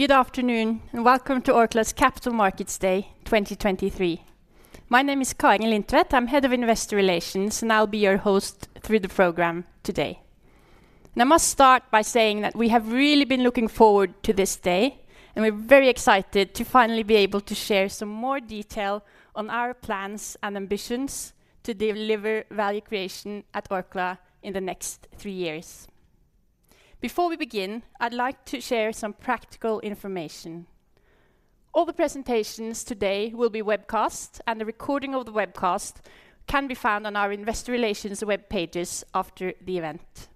Good afternoon, and welcome to Orkla's Capital Markets Day 2023. My name is Kari Lindtvedt. I'm Head of Investor Relations, and I'll be your host through the program today. I must start by saying that we have really been looking forward to this day, and we're very excited to finally be able to share some more detail on our plans and ambitions to deliver value creation at Orkla in the next three years. Before we begin, I'd like to share some practical information. All the presentations today will be webcast, and a recording of the webcast can be found on our Investor Relations webpages after the event.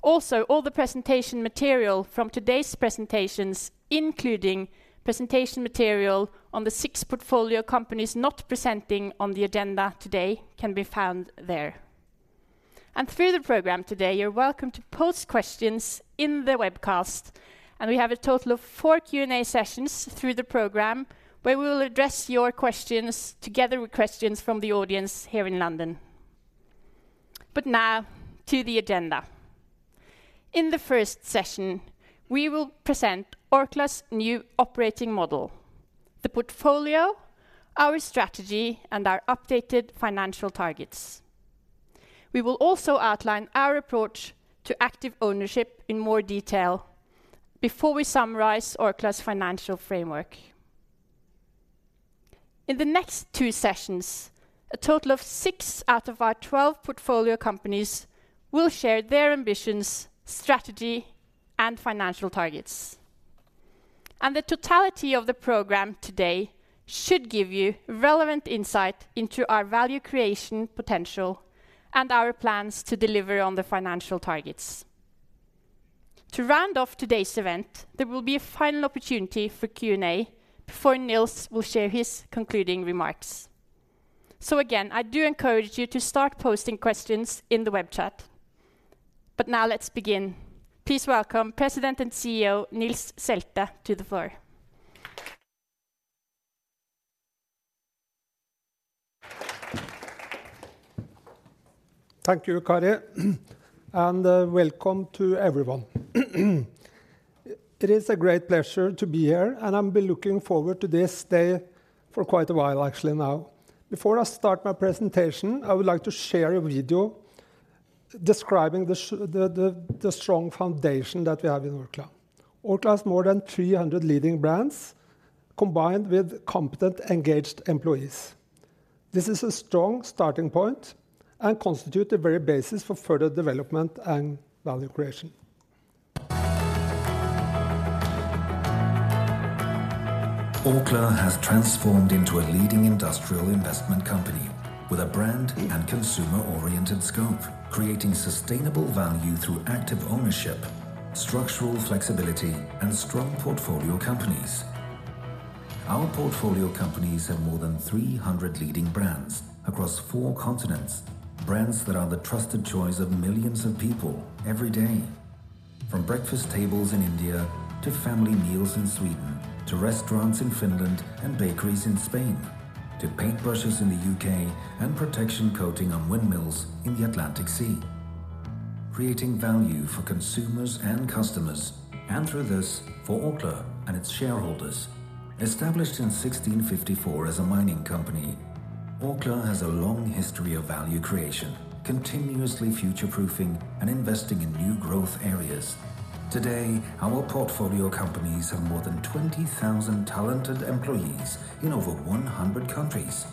Also, all the presentation material from today's presentations, including presentation material on the six portfolio companies not presenting on the agenda today, can be found there. Through the program today, you're welcome to post questions in the webcast, and we have a total of four Q&A sessions through the program, where we will address your questions together with questions from the audience here in London. Now, to the agenda. In the first session, we will present Orkla's new operating model, the portfolio, our strategy, and our updated financial targets. We will also outline our approach to active ownership in more detail before we summarize Orkla's financial framework. In the next two sessions, a total of six out of our 12 portfolio companies will share their ambitions, strategy, and financial targets. The totality of the program today should give you relevant insight into our value creation potential and our plans to deliver on the financial targets. To round off today's event, there will be a final opportunity for Q&A before Nils will share his concluding remarks. So again, I do encourage you to start posting questions in the web chat. But now let's begin. Please welcome President and CEO, Nils Selte, to the floor. Thank you, Kari, and welcome to everyone. It is a great pleasure to be here, and I've been looking forward to this day for quite a while, actually, now. Before I start my presentation, I would like to share a video describing the strong foundation that we have in Orkla. Orkla has more than 300 leading brands, combined with competent, engaged employees. This is a strong starting point and constitute the very basis for further development and value creation. Orkla has transformed into a leading industrial investment company with a brand and consumer-oriented scope, creating sustainable value through active ownership, structural flexibility, and strong portfolio companies. Our portfolio companies have more than 300 leading brands across four continents, brands that are the trusted choice of millions of people every day. From breakfast tables in India, to family meals in Sweden, to restaurants in Finland, and bakeries in Spain, to paintbrushes in the U.K., and protection coating on windmills in the Atlantic Sea, creating value for consumers and customers, and through this, for Orkla and its shareholders. Established in 1654 as a mining company, Orkla has a long history of value creation, continuously future-proofing and investing in new growth areas. Today, our portfolio companies have more than 20,000 talented employees in over 100 countries.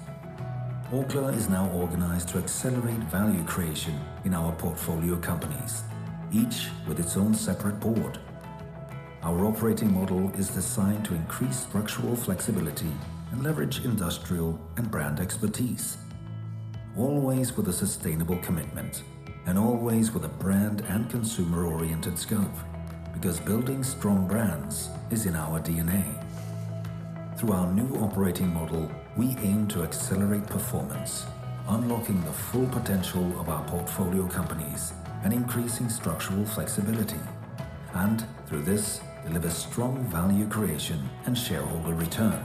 Orkla is now organized to accelerate value creation in our portfolio companies, each with its own separate board. Our operating model is designed to increase structural flexibility and leverage industrial and brand expertise, always with a sustainable commitment, and always with a brand and consumer-oriented scope, because building strong brands is in our DNA. Through our new operating model, we aim to accelerate performance, unlocking the full potential of our portfolio companies, and increasing structural flexibility, and through this, deliver strong value creation and shareholder return.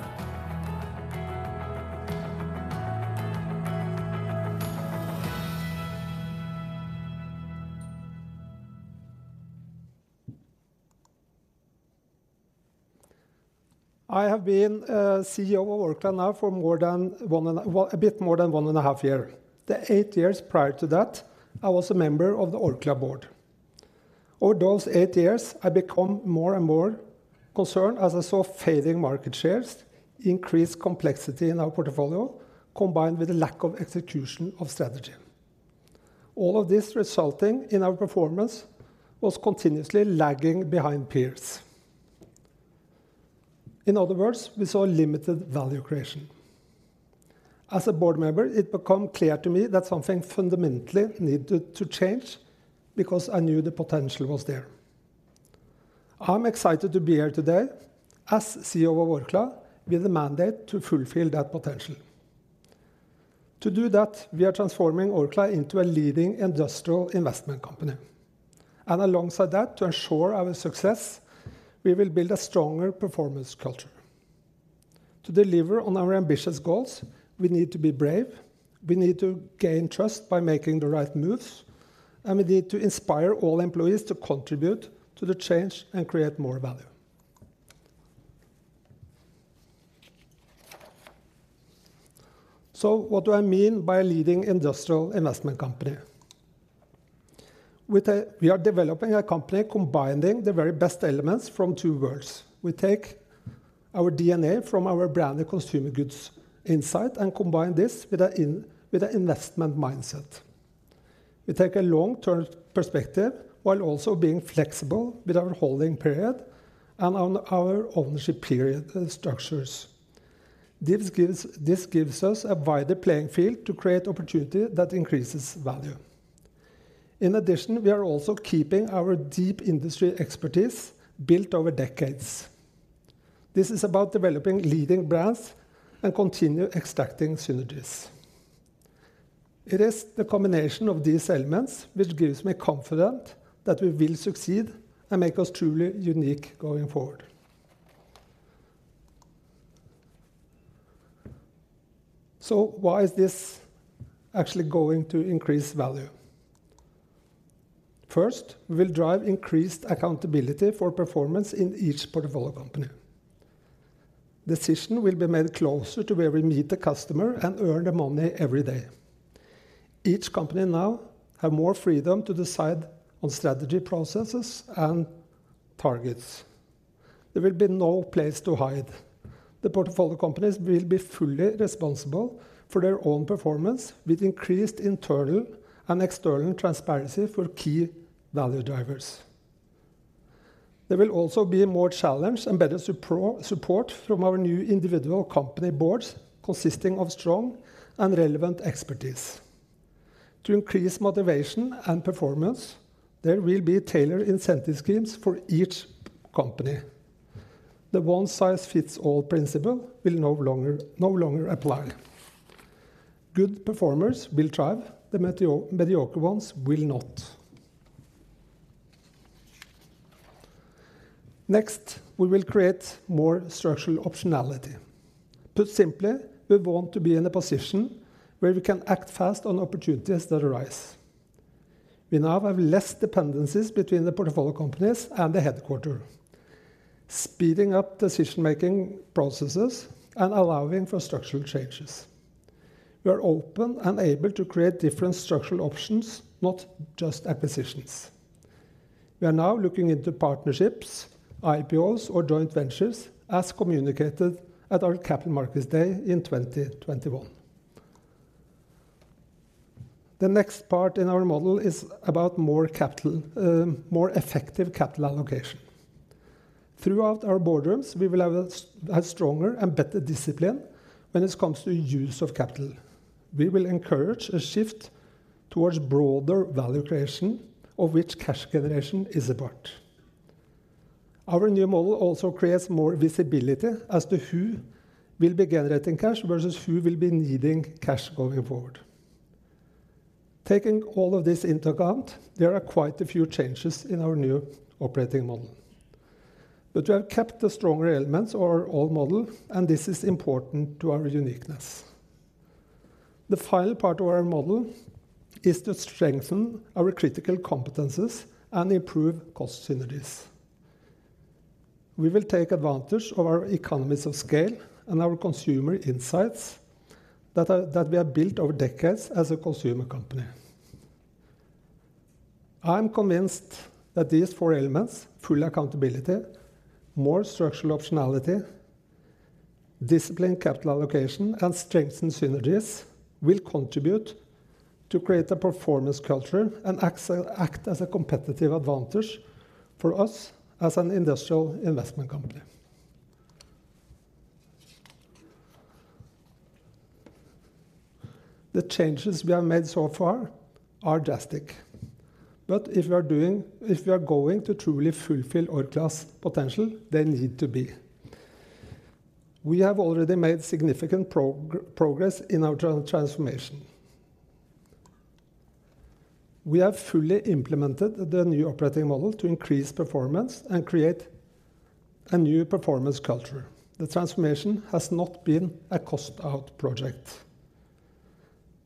I have been CEO of Orkla now for a bit more than 1.5 year. The eight years prior to that, I was a member of the Orkla Board. Over those eight years, I become more and more concerned as I saw fading market shares, increased complexity in our portfolio, combined with a lack of execution of strategy. All of this resulting in our performance was continuously lagging behind peers. In other words, we saw limited value creation. As a board member, it become clear to me that something fundamentally needed to change, because I knew the potential was there. I'm excited to be here today as CEO of Orkla, with a mandate to fulfill that potential. To do that, we are transforming Orkla into a leading industrial investment company. Alongside that, to ensure our success, we will build a stronger performance culture... To deliver on our ambitious goals, we need to be brave, we need to gain trust by making the right moves, and we need to inspire all employees to contribute to the change and create more value. So what do I mean by a leading industrial investment company? With a, we are developing a company combining the very best elements from two worlds. We take our DNA from our branded consumer goods insight and combine this with a in, with a investment mindset. We take a long-term perspective while also being flexible with our holding period and on our ownership period, structures. This gives, this gives us a wider playing field to create opportunity that increases value. In addition, we are also keeping our deep industry expertise built over decades. This is about developing leading brands and continuing extracting synergies. It is the combination of these elements which gives me confidence that we will succeed and make us truly unique going forward. So why is this actually going to increase value? First, we will drive increased accountability for performance in each portfolio company. Decisions will be made closer to where we meet the customer and earn the money every day. Each company now has more freedom to decide on strategy processes and targets. There will be no place to hide. The portfolio companies will be fully responsible for their own performance, with increased internal and external transparency for key value drivers. There will also be more challenge and better support from our new individual company boards, consisting of strong and relevant expertise. To increase motivation and performance, there will be tailored incentive schemes for each company. The one-size-fits-all principle will no longer, no longer apply. Good performers will thrive, the mediocre ones will not. Next, we will create more structural optionality. Put simply, we want to be in a position where we can act fast on opportunities that arise. We now have less dependencies between the portfolio companies and the headquarters, speeding up decision-making processes and allowing for structural changes. We are open and able to create different structural options, not just acquisitions. We are now looking into partnerships, IPOs, or joint ventures, as communicated at our Capital Markets Day in 2021. The next part in our model is about more capital, more effective capital allocation. Throughout our boardrooms, we will have a stronger and better discipline when it comes to use of capital. We will encourage a shift towards broader value creation, of which cash generation is a part. Our new model also creates more visibility as to who will be generating cash versus who will be needing cash going forward. Taking all of this into account, there are quite a few changes in our new operating model, but we have kept the stronger elements of our old model, and this is important to our uniqueness. The final part of our model is to strengthen our critical competencies and improve cost synergies. We will take advantage of our economies of scale and our consumer insights that we have built over decades as a consumer company. I am convinced that these four elements, full accountability, more structural optionality, disciplined capital allocation, and strengthened synergies, will contribute to create a performance culture and act as a competitive advantage for us as an industrial investment company. The changes we have made so far are drastic, but if we are going to truly fulfill Orkla's potential, they need to be. We have already made significant progress in our transformation. We have fully implemented the new operating model to increase performance and create a new performance culture. The transformation has not been a cost-out project.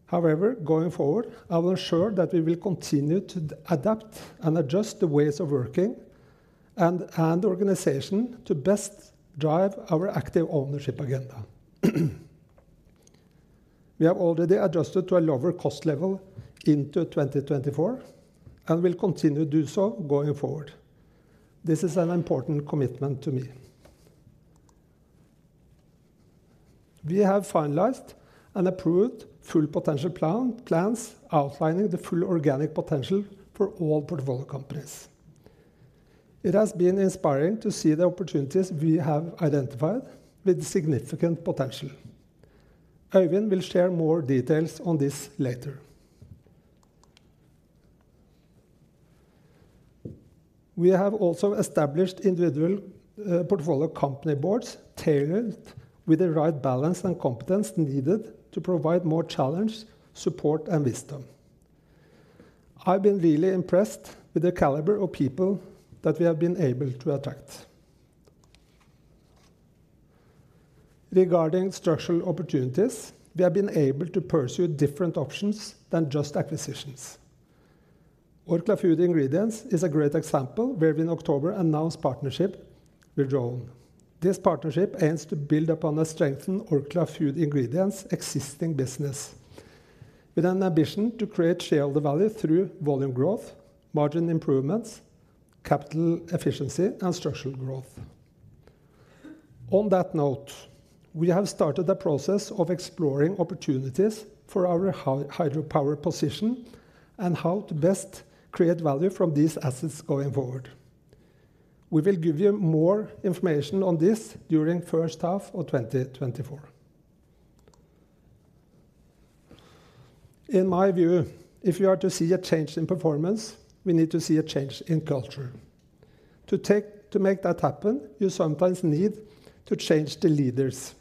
However, going forward, I will ensure that we will continue to adapt and adjust the ways of working and organization to best drive our active ownership agenda. We have already adjusted to a lower cost level into 2024, and will continue to do so going forward. This is an important commitment to me. We have finalized and approved full potential plans, outlining the full organic potential for all portfolio companies. It has been inspiring to see the opportunities we have identified with significant potential. Øyvind will share more details on this later. We have also established individual portfolio company boards, tailored with the right balance and competence needed to provide more challenge, support, and wisdom. I've been really impressed with the caliber of people that we have been able to attract. Regarding structural opportunities, we have been able to pursue different options than just acquisitions. Orkla Food Ingredients is a great example, where we in October announced partnership with Rhône. This partnership aims to build upon and strengthen Orkla Food Ingredients' existing business, with an ambition to create shareholder value through volume growth, margin improvements, capital efficiency, and structural growth. On that note, we have started a process of exploring opportunities for our hydropower position and how to best create value from these assets going forward. We will give you more information on this during first half of 2024. In my view, if you are to see a change in performance, we need to see a change in culture. To make that happen, you sometimes need to change the leaders.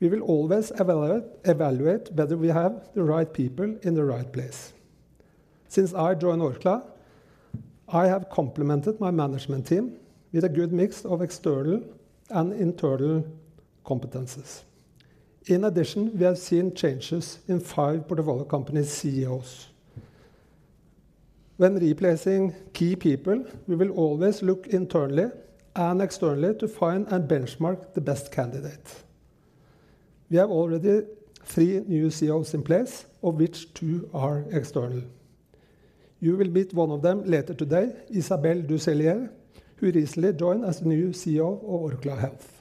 We will always evaluate whether we have the right people in the right place. Since I joined Orkla, I have complemented my management team with a good mix of external and internal competencies. In addition, we have seen changes in five portfolio companies' CEOs. When replacing key people, we will always look internally and externally to find and benchmark the best candidate. We have already three new CEOs in place, of which two are external. You will meet one of them later today, Isabelle Ducellier, who recently joined as the new CEO of Orkla Health.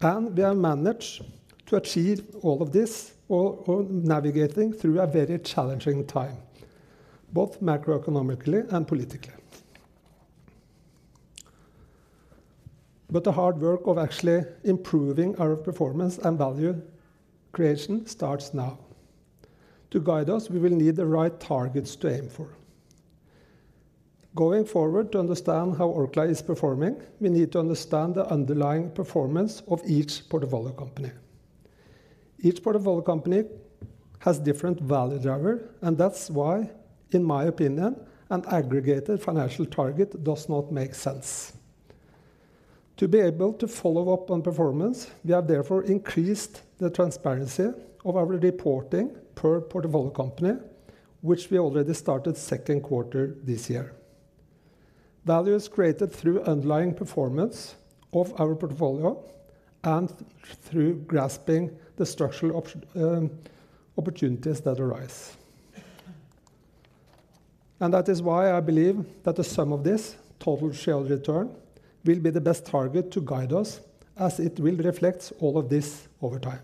And we have managed to achieve all of this while navigating through a very challenging time, both macroeconomically and politically. But the hard work of actually improving our performance and value creation starts now. To guide us, we will need the right targets to aim for. Going forward, to understand how Orkla is performing, we need to understand the underlying performance of each portfolio company. Each portfolio company has different value driver, and that's why, in my opinion, an aggregated financial target does not make sense. To be able to follow up on performance, we have therefore increased the transparency of our reporting per portfolio company, which we already started second quarter this year. Value is created through underlying performance of our portfolio and through grasping the structural opportunities that arise. And that is why I believe that the sum of this, total shareholder return, will be the best target to guide us, as it will reflect all of this over time.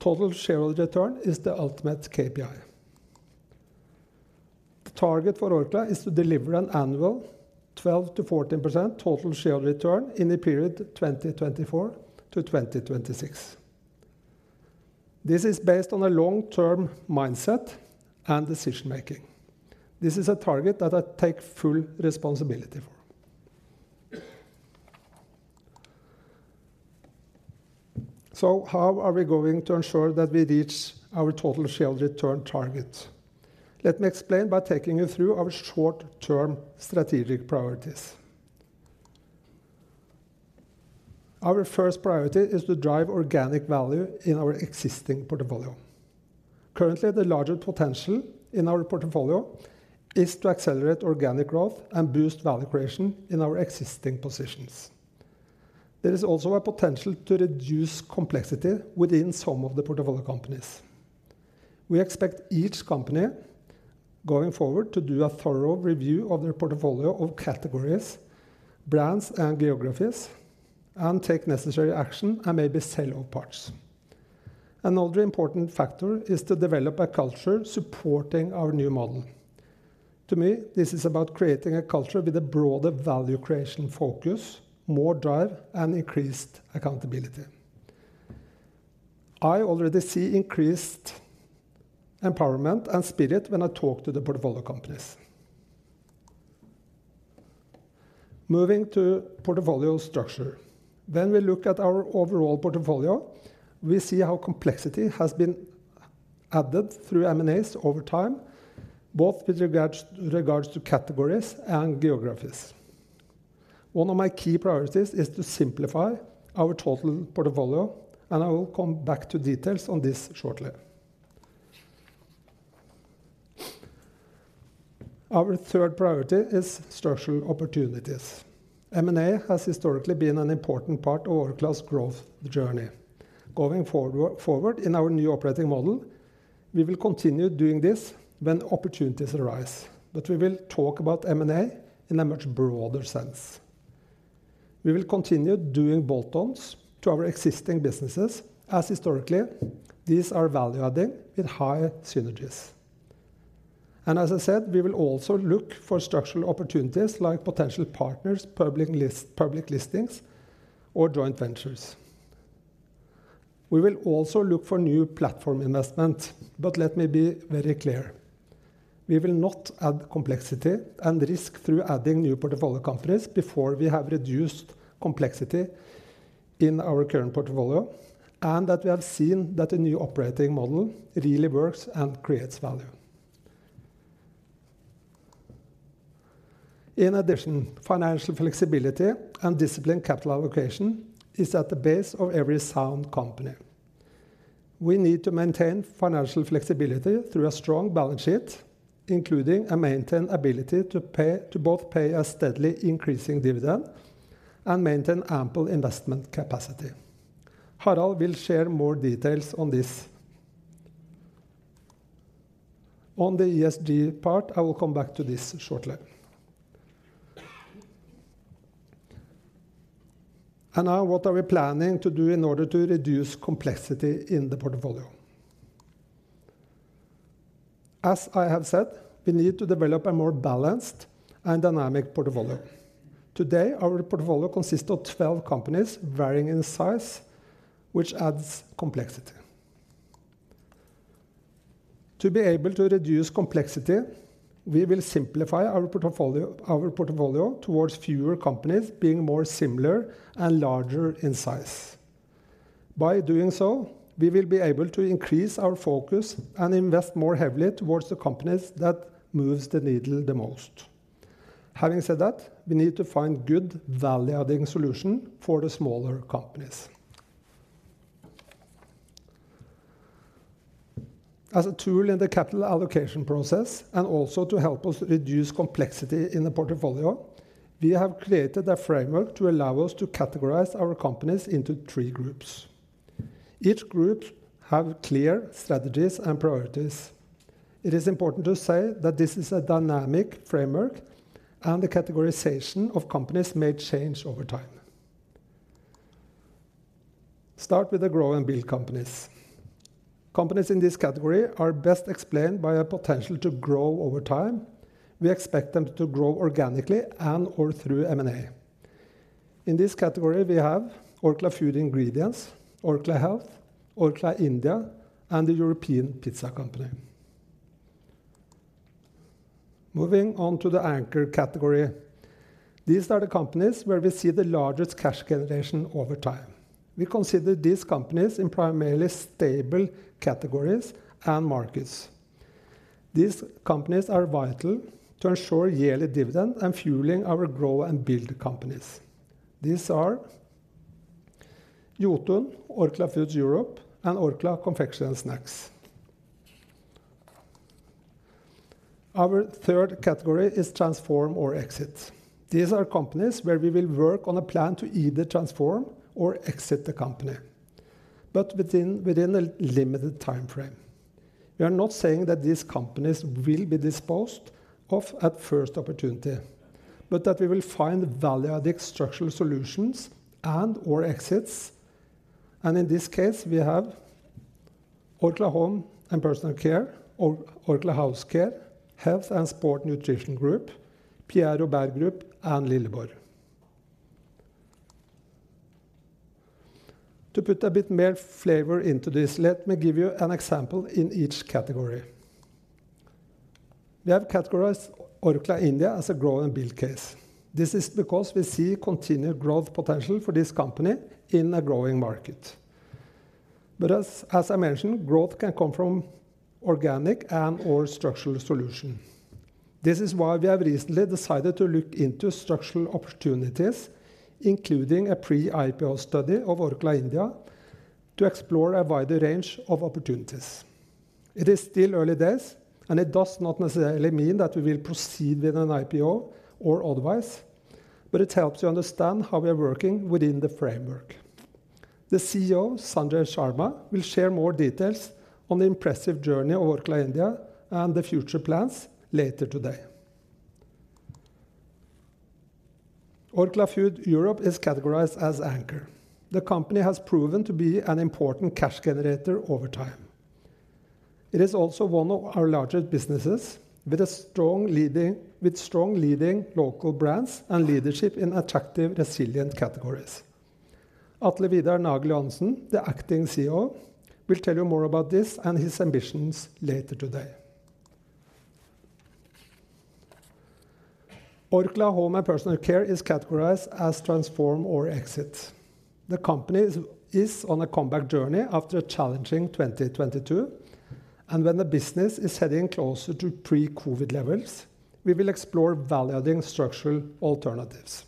Total shareholder return is the ultimate KPI. The target for Orkla is to deliver an annual 12%-14% total shareholder return in the period 2024 to 2026. This is based on a long-term mindset and decision making. This is a target that I take full responsibility for. So how are we going to ensure that we reach our total shareholder return target? Let me explain by taking you through our short-term strategic priorities. Our first priority is to drive organic value in our existing portfolio. Currently, the largest potential in our portfolio is to accelerate organic growth and boost value creation in our existing positions. There is also a potential to reduce complexity within some of the portfolio companies. We expect each company, going forward, to do a thorough review of their portfolio of categories, brands, and geographies, and take necessary action and maybe sell all parts. Another important factor is to develop a culture supporting our new model. To me, this is about creating a culture with a broader value creation focus, more drive, and increased accountability. I already see increased empowerment and spirit when I talk to the portfolio companies. Moving to portfolio structure. When we look at our overall portfolio, we see how complexity has been added through M&As over time, both with regards to categories and geographies. One of my key priorities is to simplify our total portfolio, and I will come back to details on this shortly. Our third priority is structural opportunities. M&A has historically been an important part of Orkla's growth journey. Going forward, forward in our new operating model, we will continue doing this when opportunities arise, but we will talk about M&A in a much broader sense. We will continue doing bolt-ons to our existing businesses, as historically, these are value-adding with high synergies. And as I said, we will also look for structural opportunities like potential partners, public list- public listings, or joint ventures. We will also look for new platform investment, but let me be very clear.... We will not add complexity and risk through adding new portfolio companies before we have reduced complexity in our current portfolio, and that we have seen that a new operating model really works and creates value. In addition, financial flexibility and disciplined capital allocation is at the base of every sound company. We need to maintain financial flexibility through a strong balance sheet, including and maintain ability to pay, to both pay a steadily increasing dividend and maintain ample investment capacity. Harald will share more details on this. On the ESG part, I will come back to this shortly. Now, what are we planning to do in order to reduce complexity in the portfolio? As I have said, we need to develop a more balanced and dynamic portfolio. Today, our portfolio consists of 12 companies varying in size, which adds complexity. To be able to reduce complexity, we will simplify our portfolio, our portfolio towards fewer companies being more similar and larger in size. By doing so, we will be able to increase our focus and invest more heavily towards the companies that moves the needle the most. Having said that, we need to find good, value-adding solution for the smaller companies. As a tool in the capital allocation process, and also to help us reduce complexity in the portfolio, we have created a framework to allow us to categorize our companies into three groups. Each group have clear strategies and priorities. It is important to say that this is a dynamic framework, and the categorization of companies may change over time. Start with the Grow and Build companies. Companies in this category are best explained by a potential to grow over time. We expect them to grow organically and/or through M&A. In this category, we have Orkla Food Ingredients, Orkla Health, Orkla India, and the European Pizza Company. Moving on to the Anchor category. These are the companies where we see the largest cash generation over time. We consider these companies in primarily stable categories and markets. These companies are vital to ensure yearly dividend and fueling our Grow and Build companies. These are Jotun, Orkla Foods Europe, and Orkla Confectionery & Snacks. Our third category is Transform or Exit. These are companies where we will work on a plan to either transform or exit the company, but within a limited time frame. We are not saying that these companies will be disposed of at first opportunity, but that we will find value-adding structural solutions and/or exits, and in this case, we have Orkla Home & Personal Care, Orkla House Care, Health & Sports Nutrition Group, Pierre Robert Group, and Lilleborg. To put a bit more flavor into this, let me give you an example in each category. We have categorized Orkla India as a Grow and Build case. This is because we see continued growth potential for this company in a growing market. But as I mentioned, growth can come from organic and/or structural solution. This is why we have recently decided to look into structural opportunities, including a pre-IPO study of Orkla India, to explore a wider range of opportunities. It is still early days, and it does not necessarily mean that we will proceed with an IPO or otherwise, but it helps you understand how we are working within the framework. The CEO, Sanjay Sharma, will share more details on the impressive journey of Orkla India and the future plans later today. Orkla Foods Europe is categorized as Anchor. The company has proven to be an important cash generator over time. It is also one of our largest businesses, with strong leading local brands and leadership in attractive, resilient categories. Atle Vidar Nagel Johansen, the acting CEO, will tell you more about this and his ambitions later today. Orkla Home & Personal Care is categorized as Transform or Exit. The company is on a comeback journey after a challenging 2022, and when the business is heading closer to pre-COVID levels, we will explore value-adding structural alternatives.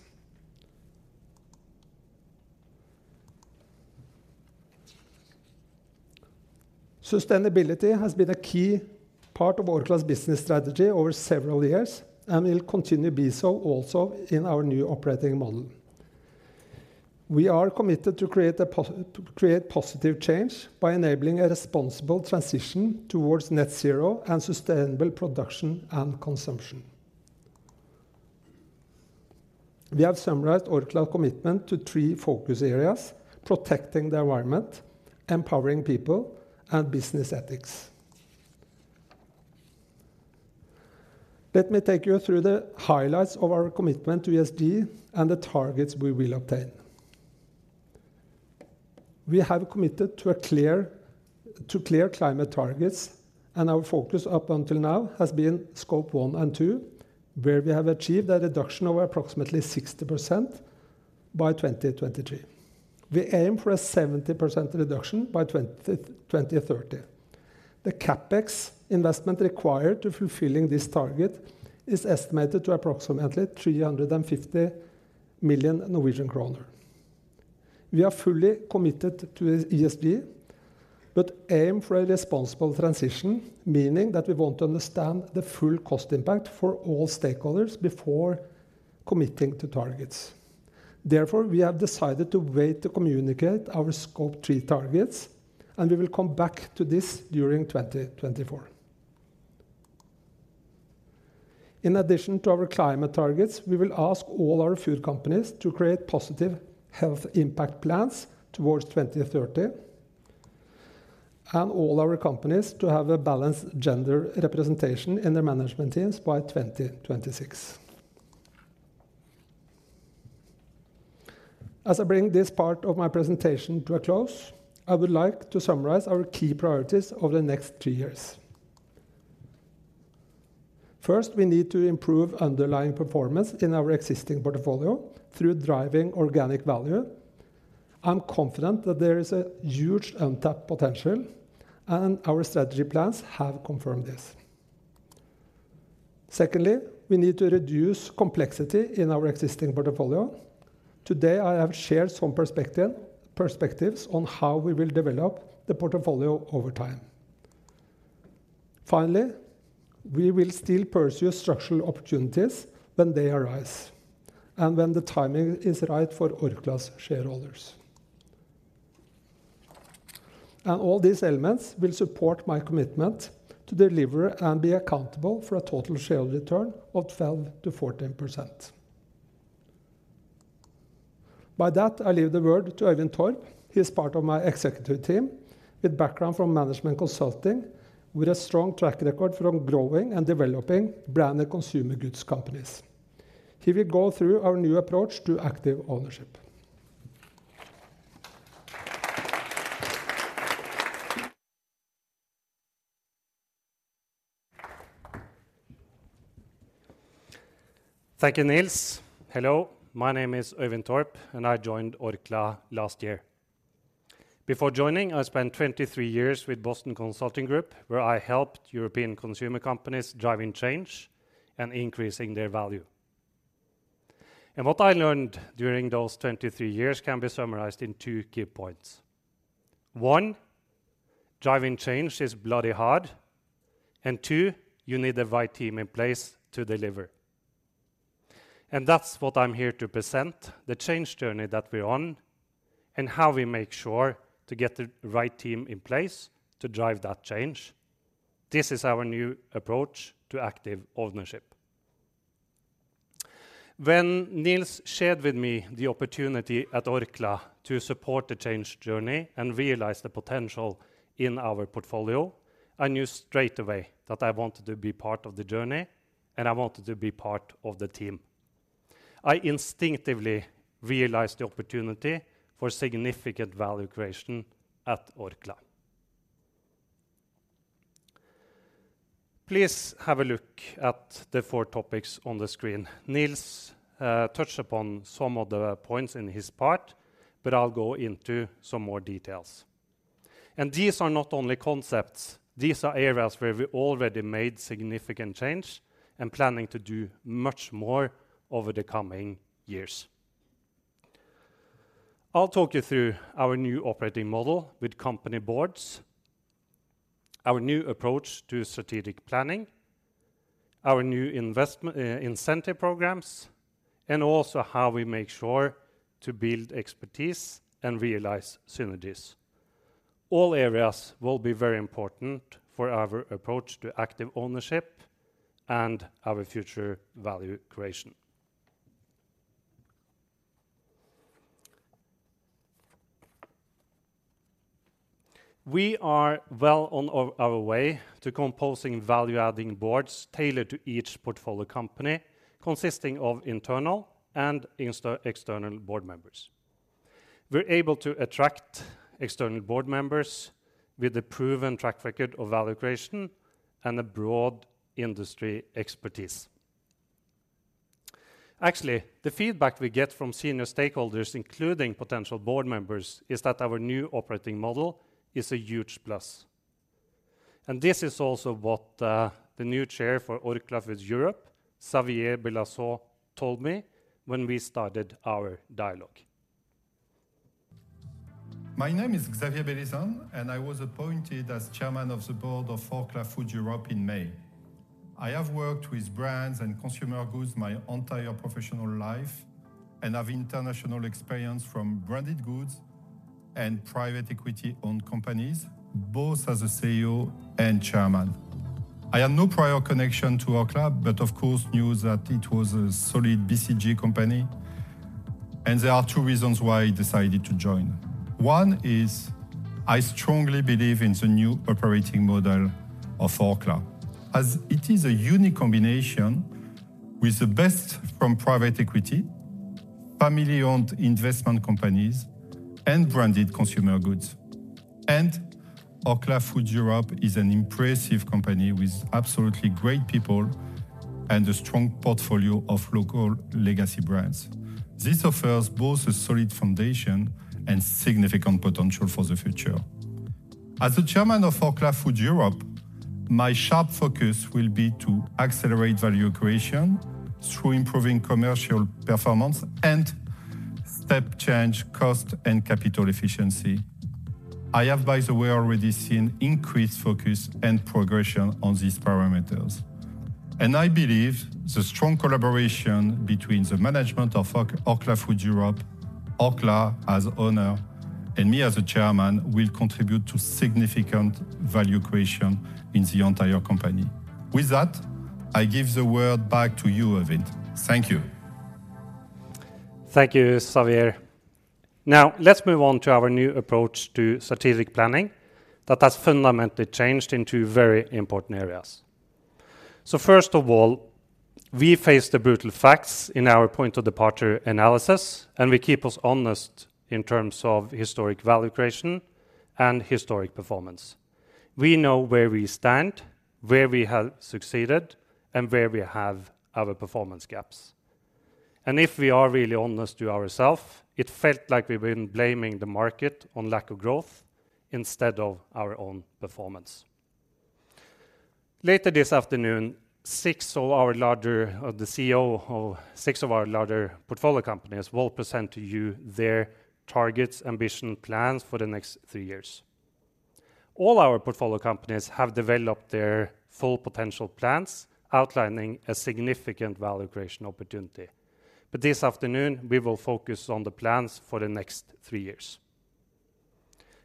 Sustainability has been a key part of Orkla's business strategy over several years and will continue to be so also in our new operating model. We are committed to create positive change by enabling a responsible transition towards net zero and sustainable production and consumption. We have summarized Orkla's commitment to three focus areas: protecting the environment, empowering people, and business ethics. Let me take you through the highlights of our commitment to ESG and the targets we will obtain. We have committed to clear climate targets, and our focus up until now has been Scope 1 and 2, where we have achieved a reduction of approximately 60% by 2023. We aim for a 70% reduction by 2030. The CapEx investment required to fulfilling this target is estimated to approximately 350 million Norwegian kroner. We are fully committed to ESG, but aim for a responsible transition, meaning that we want to understand the full cost impact for all stakeholders before committing to targets. Therefore, we have decided to wait to communicate our Scope 3 targets, and we will come back to this during 2024. In addition to our climate targets, we will ask all our food companies to create positive health impact plans towards 2030, and all our companies to have a balanced gender representation in their management teams by 2026. As I bring this part of my presentation to a close, I would like to summarize our key priorities over the next three years. First, we need to improve underlying performance in our existing portfolio through driving organic value. I'm confident that there is a huge untapped potential, and our strategy plans have confirmed this. Secondly, we need to reduce complexity in our existing portfolio. Today, I have shared some perspective, perspectives on how we will develop the portfolio over time. Finally, we will still pursue structural opportunities when they arise and when the timing is right for Orkla's shareholders. All these elements will support my commitment to deliver and be accountable for a total shareholder return of 12%-14%. By that, I leave the word to Øyvind Torpp. He is part of my executive team, with background from management consulting, with a strong track record from growing and developing branded consumer goods companies. He will go through our new approach to active ownership. Thank you, Nils. Hello, my name is Øyvind Torpp, and I joined Orkla last year. Before joining, I spent 23 years with Boston Consulting Group, where I helped European consumer companies driving change and increasing their value. What I learned during those 23 years can be summarized in two key points. One, driving change is bloody hard, and two, you need the right team in place to deliver. That's what I'm here to present, the change journey that we're on and how we make sure to get the right team in place to drive that change. This is our new approach to active ownership. When Nils shared with me the opportunity at Orkla to support the change journey and realize the potential in our portfolio, I knew straight away that I wanted to be part of the journey, and I wanted to be part of the team. I instinctively realized the opportunity for significant value creation at Orkla. Please have a look at the four topics on the screen. Nils touched upon some of the points in his part, but I'll go into some more details. These are not only concepts, these are areas where we've already made significant change and planning to do much more over the coming years. I'll talk you through our new operating model with company boards, our new approach to strategic planning, our new investment incentive programs, and also how we make sure to build expertise and realize synergies. All areas will be very important for our approach to active ownership and our future value creation. We are well on our way to composing value-adding boards tailored to each portfolio company, consisting of internal and external board members. We're able to attract external board members with a proven track record of value creation and a broad industry expertise. Actually, the feedback we get from senior stakeholders, including potential board members, is that our new operating model is a huge plus. This is also what the new Chair for Orkla Foods Europe, Xavier Belison, told me when we started our dialogue. My name is Xavier Belison, and I was appointed as Chairman of the Board of Orkla Foods Europe in May. I have worked with brands and consumer goods my entire professional life, and have international experience from branded goods and private equity-owned companies, both as a CEO and Chairman. I had no prior connection to Orkla, but of course, knew that it was a solid BCG company, and there are two reasons why I decided to join. One is I strongly believe in the new operating model of Orkla, as it is a unique combination with the best from private equity, family-owned investment companies, and branded consumer goods. And Orkla Foods Europe is an impressive company with absolutely great people and a strong portfolio of local legacy brands. This offers both a solid foundation and significant potential for the future. As the chairman of Orkla Foods Europe, my sharp focus will be to accelerate value creation through improving commercial performance and step change cost and capital efficiency. I have, by the way, already seen increased focus and progression on these parameters, and I believe the strong collaboration between the management of Orkla Foods Europe, Orkla as owner, and me as a chairman, will contribute to significant value creation in the entire company. With that, I give the word back to you, Øyvind. Thank you. Thank you, Xavier. Now, let's move on to our new approach to strategic planning that has fundamentally changed in two very important areas. So first of all, we face the brutal facts in our point of departure analysis, and we keep us honest in terms of historic value creation and historic performance. We know where we stand, where we have succeeded, and where we have our performance gaps. And if we are really honest to ourself, it felt like we've been blaming the market on lack of growth instead of our own performance. Later this afternoon, six of our larger... the CEO of six of our larger portfolio companies will present to you their targets, ambition, plans for the next three years. All our portfolio companies have developed their full potential plans, outlining a significant value creation opportunity. But this afternoon, we will focus on the plans for the next three years.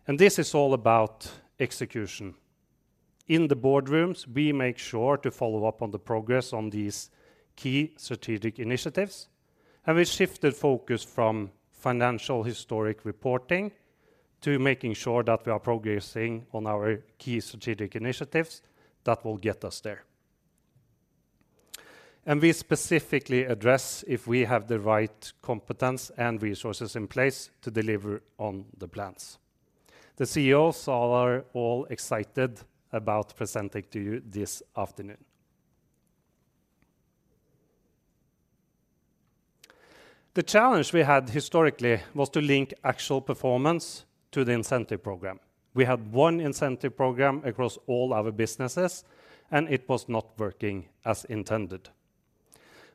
This is all about execution. In the boardrooms, we make sure to follow up on the progress on these key strategic initiatives, and we shifted focus from financial historic reporting to making sure that we are progressing on our key strategic initiatives that will get us there. We specifically address if we have the right competence and resources in place to deliver on the plans. The CEOs are all excited about presenting to you this afternoon. The challenge we had historically was to link actual performance to the incentive program. We had one incentive program across all our businesses, and it was not working as intended.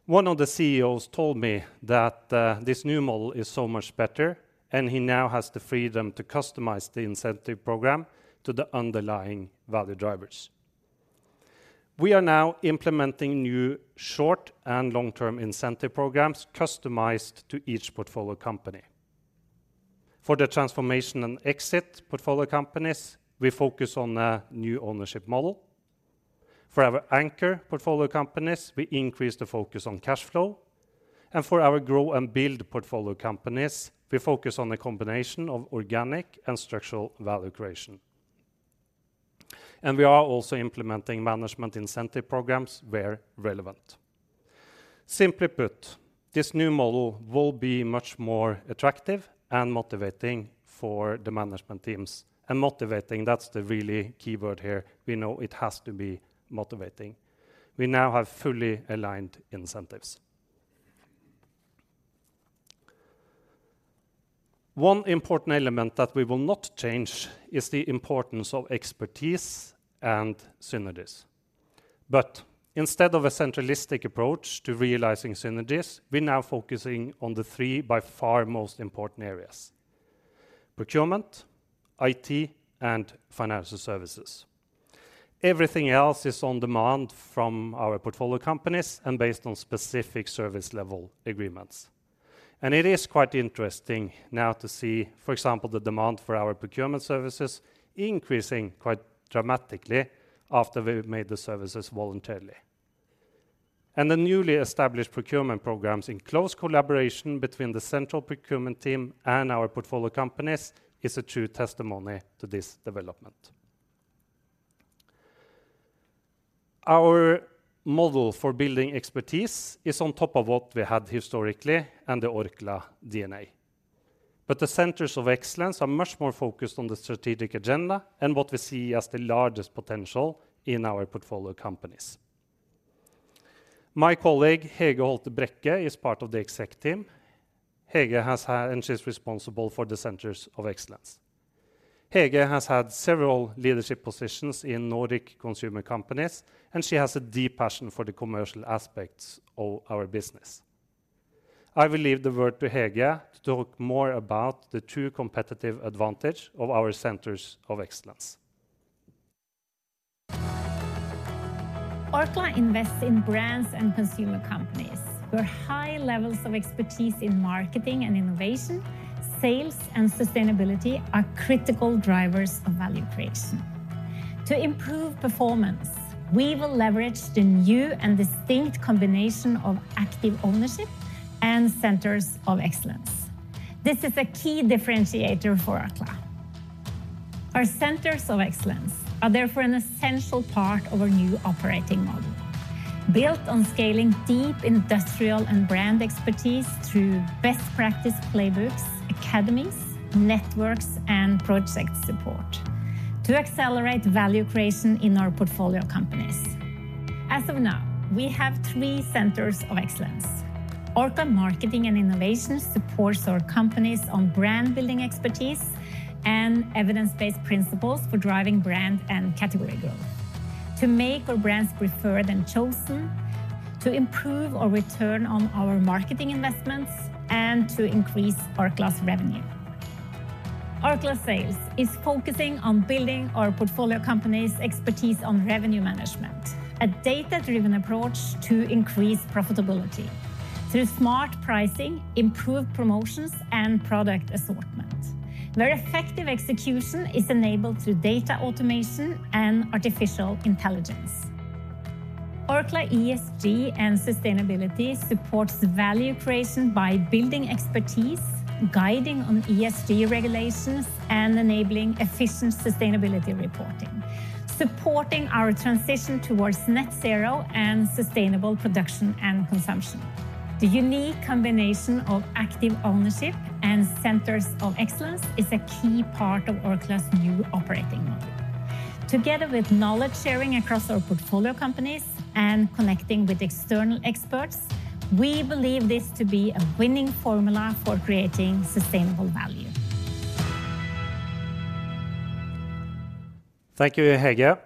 One of the CEOs told me that this new model is so much better, and he now has the freedom to customize the incentive program to the underlying value drivers. We are now implementing new short- and long-term incentive programs customized to each portfolio company. For the transformation and exit portfolio companies, we focus on a new ownership model. For our Anchor portfolio companies, we increase the focus on cash flow. And for our Grow and Build portfolio companies, we focus on a combination of organic and structural value creation. And we are also implementing management incentive programs where relevant. Simply put, this new model will be much more attractive and motivating for the management teams. And motivating, that's the really key word here. We know it has to be motivating. We now have fully aligned incentives. One important element that we will not change is the importance of expertise and synergies. But instead of a centralistic approach to realizing synergies, we're now focusing on the three, by far, most important areas: Procurement, IT, and Financial Services. Everything else is on demand from our portfolio companies and based on specific service level agreements. And it is quite interesting now to see, for example, the demand for our Procurement services increasing quite dramatically after we've made the services voluntarily. And the newly established Procurement programs, in close collaboration between the central procurement team and our portfolio companies, is a true testimony to this development. Our model for building expertise is on top of what we had historically and the Orkla DNA. But the centers of excellence are much more focused on the strategic agenda and what we see as the largest potential in our portfolio companies. My colleague, Hege Holter Brekke, is part of the exec team. Hege has had... and she's responsible for the centers of excellence. Hege has had several leadership positions in Nordic consumer companies, and she has a deep passion for the commercial aspects of our business. I will leave the word to Hege to talk more about the two competitive advantage of our centers of excellence. Orkla invests in brands and consumer companies, where high levels of expertise in marketing and innovation, sales, and sustainability are critical drivers of value creation. To improve performance, we will leverage the new and distinct combination of active ownership and centers of excellence. This is a key differentiator for Orkla. Our centers of excellence are therefore an essential part of our new operating model, built on scaling deep industrial and brand expertise through best practice playbooks, academies, networks, and project support to accelerate value creation in our portfolio companies. As of now, we have three centers of excellence. Orkla Marketing & Innovation supports our companies on brand building expertise and evidence-based principles for driving brand and category growth, to make our brands preferred and chosen, to improve our return on our marketing investments, and to increase Orkla's revenue. Orkla Sales is focusing on building our portfolio companies' expertise on revenue management, a data-driven approach to increase profitability through smart pricing, improved promotions, and product assortment, where effective execution is enabled through data automation and artificial intelligence. Orkla ESG and Sustainability supports value creation by building expertise, guiding on ESG regulations, and enabling efficient sustainability reporting, supporting our transition towards net zero and sustainable production and consumption. The unique combination of active ownership and centers of excellence is a key part of Orkla's new operating model. Together with knowledge sharing across our portfolio companies and connecting with external experts, we believe this to be a winning formula for creating sustainable value. Thank you, Hege.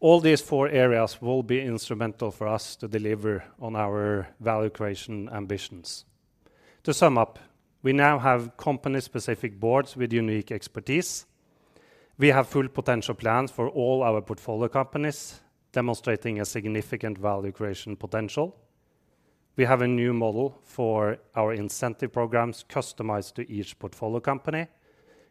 All these four areas will be instrumental for us to deliver on our value creation ambitions. To sum up, we now have company-specific boards with unique expertise. We have full potential plans for all our portfolio companies, demonstrating a significant value creation potential. We have a new model for our incentive programs, customized to each portfolio company,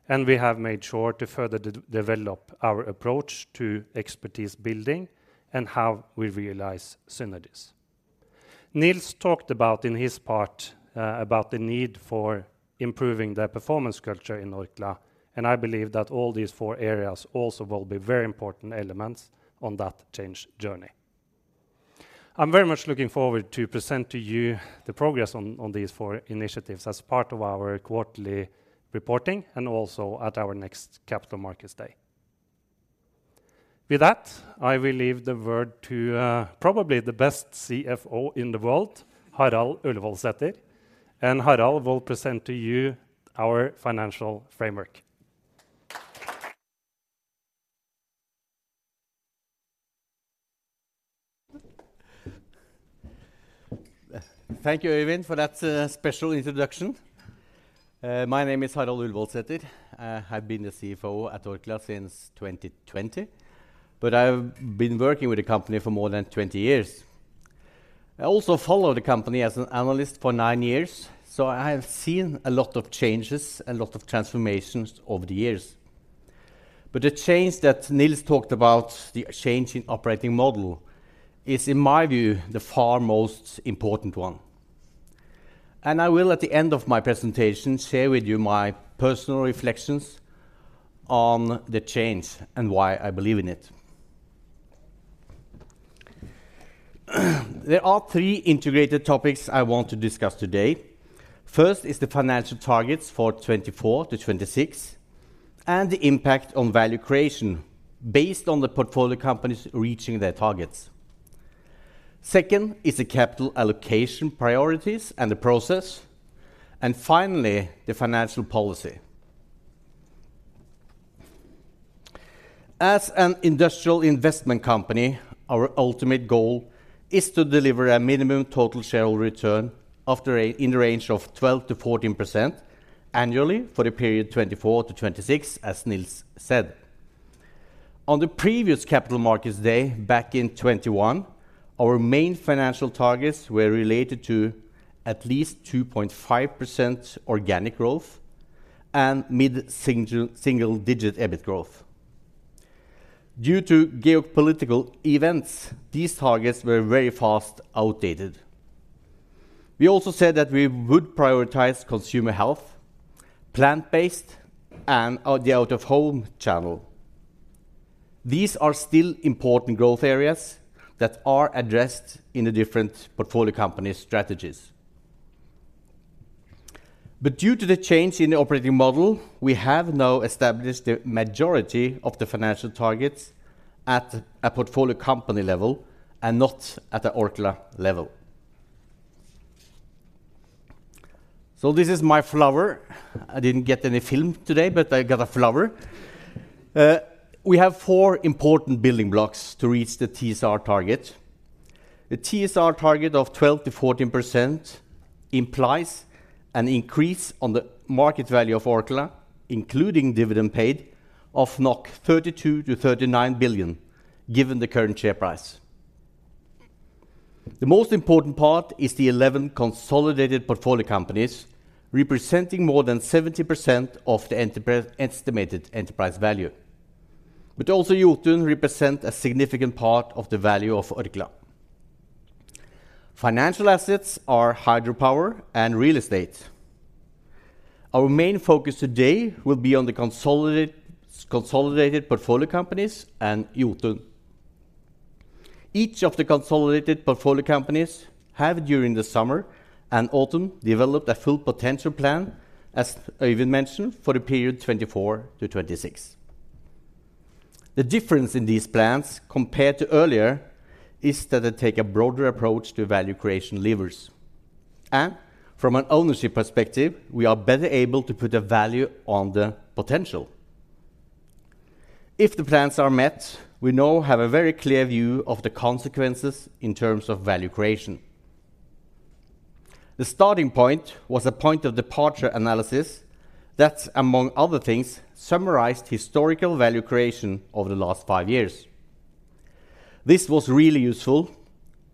and we have made sure to further de-develop our approach to expertise building and how we realize synergies. Nils talked about in his part about the need for improving the performance culture in Orkla, and I believe that all these four areas also will be very important elements on that change journey. I'm very much looking forward to present to you the progress on, on these four initiatives as part of our quarterly reporting and also at our next Capital Markets Day. With that, I will leave the word to probably the best CFO in the world, Harald Ullevoldsæter, and Harald will present to you our financial framework. Thank you, Øyvind, for that, special introduction. My name is Harald Ullevoldsæter. I've been the CFO at Orkla since 2020, but I've been working with the company for more than 20 years. I also followed the company as an analyst for nine years, so I have seen a lot of changes and lot of transformations over the years. But the change that Nils talked about, the change in operating model, is, in my view, the far most important one. And I will, at the end of my presentation, share with you my personal reflections on the change and why I believe in it. There are three integrated topics I want to discuss today. First is the financial targets for 2024 to 2026, and the impact on value creation based on the portfolio companies reaching their targets. Second is the capital allocation priorities and the process, and finally, the financial policy. As an industrial investment company, our ultimate goal is to deliver a minimum total shareholder return in the range of 12%-14% annually for the period 2024 to 2026, as Nils said. On the previous Capital Markets Day, back in 2021, our main financial targets were related to at least 2.5% organic growth and mid-single-digit EBIT growth. Due to geopolitical events, these targets were very fast outdated. We also said that we would prioritize consumer health, plant-based, and the out-of-home channel. These are still important growth areas that are addressed in the different portfolio company strategies. But due to the change in the operating model, we have now established the majority of the financial targets at a portfolio company level and not at the Orkla level. So this is my flower. I didn't get any film today, but I got a flower. We have four important building blocks to reach the TSR target. The TSR target of 12%-14% implies an increase on the market value of Orkla, including dividend paid of 32 billion-39 billion, given the current share price. The most important part is the 11 consolidated portfolio companies, representing more than 70% of the estimated enterprise value. But also Jotun represent a significant part of the value of Orkla. Financial assets are hydropower and real estate. Our main focus today will be on the consolidated portfolio companies and Jotun. Each of the consolidated portfolio companies have, during the summer and autumn, developed a full potential plan, as Øyvind mentioned, for the period 2024 to 2026. The difference in these plans compared to earlier is that they take a broader approach to value creation levers, and from an ownership perspective, we are better able to put a value on the potential. If the plans are met, we now have a very clear view of the consequences in terms of value creation. The starting point was a point of departure analysis that, among other things, summarized historical value creation over the last five years. This was really useful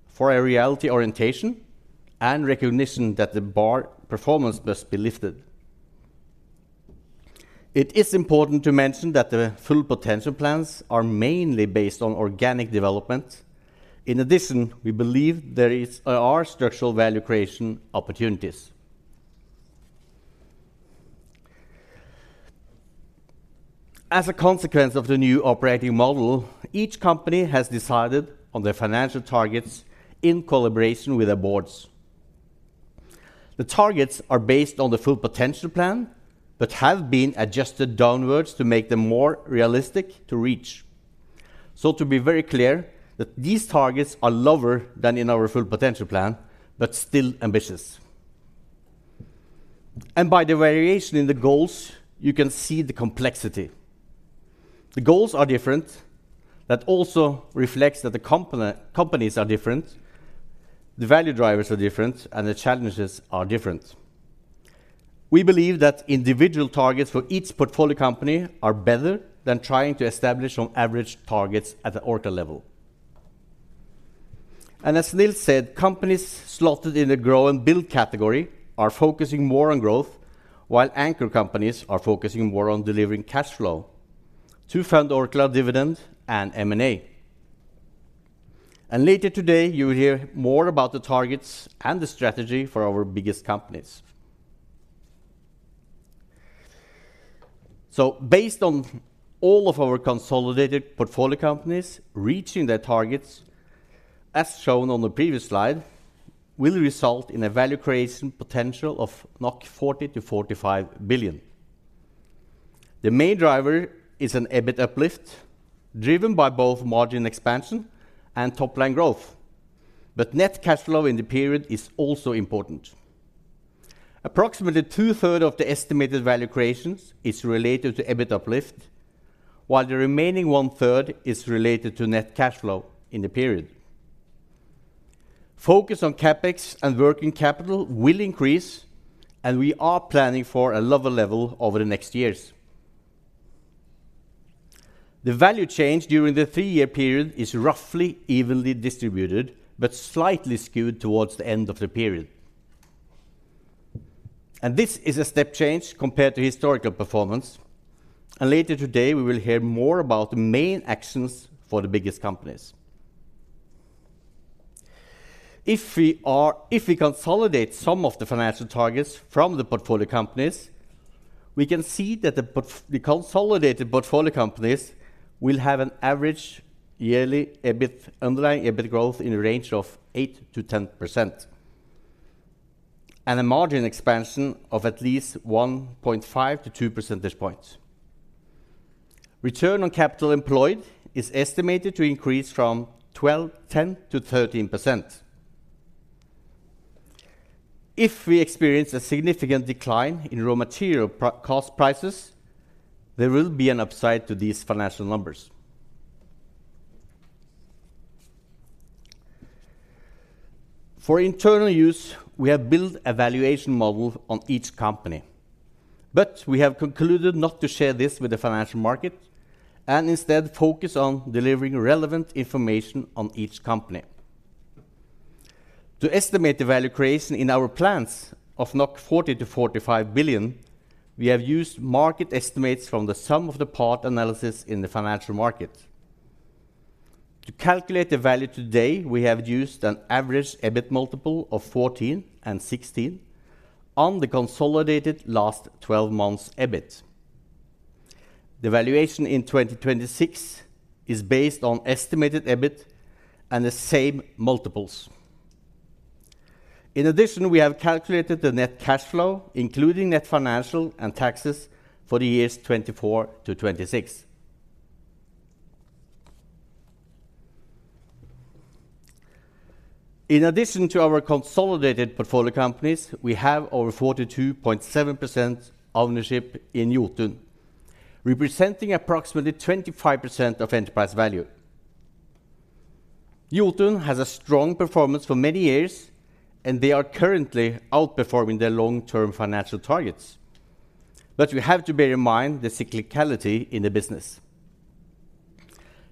for a reality orientation and recognition that the bar performance must be lifted. It is important to mention that the full potential plans are mainly based on organic development. In addition, we believe there is, are structural value creation opportunities. As a consequence of the new operating model, each company has decided on their financial targets in collaboration with their boards. The targets are based on the full potential plan, but have been adjusted downwards to make them more realistic to reach. So to be very clear that these targets are lower than in our full potential plan, but still ambitious. And by the variation in the goals, you can see the complexity. The goals are different. That also reflects that the companies are different, the value drivers are different, and the challenges are different. We believe that individual targets for each portfolio company are better than trying to establish on average targets at the Orkla level. And as Nils said, companies slotted in the Grow and Build category are focusing more on growth, while Anchor companies are focusing more on delivering cash flow to fund Orkla dividend and M&A. And later today, you will hear more about the targets and the strategy for our biggest companies. Based on all of our consolidated portfolio companies, reaching their targets, as shown on the previous slide, will result in a value creation potential of 40 billion-45 billion. The main driver is an EBIT uplift, driven by both margin expansion and top-line growth, but net cash flow in the period is also important. Approximately 2/3 of the estimated value creation is related to EBIT uplift, while the remaining 1/3 is related to net cash flow in the period. Focus on CapEx and working capital will increase, and we are planning for a lower level over the next years. The value change during the three-year period is roughly evenly distributed, but slightly skewed towards the end of the period. This is a step change compared to historical performance, and later today, we will hear more about the main actions for the biggest companies. If we consolidate some of the financial targets from the portfolio companies, we can see that the consolidated portfolio companies will have an average yearly EBIT, underlying EBIT growth in the range of 8%-10%, and a margin expansion of at least 1.5-2 percentage points. Return on Capital Employed is estimated to increase from 12.10%-13%. If we experience a significant decline in raw material cost prices, there will be an upside to these financial numbers. For internal use, we have built a valuation model on each company, but we have concluded not to share this with the financial market and instead focus on delivering relevant information on each company. To estimate the value creation in our plans of 40 billion-45 billion, we have used market estimates from the sum of the parts analysis in the financial market. To calculate the value today, we have used an average EBIT multiple of 14% and 16% on the consolidated last twelve months EBIT. The valuation in 2026 is based on estimated EBIT and the same multiples. In addition, we have calculated the net cash flow, including net financial and taxes, for the years 2024 to 2026. In addition to our consolidated portfolio companies, we have over 42.7% ownership in Jotun, representing approximately 25% of enterprise value. Jotun has a strong performance for many years, and they are currently outperforming their long-term financial targets. But you have to bear in mind the cyclicality in the business...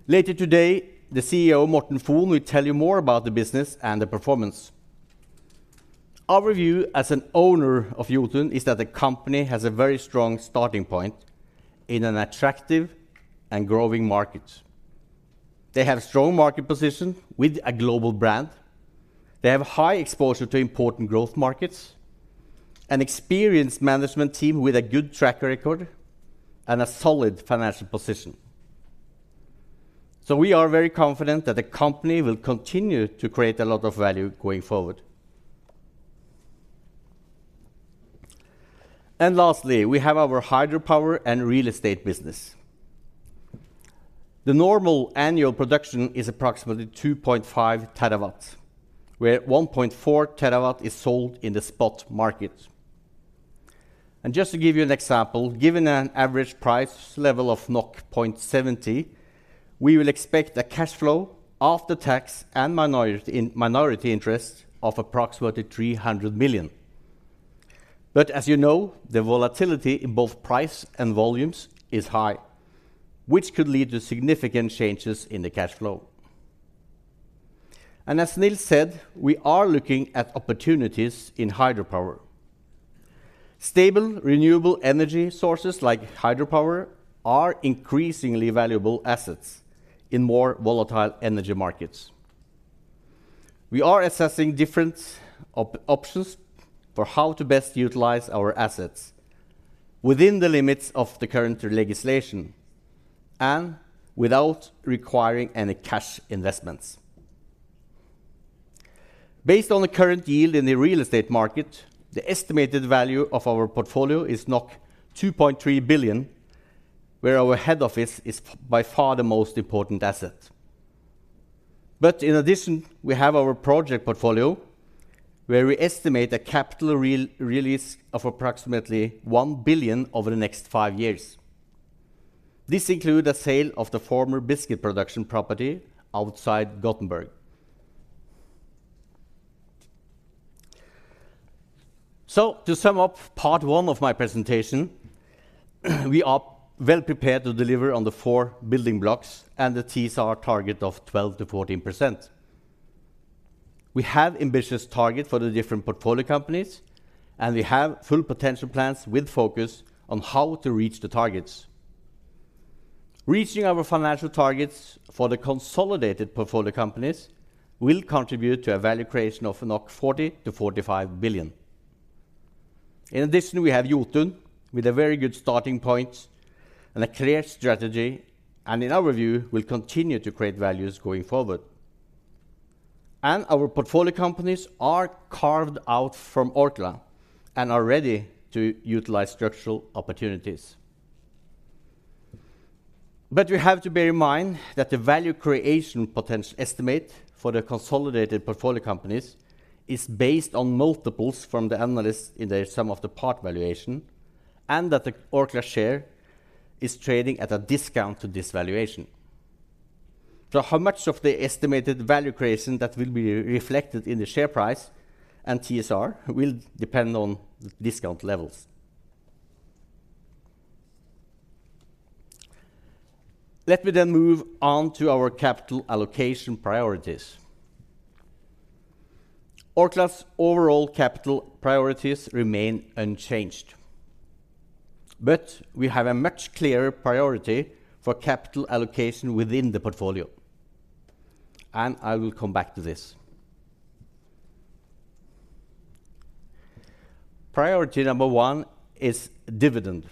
Later today, the CEO, Morten Fon, will tell you more about the business and the performance. Our review as an owner of Jotun is that the company has a very strong starting point in an attractive and growing market. They have strong market position with a global brand. They have high exposure to important growth markets, an experienced management team with a good track record, and a solid financial position. So we are very confident that the company will continue to create a lot of value going forward. Lastly, we have our hydropower and real estate business. The normal annual production is approximately 2.5 TW, where 1.4 TW is sold in the spot market. Just to give you an example, given an average price level of 0.70, we will expect a cash flow after tax and minority interest of approximately 300 million. But as you know, the volatility in both price and volumes is high, which could lead to significant changes in the cash flow. As Nils said, we are looking at opportunities in hydropower. Stable, renewable energy sources like hydropower are increasingly valuable assets in more volatile energy markets. We are assessing different options for how to best utilize our assets within the limits of the current legislation and without requiring any cash investments. Based on the current yield in the real estate market, the estimated value of our portfolio is 2.3 billion, where our head office is by far the most important asset. But in addition, we have our project portfolio, where we estimate a capital re-release of approximately 1 billion over the next five years. This include a sale of the former biscuit production property outside Gothenburg. So to sum up part one of my presentation, we are well prepared to deliver on the four building blocks and the TSR target of 12%-14%. We have ambitious target for the different portfolio companies, and we have full potential plans with focus on how to reach the targets. Reaching our financial targets for the consolidated portfolio companies will contribute to a value creation of 40 billion-45 billion. In addition, we have Jotun, with a very good starting point and a clear strategy, and in our view, will continue to create values going forward. Our portfolio companies are carved out from Orkla and are ready to utilize structural opportunities. But you have to bear in mind that the value creation potential estimate for the consolidated portfolio companies is based on multiples from the analysts in their sum-of-the-parts valuation, and that the Orkla share is trading at a discount to this valuation. So how much of the estimated value creation that will be reflected in the share price and TSR will depend on discount levels. Let me then move on to our capital allocation priorities. Orkla's overall capital priorities remain unchanged, but we have a much clearer priority for capital allocation within the portfolio, and I will come back to this. Priority number 1 is dividend,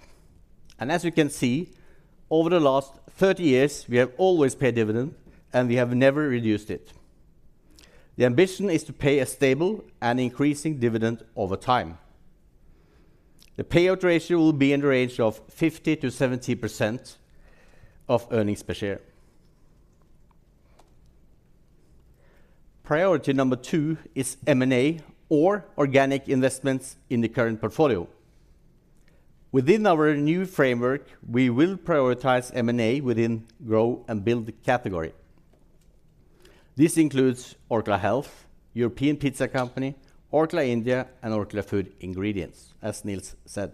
and as you can see, over the last 30 years, we have always paid dividend, and we have never reduced it. The ambition is to pay a stable and increasing dividend over time. The payout ratio will be in the range of 50%-70% of earnings per share. Priority number two is M&A or organic investments in the current portfolio. Within our new framework, we will prioritize M&A within Grow and Build category. This includes Orkla Health, European Pizza Company, Orkla India, and Orkla Food Ingredients, as Nils said.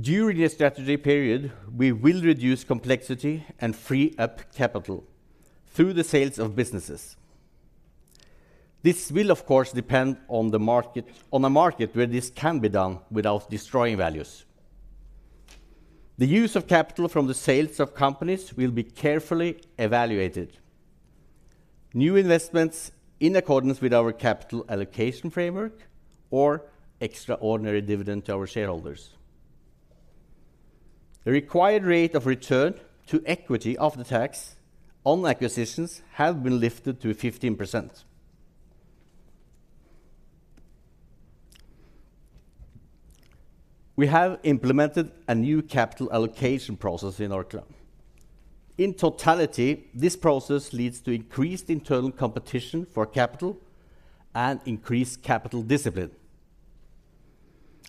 During the strategy period, we will reduce complexity and free up capital through the sales of businesses. This will, of course, depend on the market, on a market where this can be done without destroying values. The use of capital from the sales of companies will be carefully evaluated. New investments in accordance with our capital allocation framework or extraordinary dividend to our shareholders. The required rate of return on equity after tax on acquisitions have been lifted to 15%. We have implemented a new capital allocation process in Orkla. In totality, this process leads to increased internal competition for capital and increased capital discipline.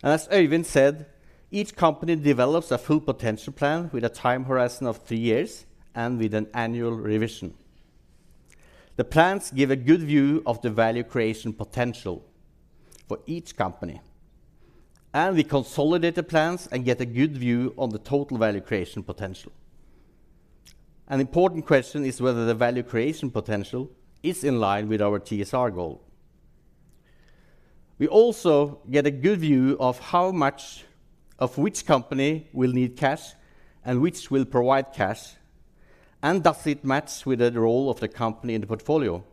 And as Øyvind said, each company develops a full potential plan with a time horizon of three years and with an annual revision. The plans give a good view of the value creation potential for each company, and we consolidate the plans and get a good view on the total value creation potential. An important question is whether the value creation potential is in line with our TSR goal. We also get a good view of how much of which company will need cash and which will provide cash, and does it match with the role of the company in the portfolio?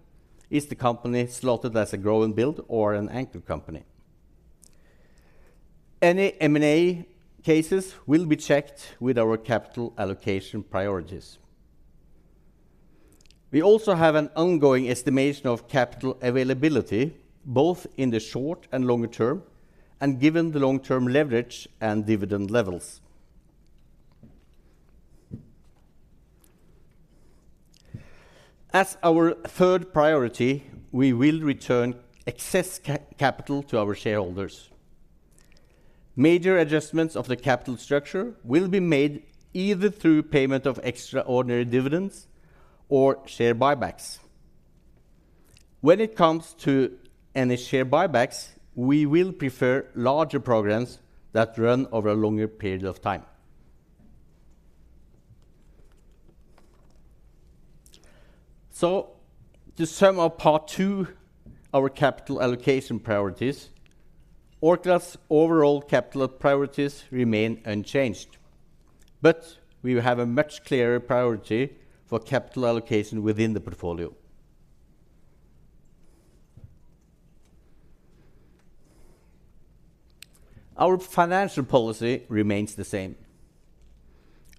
Is the company slotted as a Grow and Build or an Anchor company? Any M&A cases will be checked with our capital allocation priorities. We also have an ongoing estimation of capital availability, both in the short and longer term, and given the long-term leverage and dividend levels. As our third priority, we will return excess capital to our shareholders. Major adjustments of the capital structure will be made either through payment of extraordinary dividends or share buybacks. When it comes to any share buybacks, we will prefer larger programs that run over a longer period of time. So to sum up part two, our capital allocation priorities, Orkla's overall capital priorities remain unchanged, but we have a much clearer priority for capital allocation within the portfolio. Our financial policy remains the same.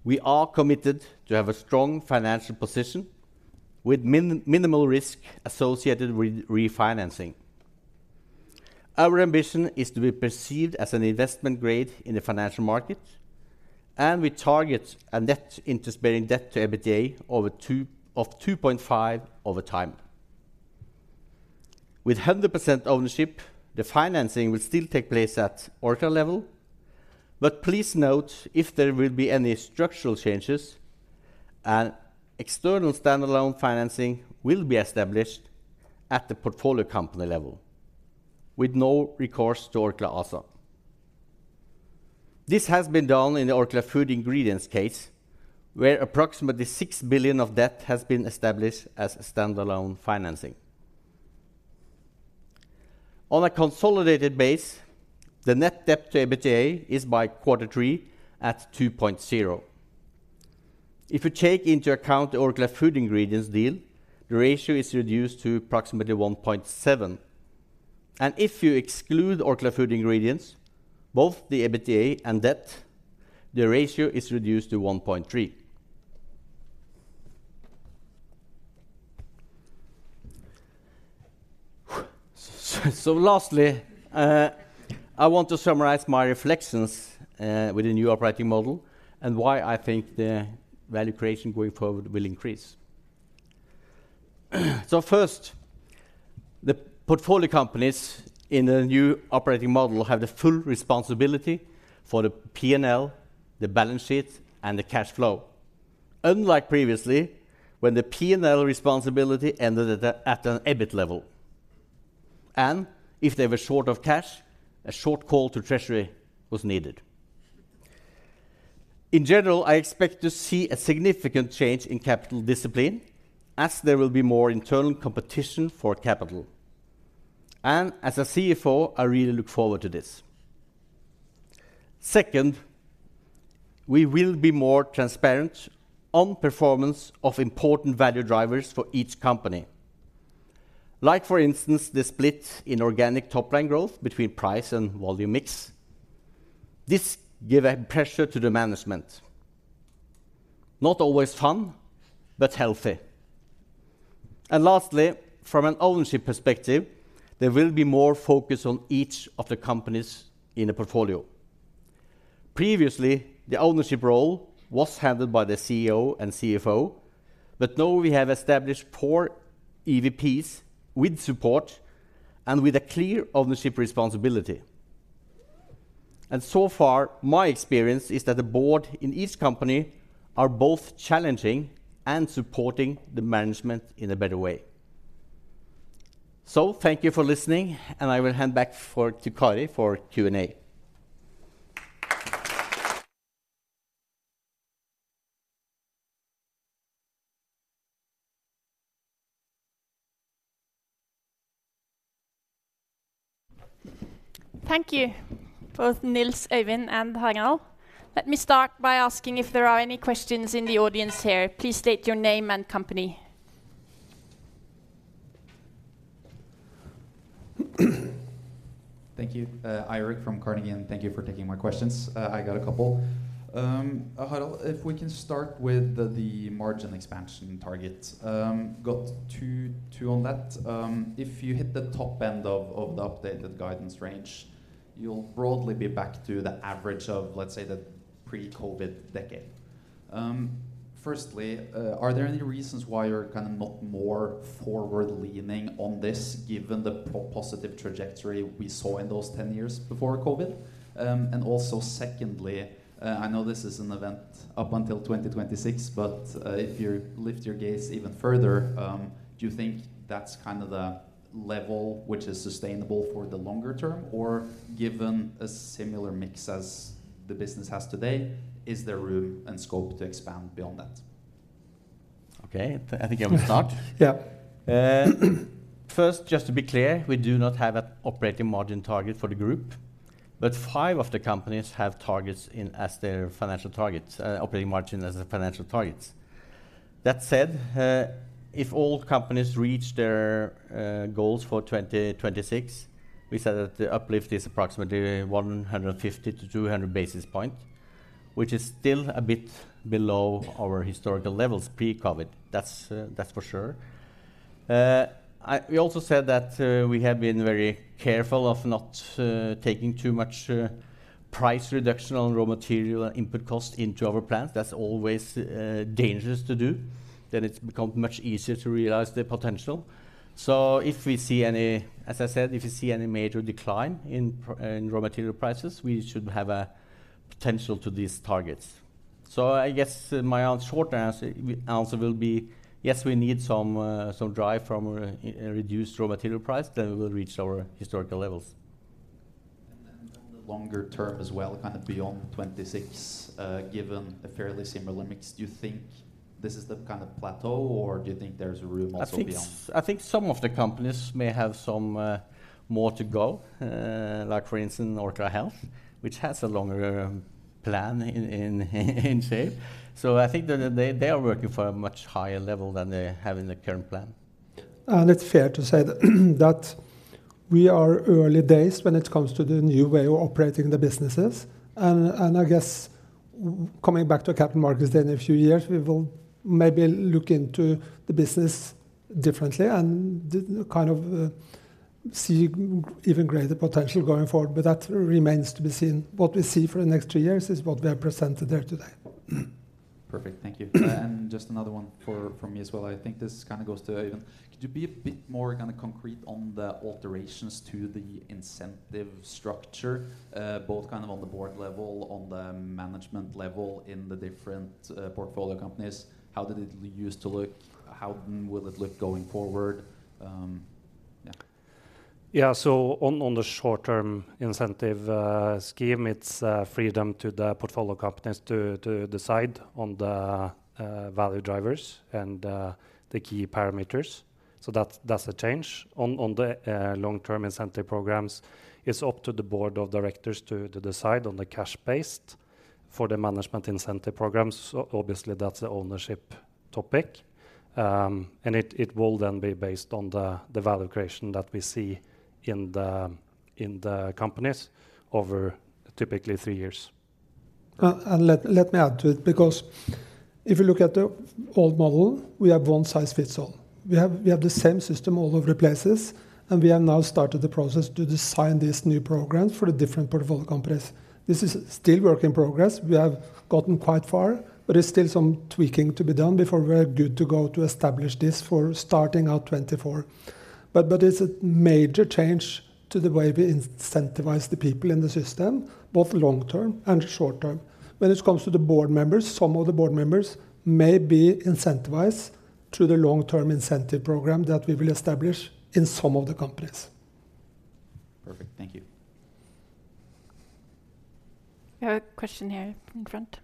We are committed to have a strong financial position with minimal risk associated with refinancing. Our ambition is to be perceived as an investment grade in the financial market, and we target a net interest-bearing debt to EBITDA of 2.5x over time. With 100% ownership, the financing will still take place at Orkla level, but please note if there will be any structural changes, an external standalone financing will be established at the portfolio company level with no recourse to Orkla ASA. This has been done in the Orkla Food Ingredients case, where approximately 6 billion of debt has been established as standalone financing. On a consolidated basis, the net debt to EBITDA is by quarter three at 2.0. If you take into account the Orkla Food Ingredients deal, the ratio is reduced to approximately 1.7, and if you exclude Orkla Food Ingredients, both the EBITDA and debt, the ratio is reduced to 1.3. So lastly, I want to summarize my reflections with the new operating model and why I think the value creation going forward will increase. So first, the portfolio companies in the new operating model have the full responsibility for the P&L, the balance sheet, and the cash flow, unlike previously, when the P&L responsibility ended at an EBIT level, and if they were short of cash, a short call to treasury was needed. In general, I expect to see a significant change in capital discipline as there will be more internal competition for capital, and as a CFO, I really look forward to this. Second, we will be more transparent on performance of important value drivers for each company. Like, for instance, the split in organic top line growth between price and volume mix. This give a pressure to the management. Not always fun, but healthy. Lastly, from an ownership perspective, there will be more focus on each of the companies in the portfolio. Previously, the ownership role was handled by the CEO and CFO, but now we have established four EVPs with support and with a clear ownership responsibility. And so far, my experience is that the board in each company are both challenging and supporting the management in a better way. Thank you for listening, and I will hand back over to Kari for Q&A. Thank you, both Nils, Øyvind, and Harald. Let me start by asking if there are any questions in the audience here. Please state your name and company. Thank you. Eirik from Carnegie, and thank you for taking my questions. I got a couple. Harald, if we can start with the margin expansion target. Got two on that. If you hit the top end of the updated guidance range, you'll broadly be back to the average of, let's say, the pre-COVID decade? Firstly, are there any reasons why you're kind of not more forward-leaning on this, given the positive trajectory we saw in those 10 years before COVID? And also secondly, I know this is an event up until 2026, but if you lift your gaze even further, do you think that's kind of the level which is sustainable for the longer term? Or given a similar mix as the business has today, is there room and scope to expand beyond that? Okay, I think I will start. Yeah. First, just to be clear, we do not have an operating margin target for the group, but five of the companies have targets in as their financial targets, operating margin as their financial targets. That said, if all companies reach their goals for 2026, we said that the uplift is approximately 150-200 basis points, which is still a bit below our historical levels, pre-COVID. That's for sure. We also said that we have been very careful of not taking too much price reduction on raw material and input cost into our plans. That's always dangerous to do. Then it's become much easier to realize the potential. So if we see any... As I said, if you see any major decline in raw material prices, we should have a potential to these targets. So I guess my own short answer will be, yes, we need some drive from a reduced raw material price, then we will reach our historical levels. And then the longer term as well, kind of beyond 2026, given a fairly similar mix, do you think this is the kind of plateau, or do you think there's room also beyond? I think, I think some of the companies may have some, more to go, like, for instance, Orkla Health, which has a longer, plan in, in shape. So I think that they, they are working for a much higher level than they have in the current plan. It's fair to say that we are early days when it comes to the new way of operating the businesses. And I guess coming back to Capital Markets Day, in a few years, we will maybe look into the business differently and the kind of see even greater potential going forward, but that remains to be seen. What we see for the next two years is what we have presented there today. Perfect. Thank you. And just another one for-from me as well. I think this kind of goes to Øyvind. Could you be a bit more kind of concrete on the alterations to the incentive structure, both kind of on the board level, on the management level, in the different portfolio companies? How did it use to look? How will it look going forward? Yeah. Yeah, so on the short-term incentive scheme, it's freedom to the portfolio companies to decide on the value drivers and the key parameters. So that's a change. On the long-term incentive programs, it's up to the Board of Directors to decide on the cash based. For the management incentive programs, obviously, that's an ownership topic, and it will then be based on the value creation that we see in the companies over typically three years. Let me add to it, because if you look at the old model, we have one size fits all. We have the same system all over the places, and we have now started the process to design these new programs for the different portfolio companies. This is still work in progress. We have gotten quite far, but there's still some tweaking to be done before we're good to go to establish this for starting out 2024. But it's a major change to the way we incentivize the people in the system, both long term and short term. When it comes to the board members, some of the board members may be incentivized through the long-term incentive program that we will establish in some of the companies. Perfect. Thank you. We have a question here in front.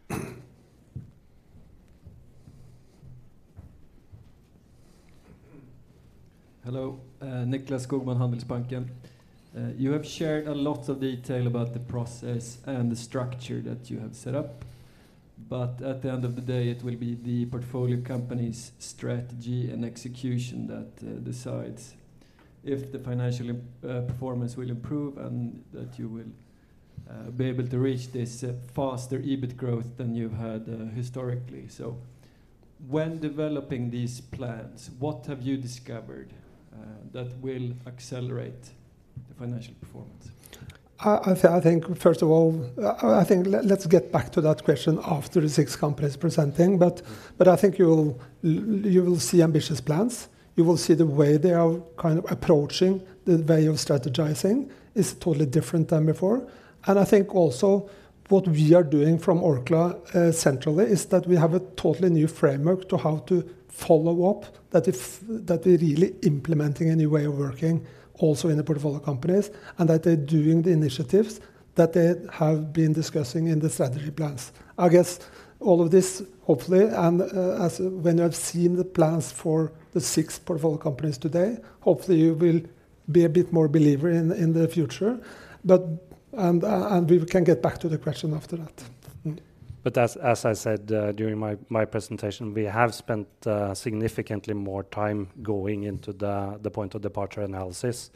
Hello, Nicklas Skogman, Handelsbanken. You have shared a lot of detail about the process and the structure that you have set up, but at the end of the day, it will be the portfolio company's strategy and execution that decides if the financial performance will improve and that you will be able to reach this faster EBIT growth than you've had historically. So when developing these plans, what have you discovered that will accelerate the financial performance? I think, first of all, I think let's get back to that question after the six companies presenting. But I think you will see ambitious plans. You will see the way they are kind of approaching the way of strategizing is totally different than before. And I think also what we are doing from Orkla, centrally, is that we have a totally new framework to how to follow up, that is, that we're really implementing a new way of working also in the portfolio companies, and that they're doing the initiatives that they have been discussing in the strategy plans. I guess all of this, hopefully, and, as when you have seen the plans for the six portfolio companies today, hopefully you will be a bit more believer in the future. But... And we can get back to the question after that. But as I said, during my presentation, we have spent significantly more time going into the point of departure analysis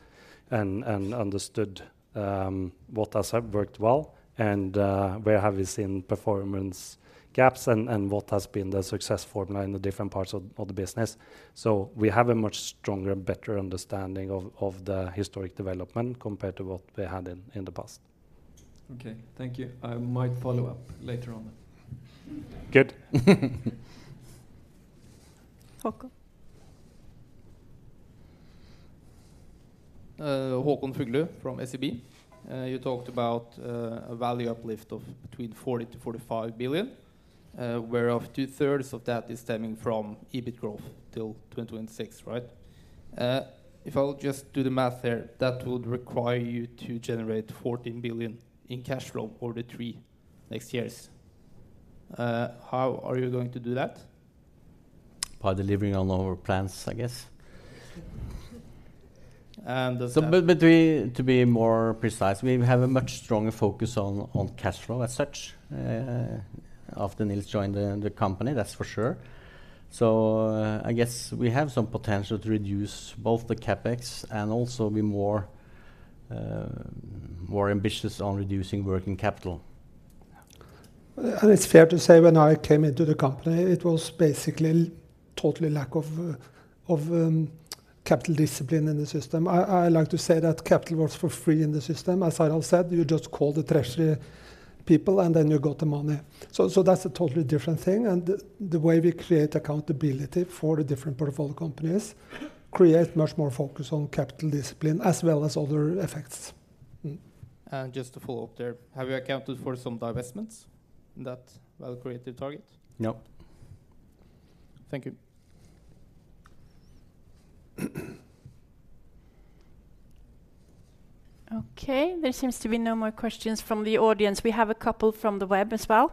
and understood what has worked well, and where we have seen performance gaps, and what has been the success formula in the different parts of the business. So we have a much stronger and better understanding of the historic development compared to what we had in the past. Okay. Thank you. I might follow up later on. Good. Håkon? Håkon Fuglu from SEB. You talked about a value uplift of between 40 billion-45 billion, whereof 2/3 of that is stemming from EBIT growth till 2026, right? If I would just do the math there, that would require you to generate 14 billion in cash flow over the three next years. How are you going to do that? By delivering on all our plans, I guess. And does that- But to be more precise, we have a much stronger focus on cash flow as such, after Nils joined the company, that's for sure. So I guess we have some potential to reduce both the CapEx and also be more ambitious on reducing working capital. It's fair to say, when I came into the company, it was basically a total lack of capital discipline in the system. I like to say that capital was for free in the system. As Harald said, you just call the treasury people, and then you got the money. So that's a totally different thing, and the way we create accountability for the different portfolio companies create much more focus on capital discipline as well as other effects. Just to follow up there, have you accounted for some divestments that will create the target? No. Thank you. Okay, there seems to be no more questions from the audience. We have a couple from the web as well.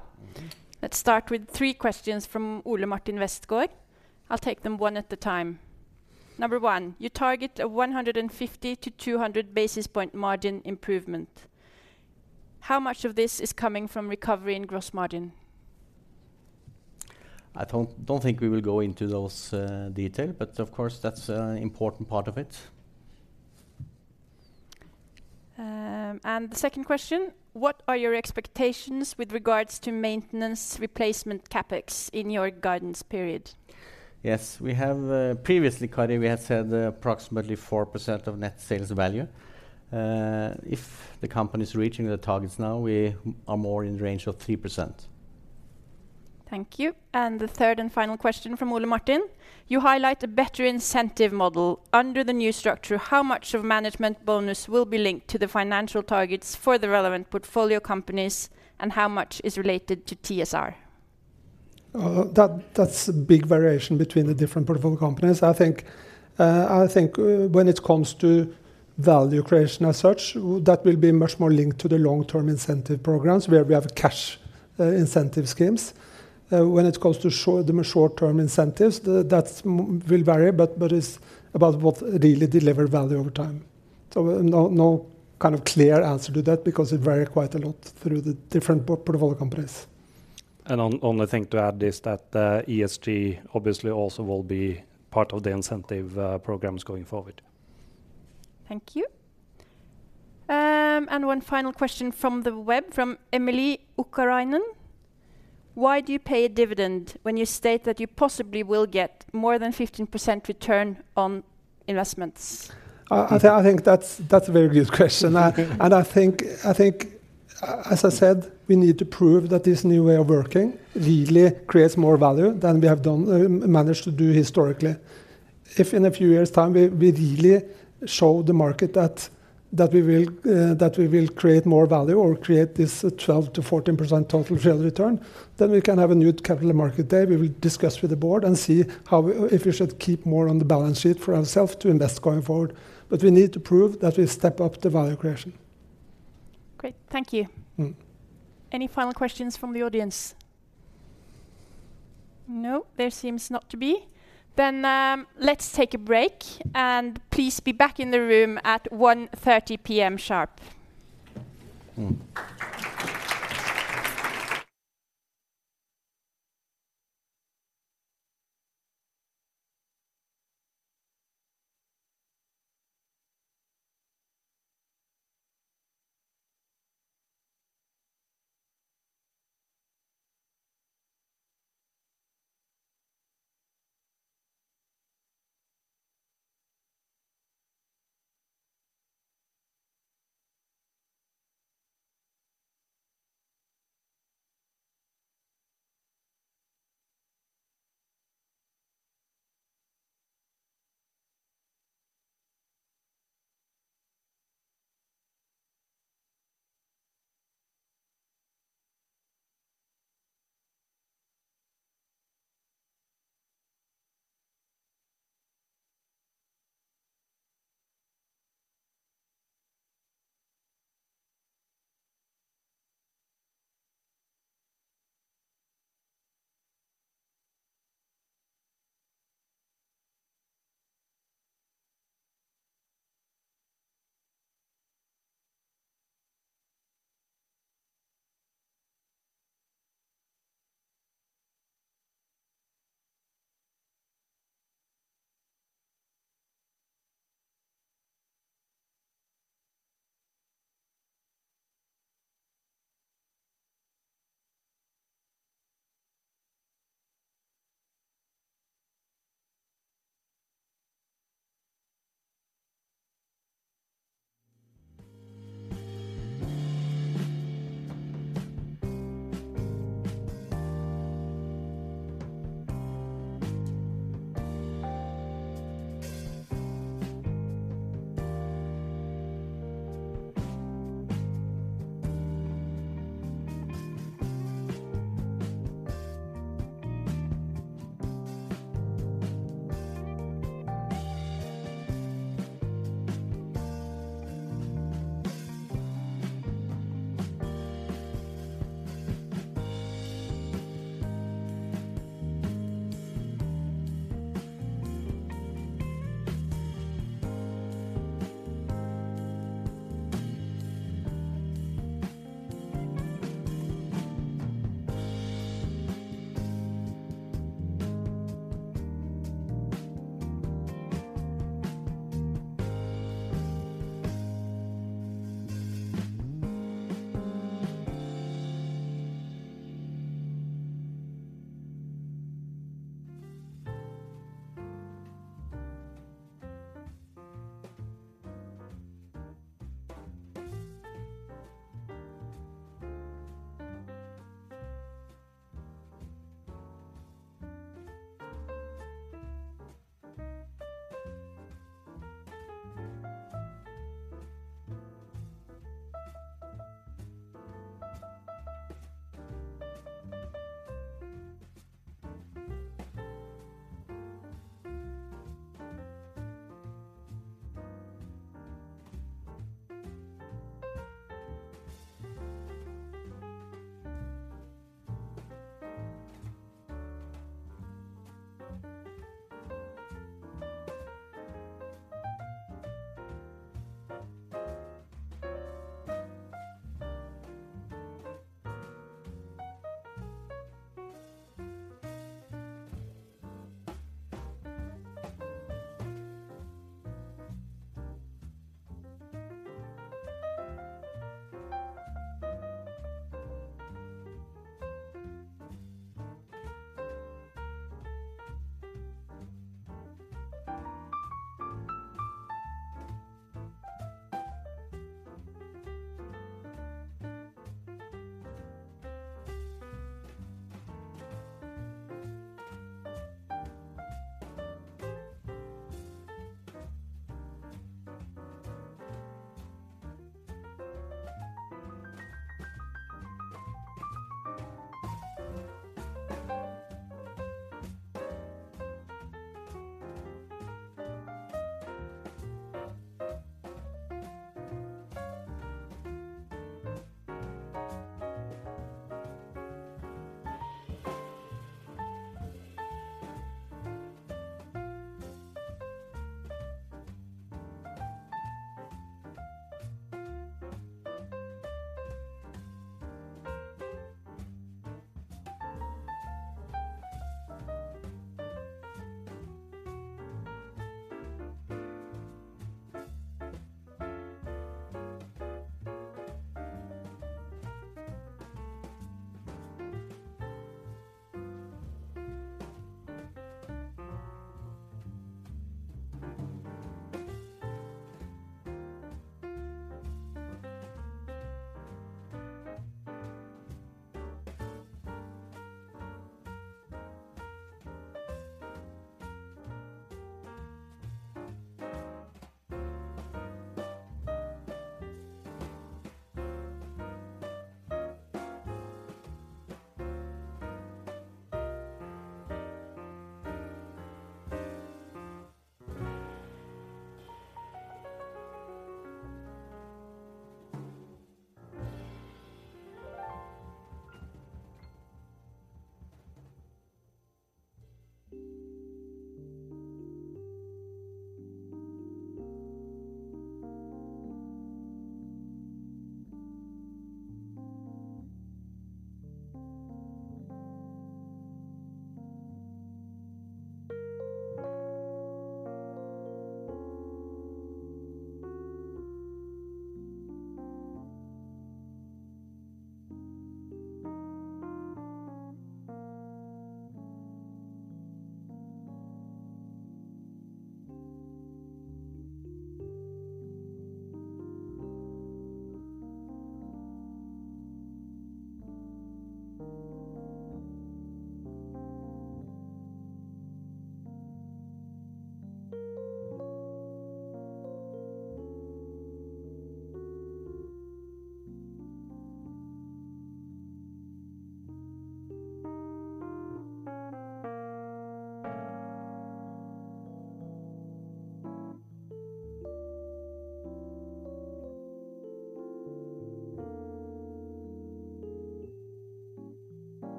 Let's start with three questions from Ole Martin Westgaard. I'll take them one at a time. Number one: You target a 150-200 basis point margin improvement. How much of this is coming from recovery in gross margin? I don't think we will go into those detail, but of course, that's an important part of it. The second question: What are your expectations with regards to maintenance replacement CapEx in your guidance period? Yes. We have, previously, Kari, we had said approximately 4% of net sales value. If the company is reaching the targets now, we are more in the range of 3%. Thank you. The third and final question from Ole Martin: You highlight a better incentive model. Under the new structure, how much of management bonus will be linked to the financial targets for the relevant portfolio companies, and how much is related to TSR? That, that's a big variation between the different portfolio companies. I think, I think when it comes to value creation as such, that will be much more linked to the long-term incentive programs, where we have cash, incentive schemes. When it comes to short, the short-term incentives, the, that's will vary, but, but it's about what really deliver value over time. So no, no kind of clear answer to that because it vary quite a lot through the different portfolio companies. Only thing to add is that, ESG obviously also will be part of the incentive programs going forward. Thank you. And one final question from the web, from [Emily Ukkarainen]: Why do you pay a dividend when you state that you possibly will get more than 15% return on investments? I think that's a very good question. And I think, as I said, we need to prove that this new way of working really creates more value than we have done managed to do historically. If in a few years' time, we really show the market that we will create more value or create this 12%-14% total share return, then we can have a new Capital Markets Day. We will discuss with the board and see how, if we should keep more on the balance sheet for ourselves to invest going forward. But we need to prove that we step up the value creation. Great. Thank you. Any final questions from the audience? No, there seems not to be. Then, let's take a break, and please be back in the room at 1:30 P.M. sharp.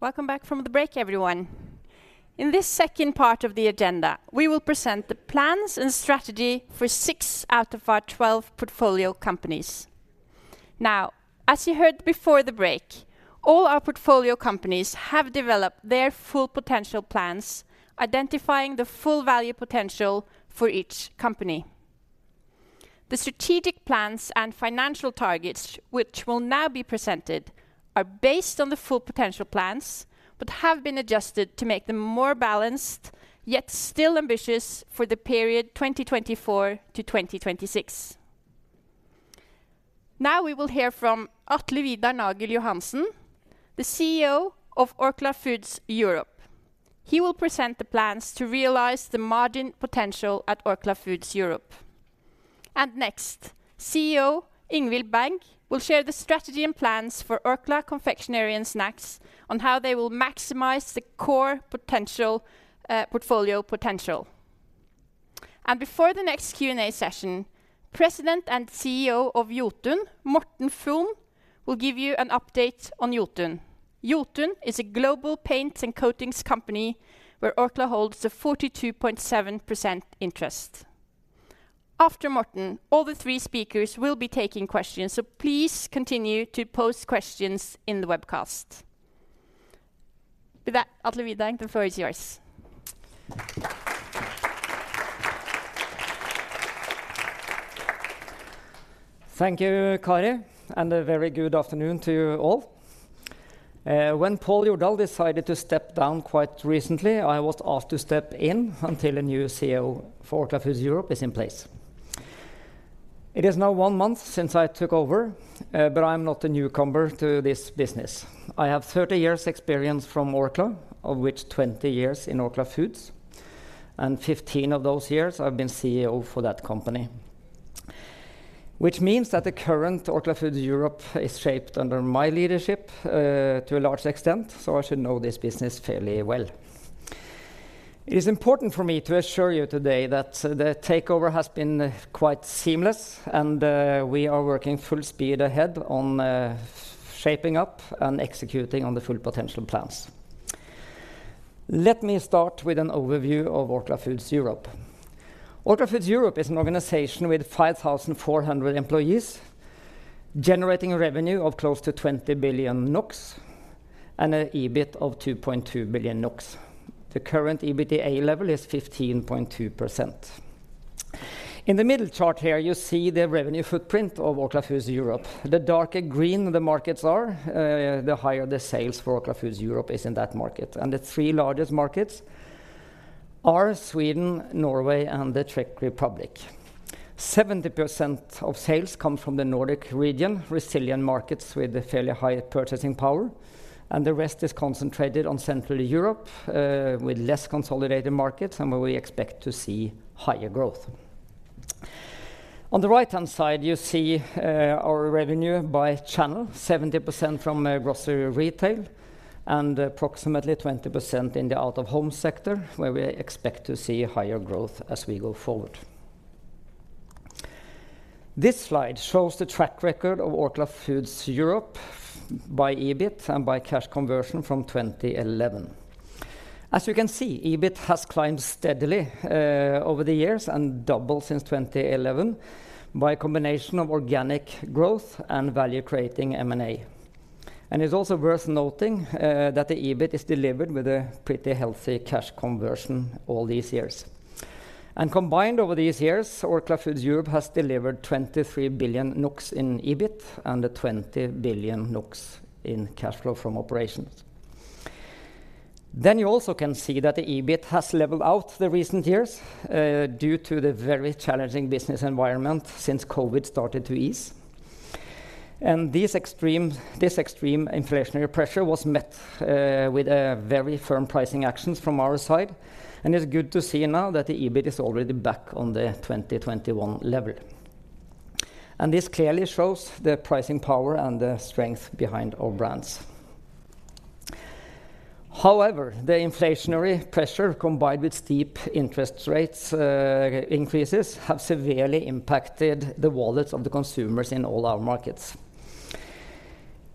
Welcome back from the break, everyone. In this second part of the agenda, we will present the plans and strategy for six out of our 12 portfolio companies. Now, as you heard before the break, all our portfolio companies have developed their full potential plans, identifying the full value potential for each company. The strategic plans and financial targets, which will now be presented, are based on the full potential plans, but have been adjusted to make them more balanced, yet still ambitious for the period 2024-2026. Now we will hear from Atle Vidar Nagel Johansen, the CEO of Orkla Foods Europe. He will present the plans to realize the margin potential at Orkla Foods Europe. And next, CEO Ingvill Berg will share the strategy and plans for Orkla Confectionery & Snacks on how they will maximize the core potential, portfolio potential. And before the next Q&A session, President and CEO of Jotun, Morten Fon, will give you an update on Jotun. Jotun is a global paints and coatings company where Orkla holds a 42.7% interest. After Morten, all the three speakers will be taking questions, so please continue to pose questions in the webcast. With that, Atle Vidar, the floor is yours. Thank you, Kari, and a very good afternoon to you all. When Paul Jordahl decided to step down quite recently, I was asked to step in until a new CEO for Orkla Foods Europe is in place. It is now one month since I took over, but I'm not a newcomer to this business. I have 30 years' experience from Orkla, of which 20 years in Orkla Foods, and 15 of those years I've been CEO for that company. Which means that the current Orkla Foods Europe is shaped under my leadership, to a large extent, so I should know this business fairly well. It is important for me to assure you today that the takeover has been quite seamless, and we are working full speed ahead on shaping up and executing on the full potential plans. Let me start with an overview of Orkla Foods Europe. Orkla Foods Europe is an organization with 5,400 employees, generating revenue of close to 20 billion NOK and an EBIT of 2.2 billion NOK. The current EBITDA level is 15.2%. In the middle chart here, you see the revenue footprint of Orkla Foods Europe. The darker green the markets are, the higher the sales for Orkla Foods Europe is in that market. The three largest markets are Sweden, Norway, and the Czech Republic. 70% of sales come from the Nordic region, resilient markets with a fairly high purchasing power, and the rest is concentrated on Central Europe, with less consolidated markets and where we expect to see higher growth. On the right-hand side, you see, our revenue by channel, 70% from grocery retail and approximately 20% in the out-of-home sector, where we expect to see higher growth as we go forward. This slide shows the track record of Orkla Foods Europe by EBIT and by cash conversion from 2011. As you can see, EBIT has climbed steadily over the years and doubled since 2011 by a combination of organic growth and value-creating M&A. And it's also worth noting that the EBIT is delivered with a pretty healthy cash conversion all these years. And combined over these years, Orkla Foods Europe has delivered 23 billion in EBIT and 20 billion in cash flow from operations. Then you also can see that the EBIT has leveled out the recent years due to the very challenging business environment since COVID started to ease. This extreme inflationary pressure was met with very firm pricing actions from our side, and it's good to see now that the EBIT is already back on the 2021 level. This clearly shows the pricing power and the strength behind our brands. However, the inflationary pressure, combined with steep interest rates increases, have severely impacted the wallets of the consumers in all our markets.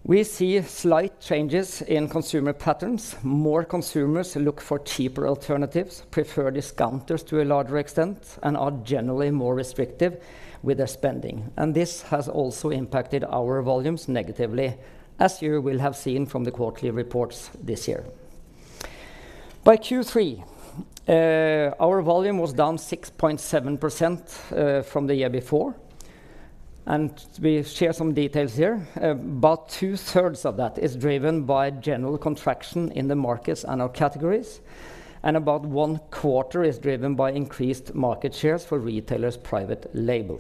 We see slight changes in consumer patterns. More consumers look for cheaper alternatives, prefer discounters to a larger extent, and are generally more restrictive with their spending. This has also impacted our volumes negatively, as you will have seen from the quarterly reports this year. By Q3, our volume was down 6.7%, from the year before, and we share some details here. About 2/3 of that is driven by general contraction in the markets and our categories, and about one quarter is driven by increased market shares for retailers' private label.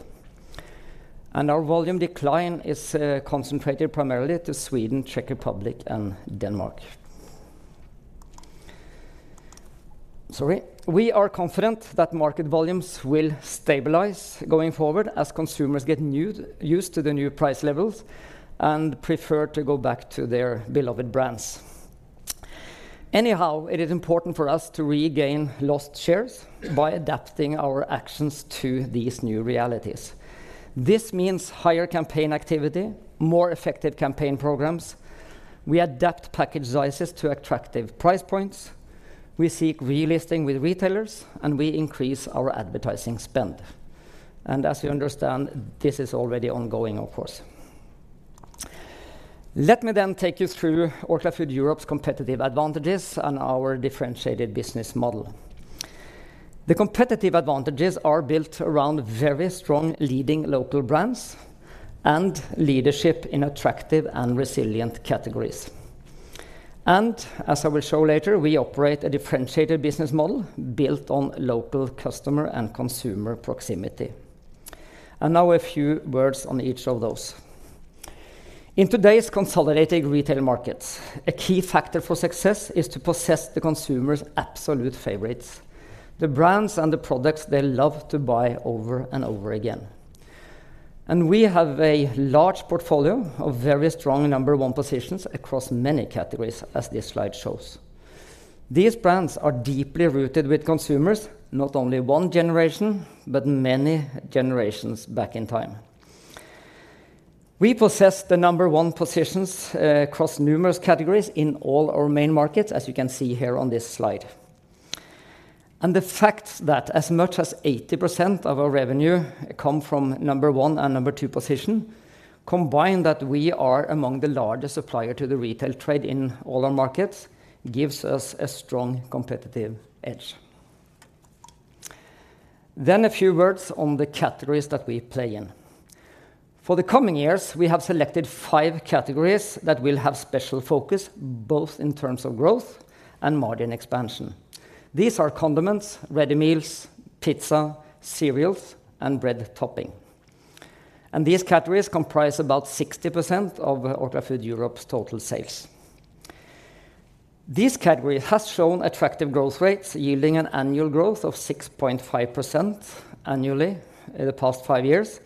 Our volume decline is concentrated primarily to Sweden, Czech Republic, and Denmark. Sorry. We are confident that market volumes will stabilize going forward as consumers get used to the new price levels and prefer to go back to their beloved brands. Anyhow, it is important for us to regain lost shares by adapting our actions to these new realities. This means higher campaign activity, more effective campaign programs. We adapt package sizes to attractive price points, we seek relisting with retailers, and we increase our advertising spend. And as you understand, this is already ongoing, of course. Let me then take you through Orkla Foods Europe's competitive advantages and our differentiated business model. The competitive advantages are built around very strong leading local brands and leadership in attractive and resilient categories.... And as I will show later, we operate a differentiated business model built on local customer and consumer proximity. And now a few words on each of those. In today's consolidated retail markets, a key factor for success is to possess the consumer's absolute favorites, the brands and the products they love to buy over and over again. And we have a large portfolio of very strong number one positions across many categories, as this slide shows. These brands are deeply rooted with consumers, not only one generation, but many generations back in time. We possess the number one positions across numerous categories in all our main markets, as you can see here on this slide. The fact that as much as 80% of our revenue come from number one and number two position, combined that we are among the largest supplier to the retail trade in all our markets, gives us a strong competitive edge. A few words on the categories that we play in. For the coming years, we have selected five categories that will have special focus, both in terms of growth and margin expansion. These are condiments, ready meals, pizza, cereals, and bread topping. These categories comprise about 60% of Orkla Foods Europe's total sales. These categories has shown attractive growth rates, yielding an annual growth of 6.5% annually in the past five years.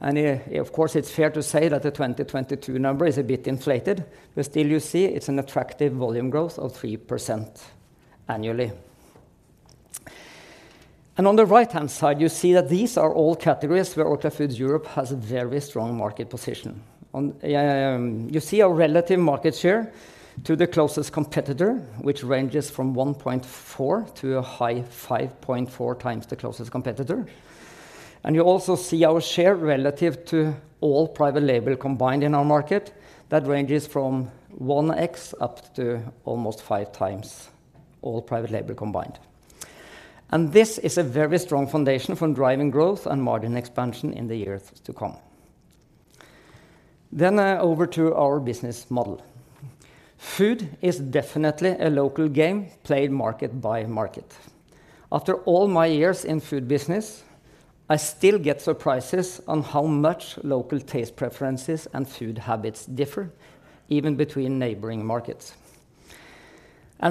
Of course, it's fair to say that the 2022 number is a bit inflated, but still you see it's an attractive volume growth of 3% annually. And on the right-hand side, you see that these are all categories where Orkla Foods Europe has a very strong market position. On, you see our relative market share to the closest competitor, which ranges from 1.4x to a high 5.4x the closest competitor. And you also see our share relative to all private label combined in our market. That ranges from 1x up to almost 5x all private label combined. And this is a very strong foundation for driving growth and margin expansion in the years to come. Then, over to our business model. Food is definitely a local game played market by market. After all my years in food business, I still get surprises on how much local taste preferences and food habits differ, even between neighboring markets.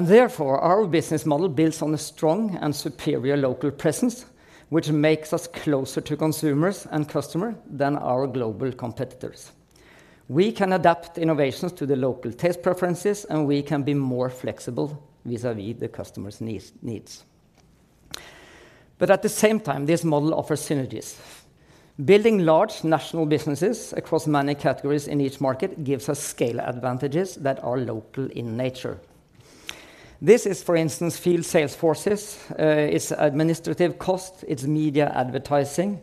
Therefore, our business model builds on a strong and superior local presence, which makes us closer to consumers and customer than our global competitors. We can adapt innovations to the local taste preferences, and we can be more flexible vis-a-vis the customer's needs. But at the same time, this model offers synergies. Building large national businesses across many categories in each market gives us scale advantages that are local in nature. This is, for instance, field sales forces, its administrative cost, its media advertising,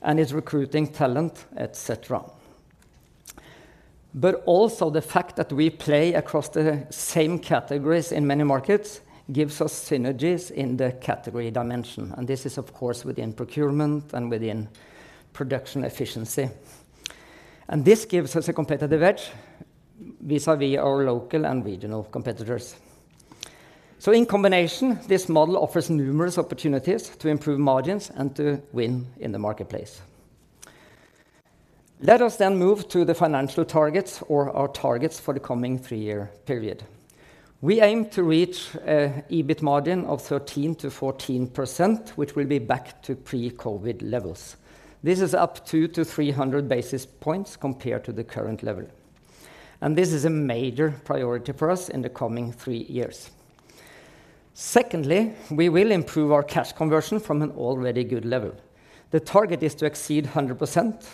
and its recruiting talent, et cetera. But also, the fact that we play across the same categories in many markets gives us synergies in the category dimension, and this is, of course, within procurement and within production efficiency. This gives us a competitive edge vis-a-vis our local and regional competitors. In combination, this model offers numerous opportunities to improve margins and to win in the marketplace. Let us then move to the financial targets or our targets for the coming three-year period. We aim to reach an EBIT margin of 13%-14%, which will be back to pre-COVID levels. This is up 200-300 basis points compared to the current level, and this is a major priority for us in the coming three years. Secondly, we will improve our cash conversion from an already good level. The target is to exceed 100%,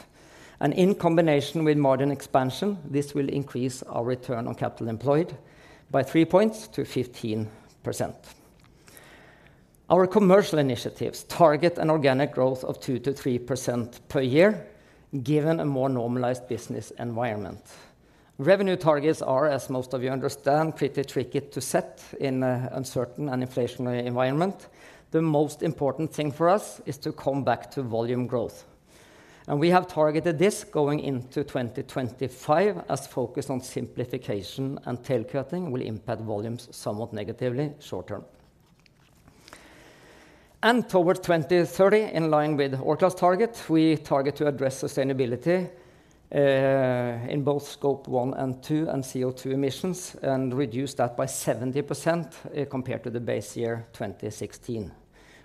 and in combination with margin expansion, this will increase our Return on Capital Employed by three points to 15%. Our commercial initiatives target an organic growth of 2%-3% per year, given a more normalized business environment. Revenue targets are, as most of you understand, pretty tricky to set in a uncertain and inflationary environment. The most important thing for us is to come back to volume growth, and we have targeted this going into 2025, as focus on simplification and tail cutting will impact volumes somewhat negatively short term. Toward 2030, in line with Orkla's target, we target to address sustainability in both Scope 1 and 2 and CO2 emissions, and reduce that by 70% compared to the base year 2016.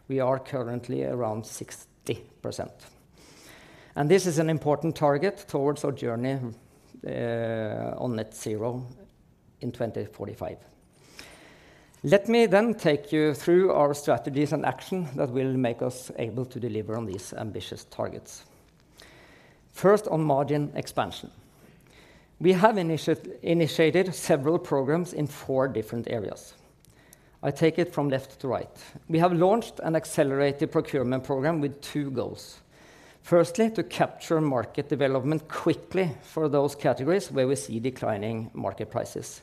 We are currently around 60%, and this is an important target towards our journey on net zero in 2045. Let me then take you through our strategies and action that will make us able to deliver on these ambitious targets. First, on margin expansion. We have initiated several programs in four different areas. I take it from left to right. We have launched an accelerated procurement program with two goals. Firstly, to capture market development quickly for those categories where we see declining market prices,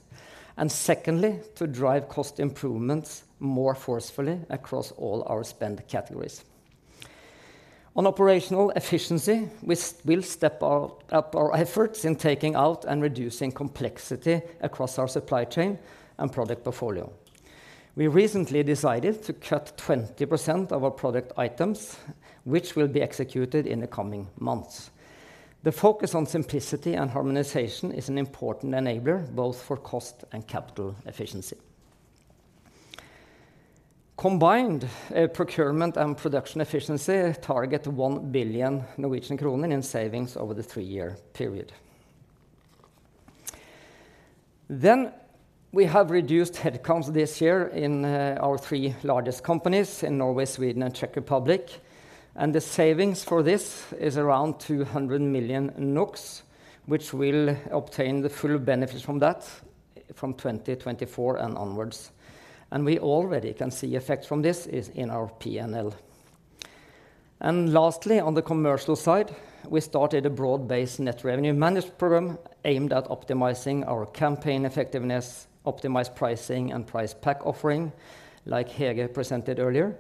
and secondly, to drive cost improvements more forcefully across all our spend categories. On operational efficiency, we will step up our efforts in taking out and reducing complexity across our supply chain and product portfolio. We recently decided to cut 20% of our product items, which will be executed in the coming months. The focus on simplicity and harmonization is an important enabler, both for cost and capital efficiency. Combined, procurement and production efficiency target 1 billion Norwegian kroner in savings over the three-year period. We have reduced headcounts this year in our three largest companies in Norway, Sweden, and Czech Republic, and the savings for this is around 200 million, which we'll obtain the full benefits from that from 2024 and onwards. We already can see effects from this is in our P&L. Lastly, on the commercial side, we started a broad-based net revenue managed program aimed at optimizing our campaign effectiveness, optimized pricing, and price pack offering, like Hege presented earlier,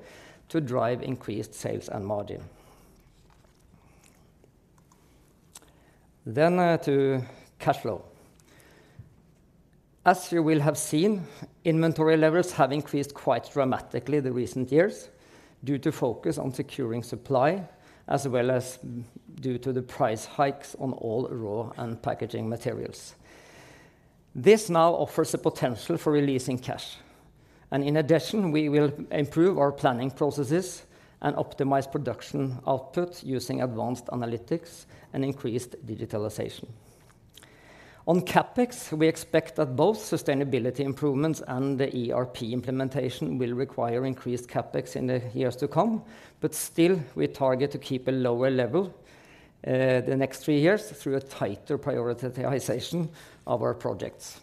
to drive increased sales and margin. To cash flow. As you will have seen, inventory levels have increased quite dramatically the recent years due to focus on securing supply, as well as due to the price hikes on all raw and packaging materials. This now offers a potential for releasing cash, and in addition, we will improve our planning processes and optimize production output using advanced analytics and increased digitalization. On CapEx, we expect that both sustainability improvements and the ERP implementation will require increased CapEx in the years to come, but still, we target to keep a lower level, the next three years through a tighter prioritization of our projects.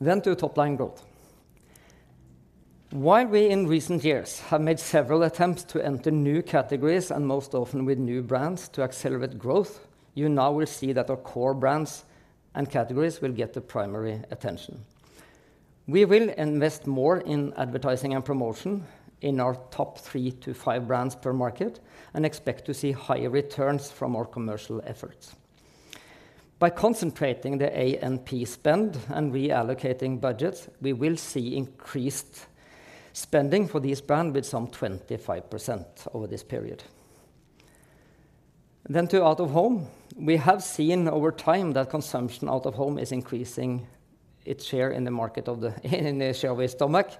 Then to top line growth. While we in recent years have made several attempts to enter new categories, and most often with new brands to accelerate growth, you now will see that our core brands and categories will get the primary attention. We will invest more in advertising and promotion in our top three to five brands per market, and expect to see higher returns from our commercial efforts. By concentrating the A&P spend and reallocating budgets, we will see increased spending for this brand with some 25% over this period. Then to out-of-home. We have seen over time that consumption out-of-home is increasing its share in the market of the, in the share of stomach,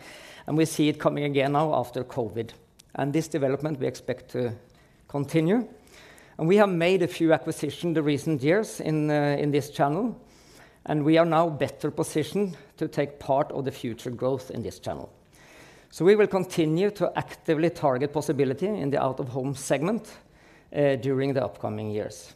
and we see it coming again now after COVID. This development we expect to continue. We have made a few acquisition the recent years in, in this channel, and we are now better positioned to take part of the future growth in this channel. So we will continue to actively target possibility in the out-of-home segment, during the upcoming years.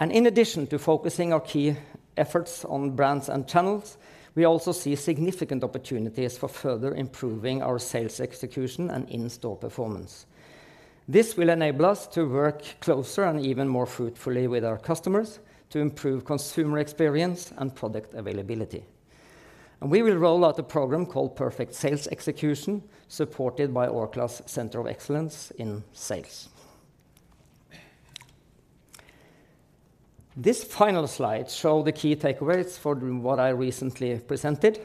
In addition to focusing our key efforts on brands and channels, we also see significant opportunities for further improving our sales execution and in-store performance. This will enable us to work closer and even more fruitfully with our customers to improve consumer experience and product availability. We will roll out a program called Perfect Sales Execution, supported by Orkla's Center of Excellence in sales. This final slide shows the key takeaways for what I recently presented,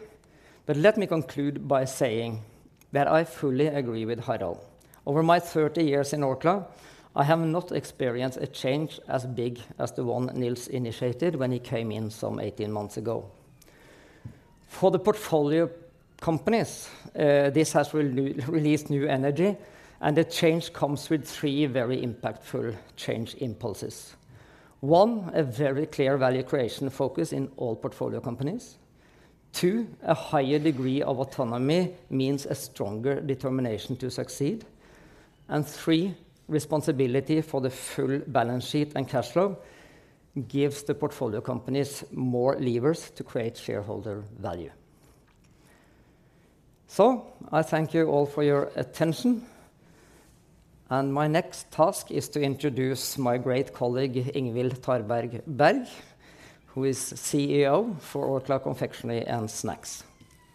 but let me conclude by saying that I fully agree with Harald. Over my 30 years in Orkla, I have not experienced a change as big as the one Nils initiated when he came in some 18 months ago. For the portfolio companies, this has released new energy, and the change comes with three very impactful change impulses. One, a very clear value creation focus in all portfolio companies. Two, a higher degree of autonomy means a stronger determination to succeed. Three, responsibility for the full balance sheet and cash flow gives the portfolio companies more levers to create shareholder value. I thank you all for your attention, and my next task is to introduce my great colleague, Ingvill Tarberg Berg, who is CEO for Orkla Confectionery & Snacks.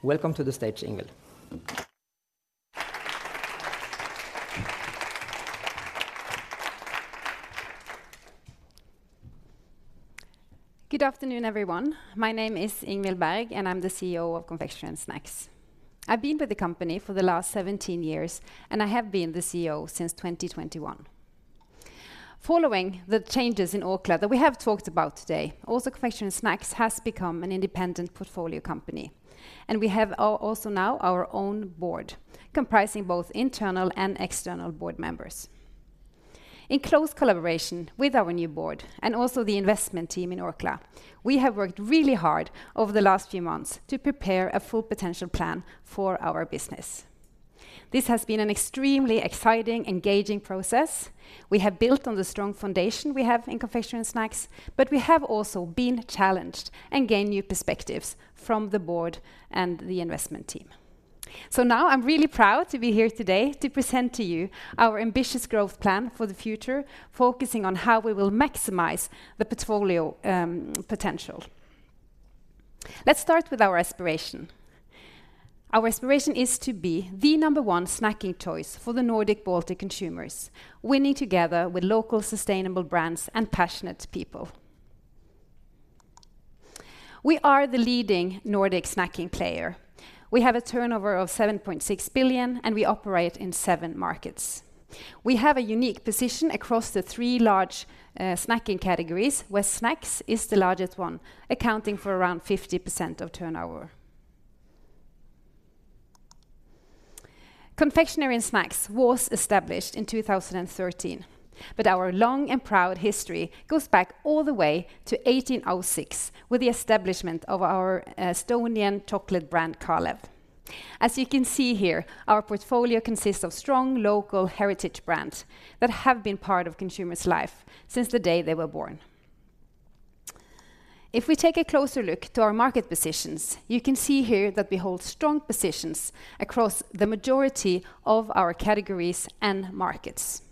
Welcome to the stage, Ingvill. Good afternoon, everyone. My name is Ingvill Berg, and I'm the CEO of Confectionery & Snacks. I've been with the company for the last 17 years, and I have been the CEO since 2021. Following the changes in Orkla that we have talked about today, also Confectionery & Snacks has become an independent portfolio company, and we have also now our own board, comprising both internal and external board members. In close collaboration with our new board and also the investment team in Orkla, we have worked really hard over the last few months to prepare a full potential plan for our business. This has been an extremely exciting, engaging process. We have built on the strong foundation we have in Confectionery & Snacks, but we have also been challenged and gained new perspectives from the board and the investment team. So now I'm really proud to be here today to present to you our ambitious growth plan for the future, focusing on how we will maximize the portfolio potential.... Let's start with our aspiration. Our aspiration is to be the number one snacking choice for the Nordic-Baltic consumers, winning together with local sustainable brands and passionate people. We are the leading Nordic snacking player. We have a turnover of 7.6 billion, and we operate in seven markets. We have a unique position across the 3 large snacking categories, where snacks is the largest one, accounting for around 50% of turnover. Confectionery & Snacks was established in 2013, but our long and proud history goes back all the way to 1806 with the establishment of our Estonian chocolate brand, Kalev. As you can see here, our portfolio consists of strong local heritage brands that have been part of consumers' life since the day they were born. If we take a closer look to our market positions, you can see here that we hold strong positions across the majority of our categories and markets.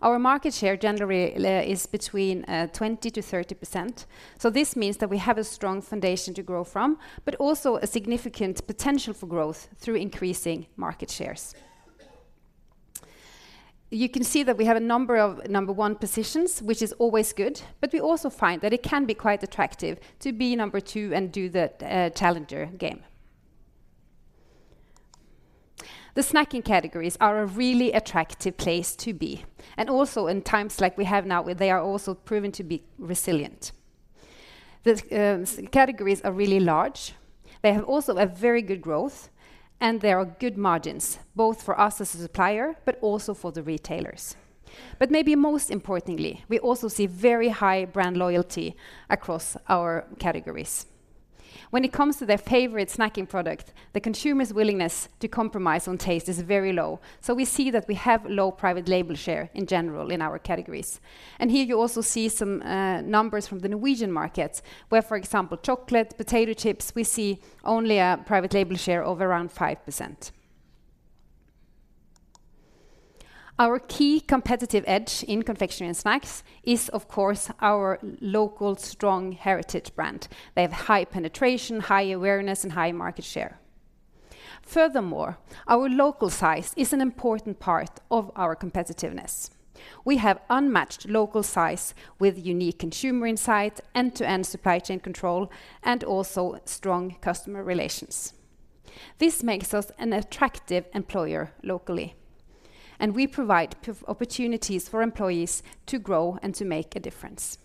Our market share generally is between 20%-30%, so this means that we have a strong foundation to grow from, but also a significant potential for growth through increasing market shares. You can see that we have a number of number one positions, which is always good, but we also find that it can be quite attractive to be number two and do the challenger game. The snacking categories are a really attractive place to be, and also in times like we have now, where they are also proven to be resilient. The categories are really large, they have also a very good growth, and there are good margins, both for us as a supplier, but also for the retailers. But maybe most importantly, we also see very high brand loyalty across our categories. When it comes to their favorite snacking product, the consumer's willingness to compromise on taste is very low. So we see that we have low private label share in general in our categories. And here you also see some numbers from the Norwegian markets, where, for example, chocolate, potato chips, we see only a private label share of around 5%. Our key competitive edge in Confectionery & Snacks is, of course, our local strong heritage brand. They have high penetration, high awareness, and high market share. Furthermore, our local size is an important part of our competitiveness. We have unmatched local size with unique consumer insight, end-to-end supply chain control, and also strong customer relations. This makes us an attractive employer locally, and we provide opportunities for employees to grow and to make a difference.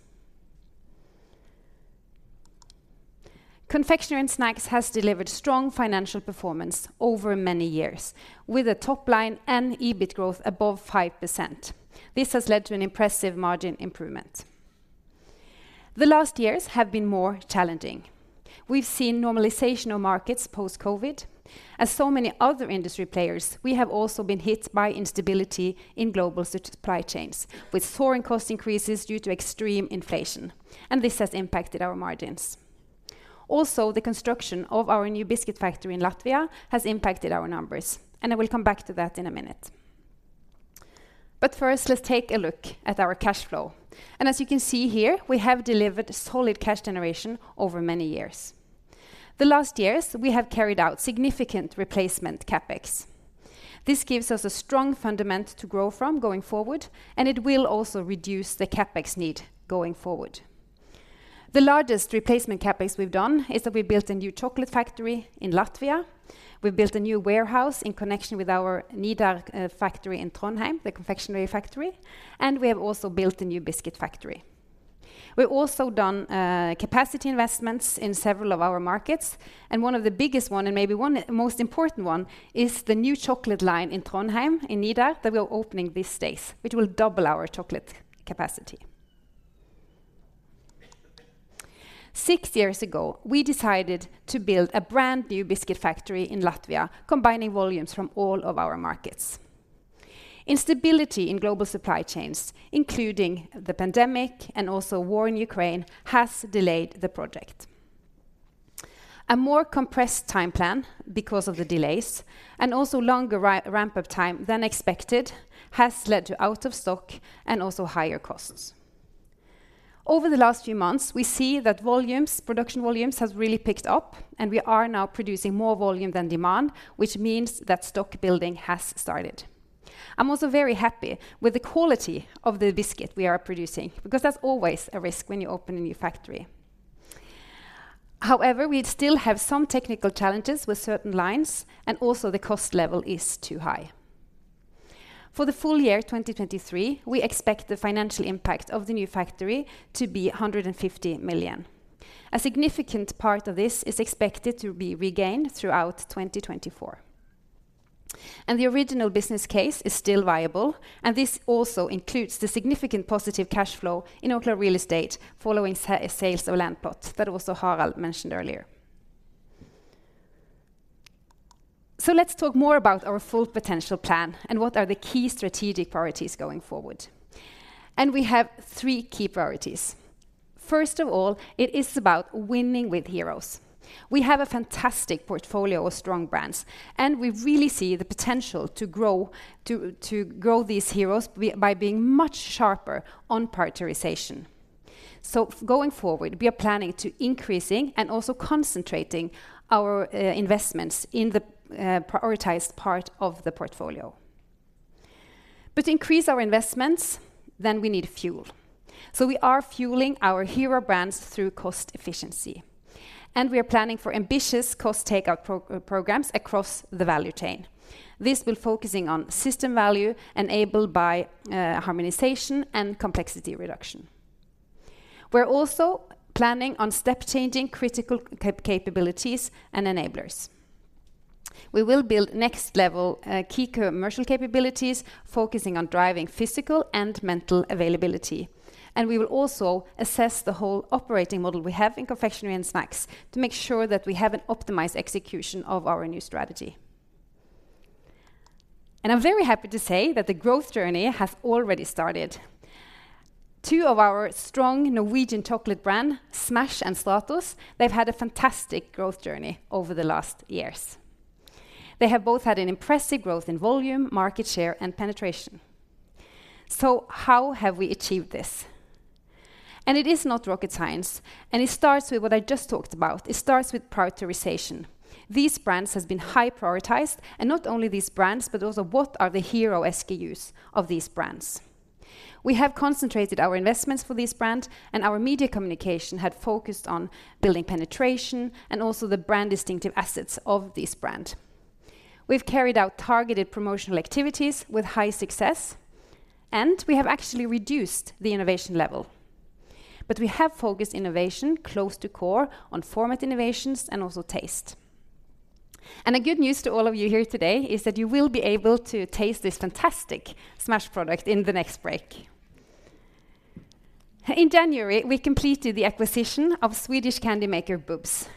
Confectionery & Snacks has delivered strong financial performance over many years, with a top line and EBIT growth above 5%. This has led to an impressive margin improvement. The last years have been more challenging. We've seen normalization of markets post-COVID. As so many other industry players, we have also been hit by instability in global supply chains, with soaring cost increases due to extreme inflation, and this has impacted our margins. Also, the construction of our new biscuit factory in Latvia has impacted our numbers, and I will come back to that in a minute. First, let's take a look at our cash flow. As you can see here, we have delivered solid cash generation over many years. The last years, we have carried out significant replacement CapEx. This gives us a strong fundament to grow from going forward, and it will also reduce the CapEx need going forward. The largest replacement CapEx we've done is that we built a new chocolate factory in Latvia, we've built a new warehouse in connection with our Nidar factory in Trondheim, the confectionery factory, and we have also built a new biscuit factory. We've also done capacity investments in several of our markets, and one of the biggest one, and maybe one of the most important one, is the new chocolate line in Trondheim, in Nidar, that we are opening these days, which will double our chocolate capacity. Six years ago, we decided to build a brand-new biscuit factory in Latvia, combining volumes from all of our markets. Instability in global supply chains, including the pandemic and also war in Ukraine, has delayed the project. A more compressed time plan because of the delays and also longer ramp-up time than expected, has led to out-of-stock and also higher costs. Over the last few months, we see that volumes, production volumes, has really picked up, and we are now producing more volume than demand, which means that stock building has started. I'm also very happy with the quality of the biscuit we are producing, because that's always a risk when you open a new factory. However, we still have some technical challenges with certain lines, and also the cost level is too high. For the full year 2023, we expect the financial impact of the new factory to be 150 million. A significant part of this is expected to be regained throughout 2024, and the original business case is still viable, and this also includes the significant positive cash flow in Orkla Real Estate, following sales of land plots that also Harald mentioned earlier. So let's talk more about our full potential plan and what are the key strategic priorities going forward. We have three key priorities. First of all, it is about winning with heroes. We have a fantastic portfolio of strong brands, and we really see the potential to grow to, to grow these heroes by being much sharper on prioritization. So going forward, we are planning to increasing and also concentrating our investments in the prioritized part of the portfolio. But to increase our investments, then we need fuel. So we are fueling our hero brands through cost efficiency, and we are planning for ambitious cost takeout programs across the value chain. This will focusing on system value enabled by harmonization and complexity reduction. We're also planning on step changing critical capabilities and enablers. We will build next level key commercial capabilities, focusing on driving physical and mental availability. And we will also assess the whole operating model we have in Confectionery & Snacks to make sure that we have an optimized execution of our new strategy. And I'm very happy to say that the growth journey has already started. Two of our strong Norwegian chocolate brand, Smash! and Stratos, they've had a fantastic growth journey over the last years. They have both had an impressive growth in volume, market share, and penetration. So how have we achieved this? It is not rocket science, and it starts with what I just talked about. It starts with prioritization. These brands has been high prioritized, and not only these brands, but also what are the hero SKUs of these brands. We have concentrated our investments for this brand, and our media communication had focused on building penetration and also the brand distinctive assets of this brand. We've carried out targeted promotional activities with high success, and we have actually reduced the innovation level. But we have focused innovation close to core on format innovations and also taste. A good news to all of you here today is that you will be able to taste this fantastic Smash! product in the next break. In January, we completed the acquisition of Swedish candy maker Bubs.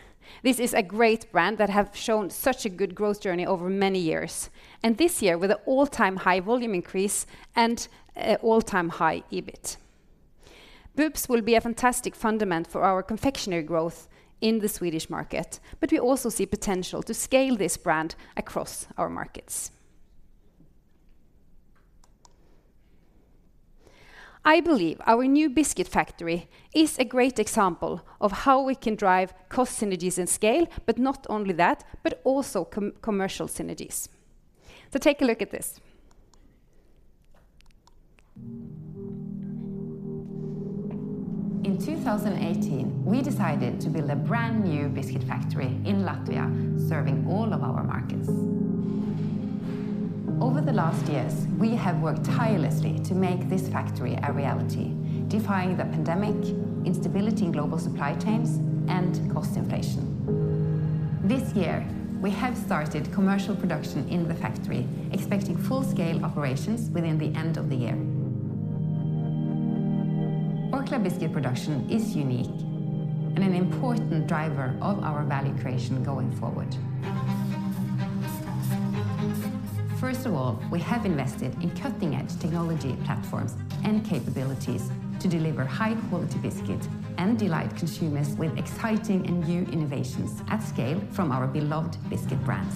This is a great brand that have shown such a good growth journey over many years, and this year, with an all-time high volume increase and a all-time high EBIT. Bubs will be a fantastic fundament for our confectionery growth in the Swedish market, but we also see potential to scale this brand across our markets. I believe our new biscuit factory is a great example of how we can drive cost synergies and scale, but not only that, but also commercial synergies. So take a look at this. In 2018, we decided to build a brand new biscuit factory in Latvia, serving all of our markets. Over the last years, we have worked tirelessly to make this factory a reality, defying the pandemic, instability in global supply chains, and cost inflation. This year, we have started commercial production in the factory, expecting full-scale operations within the end of the year. Orkla biscuit production is unique and an important driver of our value creation going forward. First of all, we have invested in cutting-edge technology platforms and capabilities to deliver high-quality biscuit and delight consumers with exciting and new innovations at scale from our beloved biscuit brands.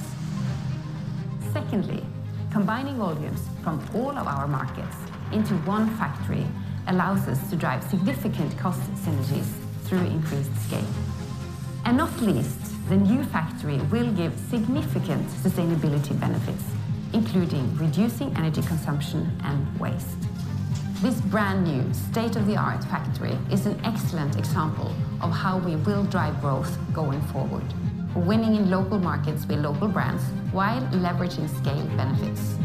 Secondly, combining volumes from all of our markets into one factory allows us to drive significant cost synergies through increased scale. Not least, the new factory will give significant sustainability benefits, including reducing energy consumption and waste. This brand new state-of-the-art factory is an excellent example of how we will drive growth going forward, winning in local markets with local brands while leveraging scale benefits.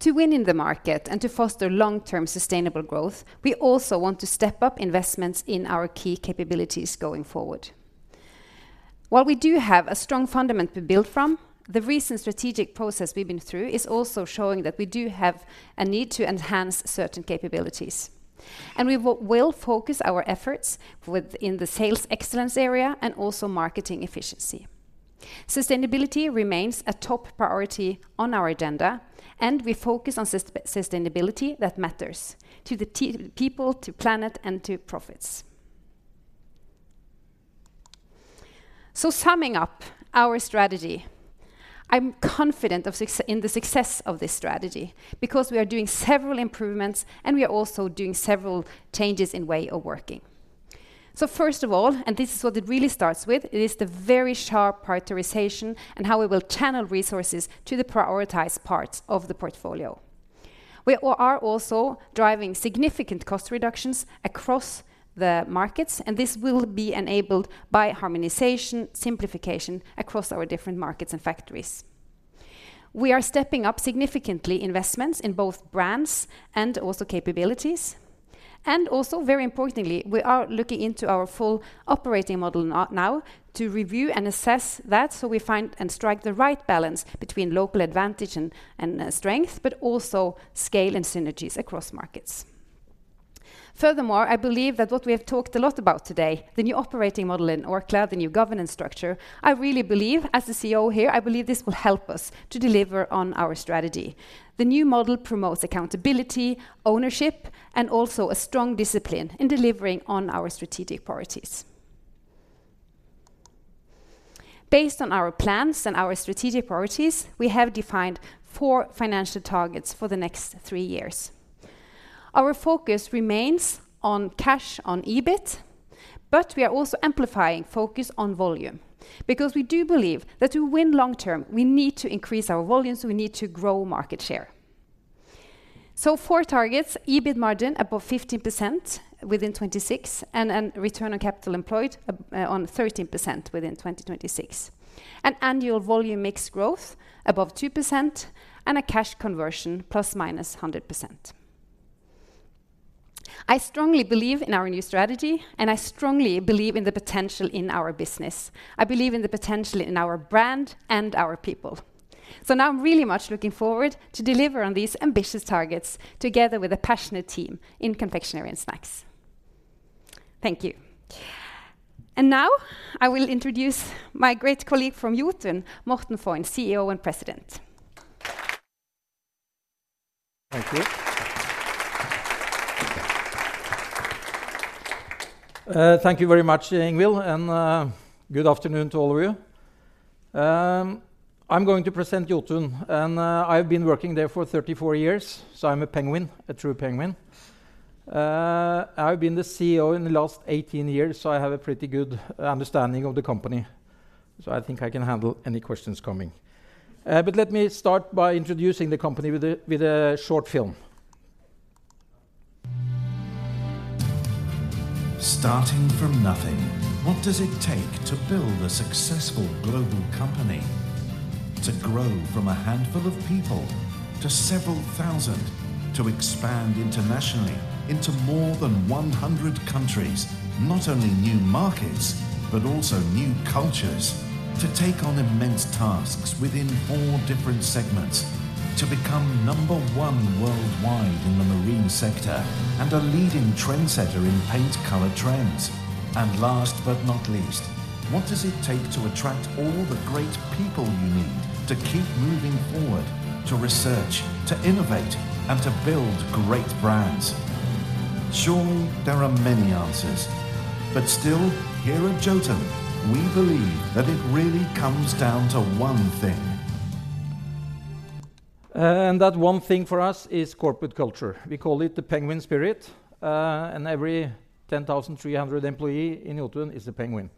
To win in the market and to foster long-term sustainable growth, we also want to step up investments in our key capabilities going forward. While we do have a strong foundation to build from, the recent strategic process we've been through is also showing that we do have a need to enhance certain capabilities. We will focus our efforts within the sales excellence area and also marketing efficiency. Sustainability remains a top priority on our agenda, and we focus on sustainability that matters to the people, to planet, and to profits. So summing up our strategy, I'm confident in the success of this strategy because we are doing several improvements and we are also doing several changes in way of working. So first of all, and this is what it really starts with, it is the very sharp prioritization and how we will channel resources to the prioritized parts of the portfolio. We are also driving significant cost reductions across the markets, and this will be enabled by harmonization, simplification across our different markets and factories. We are stepping up significantly investments in both brands and also capabilities. And also, very importantly, we are looking into our full operating model now to review and assess that, so we find and strike the right balance between local advantage and strength, but also scale and synergies across markets. Furthermore, I believe that what we have talked a lot about today, the new operating model in Orkla, the new governance structure, I really believe, as the CEO here, I believe this will help us to deliver on our strategy. The new model promotes accountability, ownership, and also a strong discipline in delivering on our strategic priorities. Based on our plans and our strategic priorities, we have defined four financial targets for the next three years. Our focus remains on cash on EBIT, but we are also amplifying focus on volume, because we do believe that to win long term, we need to increase our volumes, we need to grow market share. So four targets: EBIT margin above 15% within 2026, and, and Return on Capital Employed on 13% within 2026. An annual volume mix growth above 2%, and a cash conversion ±100%. I strongly believe in our new strategy, and I strongly believe in the potential in our business. I believe in the potential in our brand and our people. So now I'm really much looking forward to deliver on these ambitious targets together with a passionate team in Confectionery & Snacks. Thank you. Now, I will introduce my great colleague from Jotun, Morten Fon, CEO and President. Thank you. Thank you very much, Ingvill, and good afternoon to all of you. I'm going to present Jotun, and I've been working there for 34 years, so I'm a penguin, a true penguin. I've been the CEO in the last 18 years, so I have a pretty good understanding of the company, so I think I can handle any questions coming. But let me start by introducing the company with a short film. Starting from nothing, what does it take to build a successful global company? To grow from a handful of people to several thousand, to expand internationally into more than 100 countries, not only new markets, but also new cultures. To take on immense tasks within four different segments, to become number one worldwide in the marine sector, and a leading trendsetter in paint color trends. And last but not least, what does it take to attract all the great people you need to keep moving forward, to research, to innovate, and to build great brands? Surely, there are many answers, but still, here at Jotun, we believe that it really comes down to one thing. And that one thing for us is corporate culture. We call it the penguin spirit, and every 10,300 employee in Jotun is a penguin.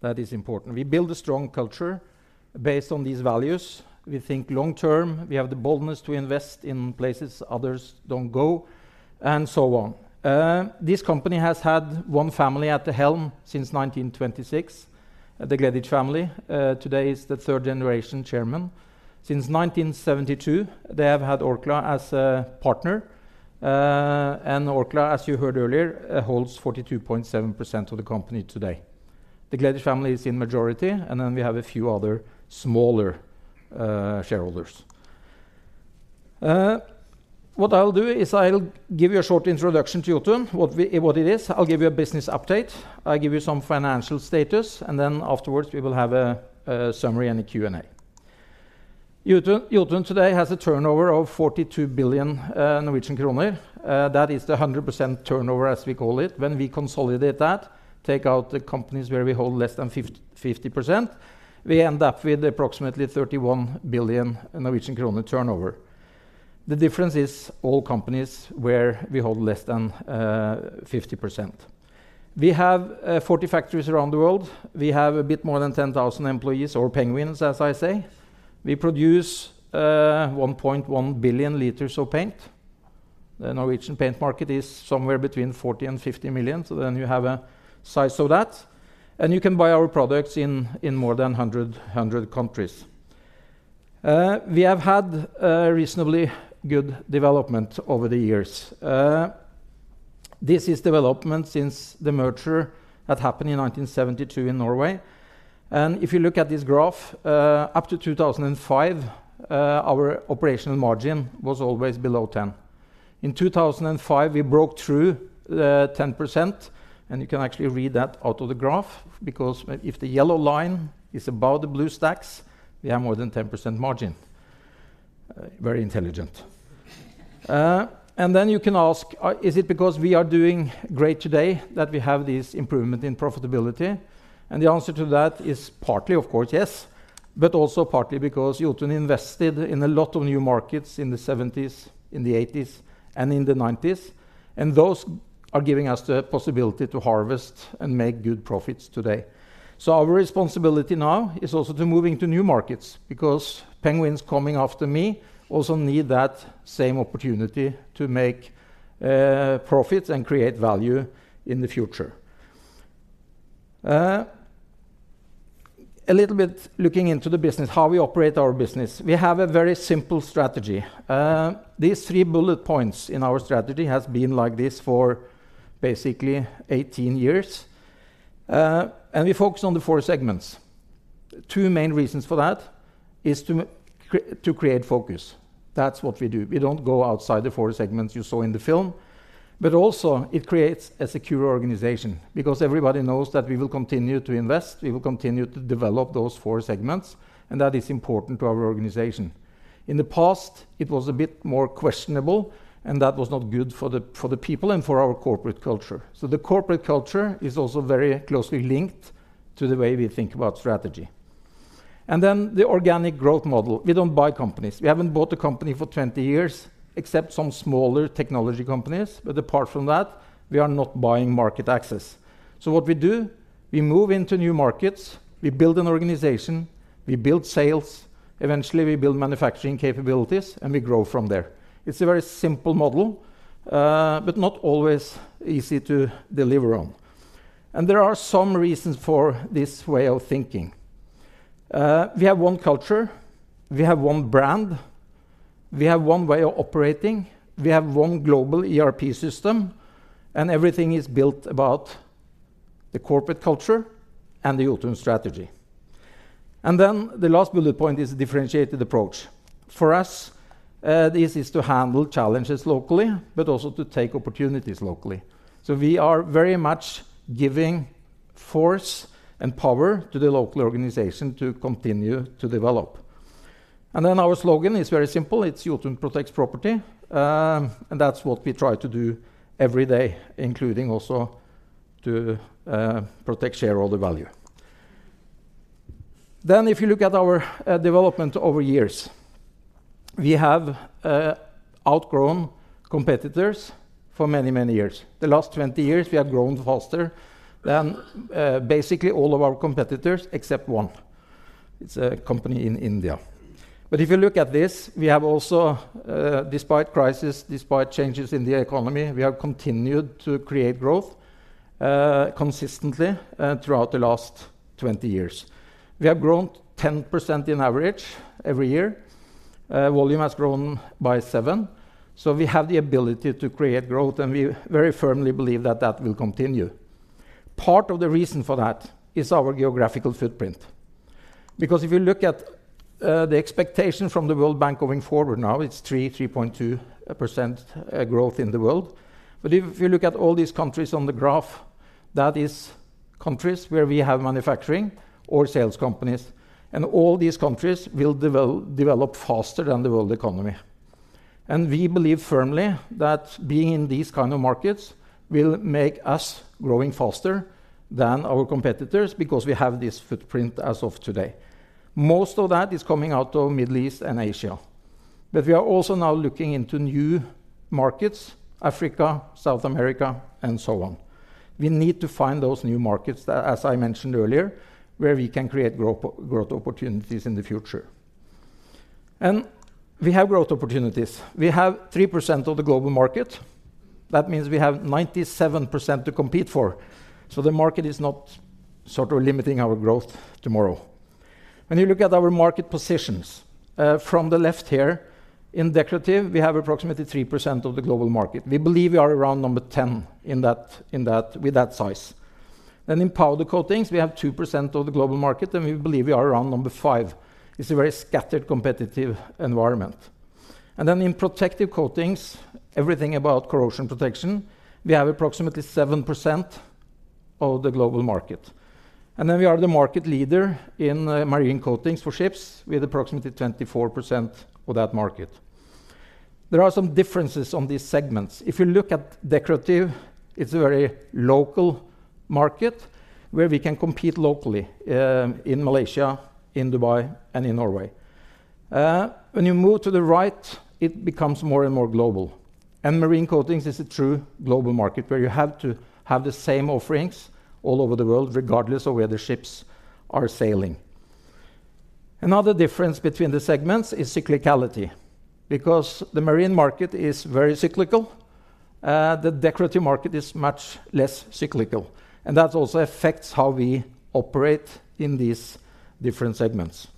That is important. We build a strong culture based on these values. We think long term, we have the boldness to invest in places others don't go, and so on. This company has had one family at the helm since 1926, the Gleditsch family. Today is the third generation chairman. Since 1972, they have had Orkla as a partner, and Orkla, as you heard earlier, holds 42.7% of the company today. The Gleditsch family is in majority, and then we have a few other smaller shareholders. What I'll do is I'll give you a short introduction to Jotun, what it is. I'll give you a business update, I'll give you some financial status, and then afterwards, we will have a summary and a Q&A. Jotun today has a turnover of 42 billion Norwegian kroner. That is the 100% turnover, as we call it. When we consolidate that, take out the companies where we hold less than 50%, we end up with approximately 31 billion Norwegian kroner turnover. The difference is all companies where we hold less than 50%. We have 40 factories around the world. We have a bit more than 10,000 employees, or penguins, as I say. We produce 1.1 billion liters of paint. The Norwegian paint market is somewhere between 40 million and 50 million, so then you have a size of that, and you can buy our products in more than 100 countries. We have had a reasonably good development over the years. This is development since the merger that happened in 1972 in Norway. And if you look at this graph, up to 2005, our operational margin was always below 10%. In 2005, we broke through the 10%, and you can actually read that out of the graph, because if the yellow line is above the blue stacks, we have more than 10% margin. Very intelligent. And then you can ask, is it because we are doing great today that we have this improvement in profitability? The answer to that is partly, of course, yes, but also partly because Jotun invested in a lot of new markets in the 1970s, in the 1980s, and in the 1990s, and those are giving us the possibility to harvest and make good profits today. So our responsibility now is also to moving to new markets, because penguins coming after me also need that same opportunity to make profits and create value in the future. A little bit looking into the business, how we operate our business. We have a very simple strategy. These three bullet points in our strategy has been like this for basically 18 years, and we focus on the four segments. Two main reasons for that is to create focus. That's what we do. We don't go outside the four segments you saw in the film, but also it creates a secure organization, because everybody knows that we will continue to invest, we will continue to develop those four segments, and that is important to our organization. In the past, it was a bit more questionable, and that was not good for the, for the people and for our corporate culture. So the corporate culture is also very closely linked to the way we think about strategy.... And then the organic growth model. We don't buy companies. We haven't bought a company for 20 years, except some smaller technology companies, but apart from that, we are not buying market access. So what we do, we move into new markets, we build an organization, we build sales, eventually, we build manufacturing capabilities, and we grow from there. It's a very simple model, but not always easy to deliver on. And there are some reasons for this way of thinking. We have one culture, we have one brand, we have one way of operating, we have one global ERP system, and everything is built about the corporate culture and the Jotun strategy. And then the last bullet point is differentiated approach. For us, this is to handle challenges locally, but also to take opportunities locally. So we are very much giving force and power to the local organization to continue to develop. And then our slogan is very simple, it's Jotun protects property, and that's what we try to do every day, including also to protect shareholder value. Then, if you look at our development over years, we have outgrown competitors for many, many years. The last 20 years, we have grown faster than basically all of our competitors, except one. It's a company in India. But if you look at this, we have also, despite crisis, despite changes in the economy, we have continued to create growth consistently throughout the last 20 years. We have grown 10% in average every year. Volume has grown by 7%, so we have the ability to create growth, and we very firmly believe that that will continue. Part of the reason for that is our geographical footprint. Because if you look at the expectation from the World Bank going forward now, it's 3.2% growth in the world. If you look at all these countries on the graph, that is countries where we have manufacturing or sales companies, and all these countries will develop faster than the world economy. We believe firmly that being in these kind of markets will make us growing faster than our competitors because we have this footprint as of today. Most of that is coming out of Middle East and Asia, but we are also now looking into new markets, Africa, South America, and so on. We need to find those new markets, as I mentioned earlier, where we can create growth, growth opportunities in the future. We have growth opportunities. We have 3% of the global market. That means we have 97% to compete for, so the market is not sort of limiting our growth tomorrow. When you look at our market positions, from the left here, in decorative, we have approximately 3% of the global market. We believe we are around number 10 in that, in that with that size. Then in powder coatings, we have 2% of the global market, and we believe we are around number five. It's a very scattered, competitive environment. And then in protective coatings, everything about corrosion protection, we have approximately 7% of the global market. And then we are the market leader in, marine coatings for ships, with approximately 24% of that market. There are some differences on these segments. If you look at decorative, it's a very local market where we can compete locally, in Malaysia, in Dubai, and in Norway. When you move to the right, it becomes more and more global. Marine coatings is a true global market, where you have to have the same offerings all over the world, regardless of where the ships are sailing. Another difference between the segments is cyclicality, because the marine market is very cyclical, the decorative market is much less cyclical, and that also affects how we operate in these different segments.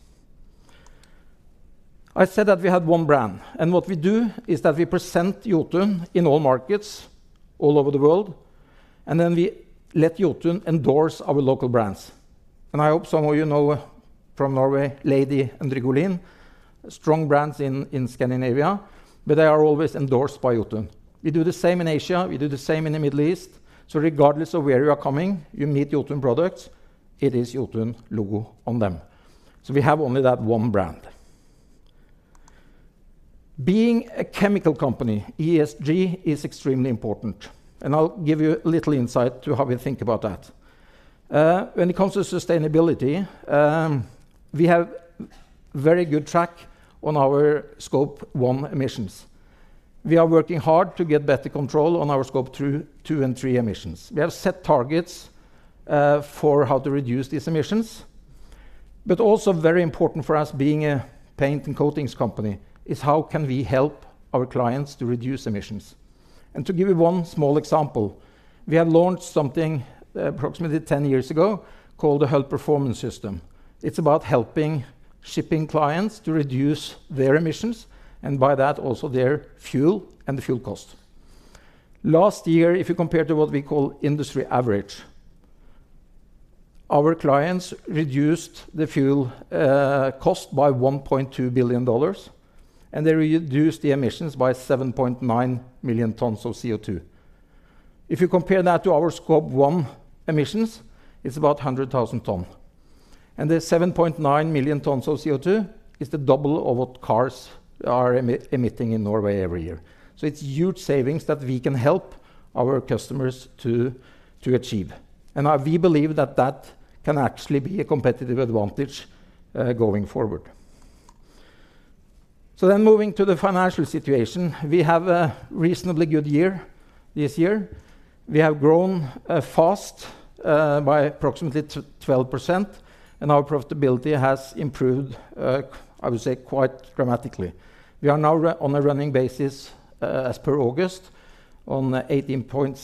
I said that we had one brand, and what we do is that we present Jotun in all markets all over the world, and then we let Jotun endorse our local brands. I hope some of you know, from Norway, Lady and Drygolin, strong brands in Scandinavia, but they are always endorsed by Jotun. We do the same in Asia, we do the same in the Middle East. Regardless of where you are coming, you meet Jotun products, it is Jotun logo on them. So we have only that one brand. Being a chemical company, ESG is extremely important, and I'll give you a little insight to how we think about that. When it comes to sustainability, we have very good track on our Scope 1 emissions. We are working hard to get better control on our Scope 2 and 3 emissions. We have set targets for how to reduce these emissions, but also very important for us, being a paint and coatings company, is how can we help our clients to reduce emissions? And to give you one small example, we have launched something approximately 10 years ago called the Hull Performance System. It's about helping shipping clients to reduce their emissions, and by that, also their fuel and the fuel cost. Last year, if you compare to what we call industry average, our clients reduced the fuel cost by $1.2 billion, and they reduced the emissions by 7.9 million tons of CO2. If you compare that to our Scope 1 emissions, it's about 100,000 tons. And the 7.9 million tons of CO2 is the double of what cars are emitting in Norway every year. So it's huge savings that we can help our customers to achieve. And we believe that that can actually be a competitive advantage going forward. So then moving to the financial situation. We have a reasonably good year this year. We have grown fast by approximately 12%, and our profitability has improved, I would say quite dramatically. We are now on a running basis, as per August, on 18.7%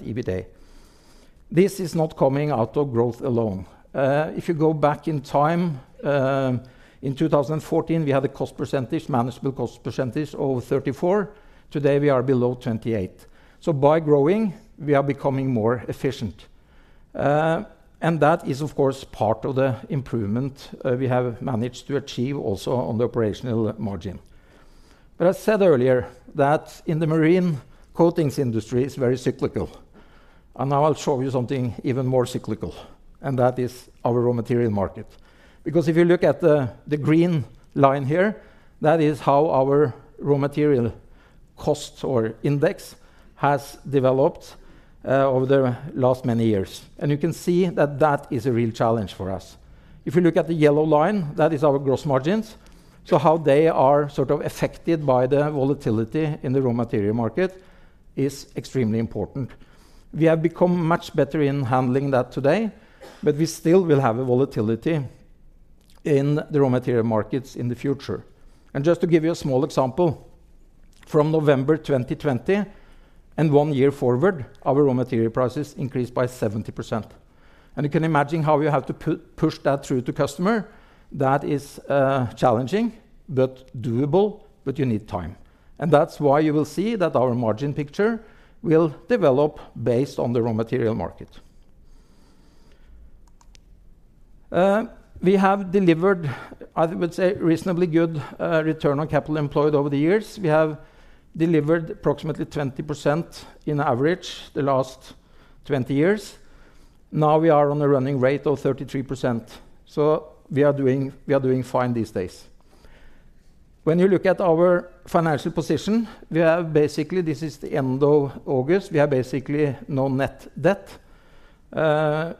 EBITDA. This is not coming out of growth alone. If you go back in time, in 2014, we had a cost percentage, manageable cost percentage, over 34. Today, we are below 28. So by growing, we are becoming more efficient. And that is, of course, part of the improvement, we have managed to achieve also on the operational margin. But I said earlier that in the marine coatings industry, it's very cyclical. And now I'll show you something even more cyclical, and that is our raw material market. Because if you look at the green line here, that is how our raw material costs or index has developed, over the last many years. And you can see that that is a real challenge for us. If you look at the yellow line, that is our gross margins. So how they are sort of affected by the volatility in the raw material market is extremely important. We have become much better in handling that today, but we still will have a volatility in the raw material markets in the future. And just to give you a small example, from November 2020 and one year forward, our raw material prices increased by 70%. And you can imagine how you have to push that through to customer. That is challenging, but doable, but you need time. And that's why you will see that our margin picture will develop based on the raw material market. We have delivered, I would say, reasonably good Return on Capital Employed over the years. We have delivered approximately 20% in average the last 20 years. Now we are on a running rate of 33%, so we are doing, we are doing fine these days. When you look at our financial position, we have basically, this is the end of August, we have basically no net debt.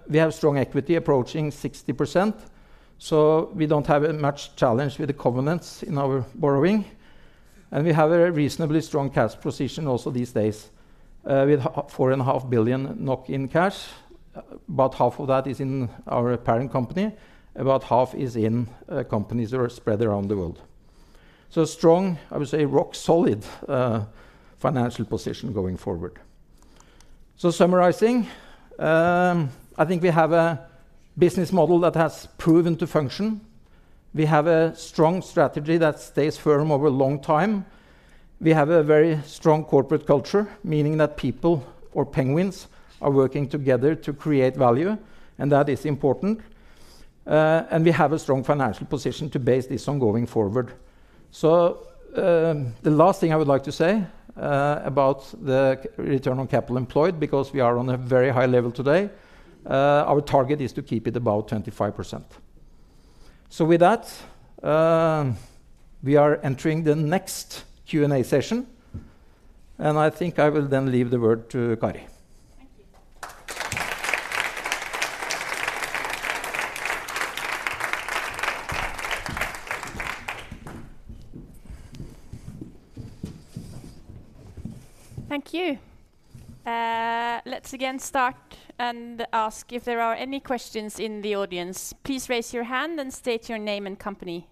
We have strong equity approaching 60%, so we don't have much challenge with the covenants in our borrowing, and we have a reasonably strong cash position also these days, with 4.5 billion NOK in cash. About half of that is in our parent company, about half is in companies that are spread around the world. So strong, I would say, rock solid financial position going forward. So summarizing, I think we have a business model that has proven to function. We have a strong strategy that stays firm over a long time. We have a very strong corporate culture, meaning that people or penguins are working together to create value, and that is important. We have a strong financial position to base this on going forward. The last thing I would like to say about the Return on Capital Employed, because we are on a very high level today, our target is to keep it about 25%. With that, we are entering the next Q&A session, and I think I will then leave the word to Kari. Thank you. Thank you. Let's again start and ask if there are any questions in the audience. Please raise your hand and state your name and company.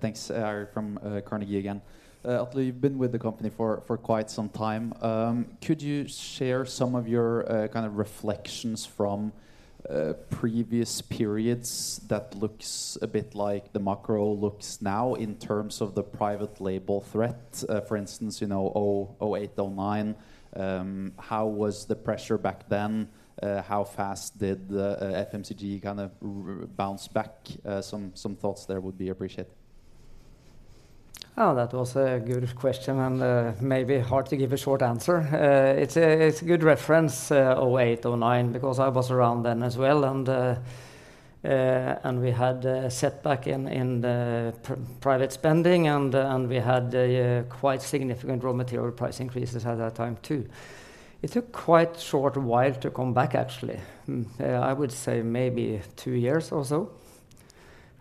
Thanks. From Carnegie again. Atle, you've been with the company for quite some time. Could you share some of your kind of reflections from previous periods that looks a bit like the macro looks now in terms of the private label threat? For instance, you know, 2008, 2009, how was the pressure back then? How fast did the FMCG kind of bounce back? Some thoughts there would be appreciated. Oh, that was a good question and, maybe hard to give a short answer. It's a good reference, 2008, 2009, because I was around then as well, and we had a setback in the private spending, and we had quite significant raw material price increases at that time, too. It took quite short while to come back, actually. I would say maybe two years or so,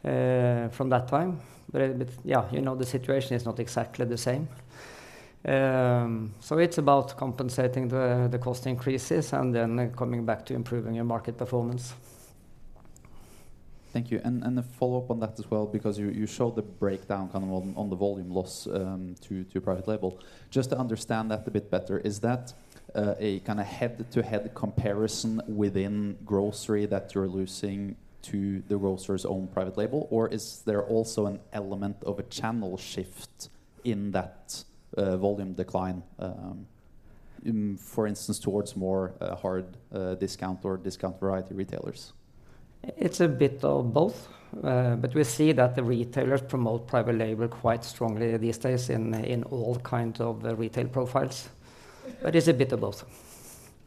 from that time. But yeah, you know, the situation is not exactly the same. So it's about compensating the cost increases and then coming back to improving your market performance. Thank you. And to follow up on that as well, because you showed the breakdown kind of on the volume loss to private label. Just to understand that a bit better, is that a kind of head-to-head comparison within grocery that you're losing to the grocer's own private label? Or is there also an element of a channel shift in that volume decline, for instance, towards more hard discount or discount variety retailers? It's a bit of both. But we see that the retailers promote private label quite strongly these days in all kinds of retail profiles. But it's a bit of both.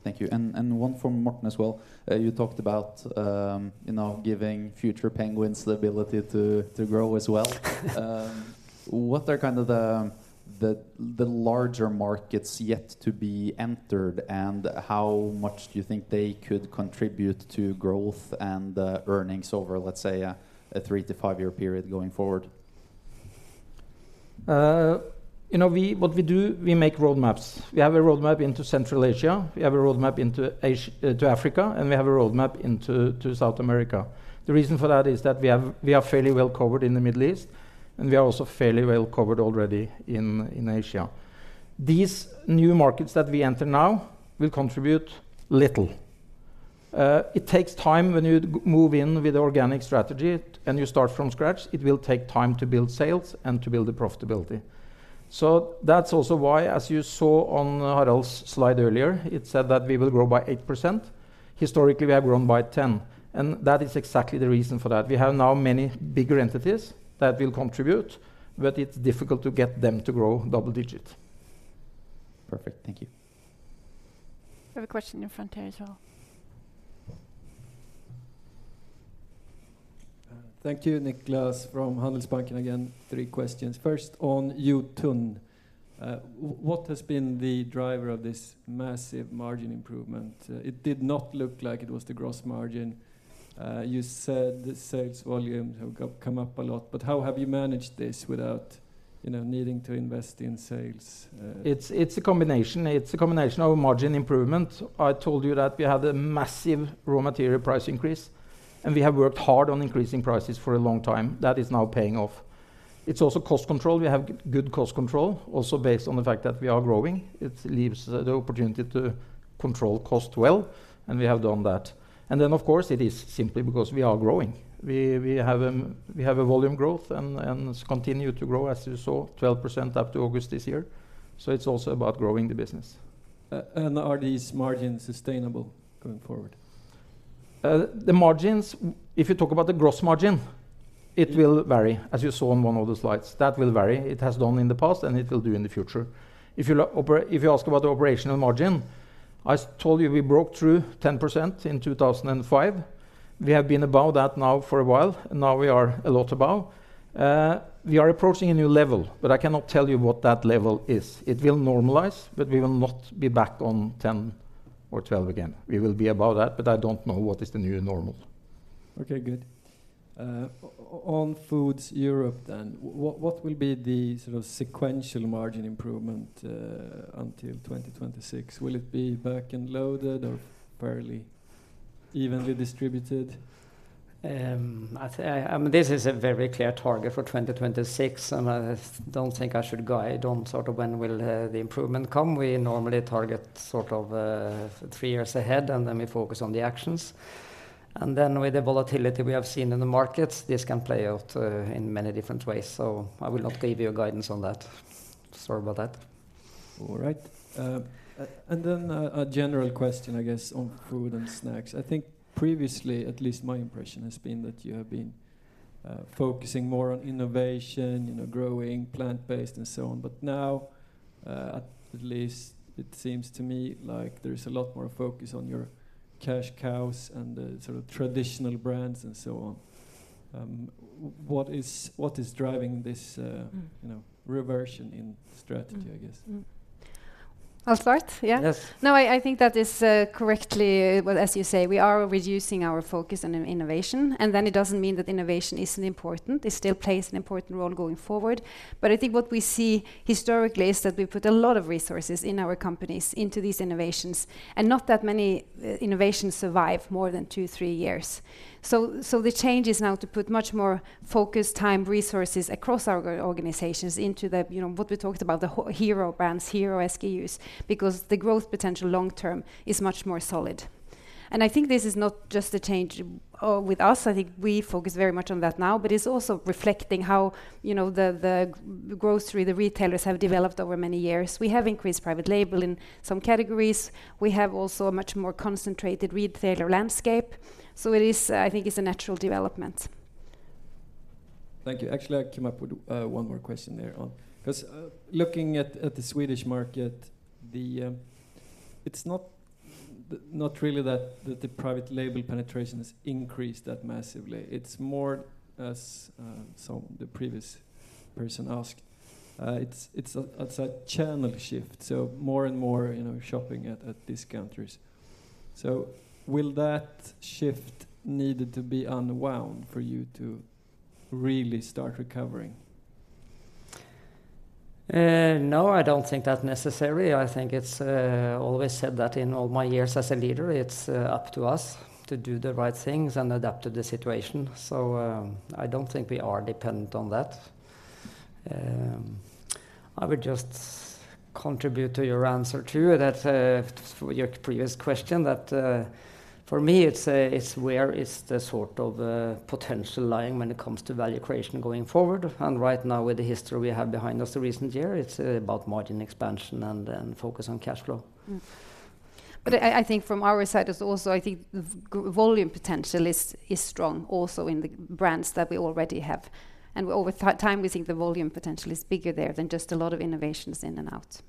Thank you. And one for Morten as well. You talked about, you know, giving future penguins the ability to grow as well. What are kind of the larger markets yet to be entered, and how much do you think they could contribute to growth and earnings over, let's say, a three to five-year period going forward? You know, what we do, we make roadmaps. We have a roadmap into Central Asia, we have a roadmap into to Africa, and we have a roadmap into to South America. The reason for that is that we are fairly well covered in the Middle East, and we are also fairly well covered already in Asia. These new markets that we enter now will contribute little. It takes time when you move in with organic strategy and you start from scratch, it will take time to build sales and to build the profitability. So that's also why, as you saw on Harald's slide earlier, it said that we will grow by 8%. Historically, we have grown by 10, and that is exactly the reason for that. We have now many bigger entities that will contribute, but it's difficult to get them to grow double digit. Perfect. Thank you. We have a question in the front here as well. Thank you, Nicklas, from Handelsbanken again. Three questions. First, on Jotun. What has been the driver of this massive margin improvement? It did not look like it was the gross margin. You said the sales volumes have come up a lot, but how have you managed this without, you know, needing to invest in sales. It's a combination. It's a combination of margin improvement. I told you that we had a massive raw material price increase, and we have worked hard on increasing prices for a long time. That is now paying off. It's also cost control. We have good cost control, also based on the fact that we are growing. It leaves the opportunity to control cost well, and we have done that. And then, of course, it is simply because we are growing. We have a volume growth and continue to grow, as you saw, 12% up to August this year, so it's also about growing the business. Are these margins sustainable going forward? The margins, if you talk about the gross margin, it will vary, as you saw on one of the slides. That will vary. It has done in the past, and it will do in the future. If you ask about the operational margin, I told you we broke through 10% in 2005. We have been above that now for a while, and now we are a lot above. We are approaching a new level, but I cannot tell you what that level is. It will normalize, but we will not be back on 10 or 12 again. We will be above that, but I don't know what is the new normal. Okay, good. On Foods Europe, then, what will be the sort of sequential margin improvement until 2026? Will it be back-end loaded or fairly evenly distributed? This is a very clear target for 2026, and I don't think I should guide on sort of when will the improvement come. We normally target sort of three years ahead, and then we focus on the actions. And then with the volatility we have seen in the markets, this can play out in many different ways, so I will not give you a guidance on that. Sorry about that. All right. And then a general question, I guess, on Food and Snacks. I think previously, at least my impression, has been that you have been focusing more on innovation, you know, growing plant-based and so on. But now, at least it seems to me like there is a lot more focus on your cash cows and the sort of traditional brands and so on. What is driving this? You know, reversion in strategy, I guess? I'll start? Yeah. Yes. No, I think that is correctly, well, as you say, we are reducing our focus on innovation. And then it doesn't mean that innovation isn't important. It still plays an important role going forward. But I think what we see historically is that we put a lot of resources in our companies into these innovations, and not that many innovations survive more than two, three years. So the change is now to put much more focus, time, resources across our organizations into the, you know, what we talked about, the hero brands, hero SKUs, because the growth potential long term is much more solid. And I think this is not just a change with us, I think we focus very much on that now, but it's also reflecting how, you know, the grocery, the retailers have developed over many years. We have increased private label in some categories. We have also a much more concentrated retailer landscape, so it is, I think it's a natural development. Thank you. Actually, I came up with one more question there on, 'cause looking at the Swedish market, the, it's not really that the private label penetration has increased that massively. It's more as the previous person asked, it's a channel shift, so more and more, you know, shopping at discounters. So will that shift needed to be unwound for you to really start recovering? No, I don't think that's necessary. I think it's always said that in all my years as a leader, it's up to us to do the right things and adapt to the situation, so I don't think we are dependent on that. I would just contribute to your answer, too, that for your previous question, that for me, it's where is the sort of potential lying when it comes to value creation going forward. Right now, with the history we have behind us the recent year, it's about margin expansion and then focus on cash flow. But I think from our side, it's also, I think the volume potential is strong also in the brands that we already have. And over time, we think the volume potential is bigger there than just a lot of innovations in and out.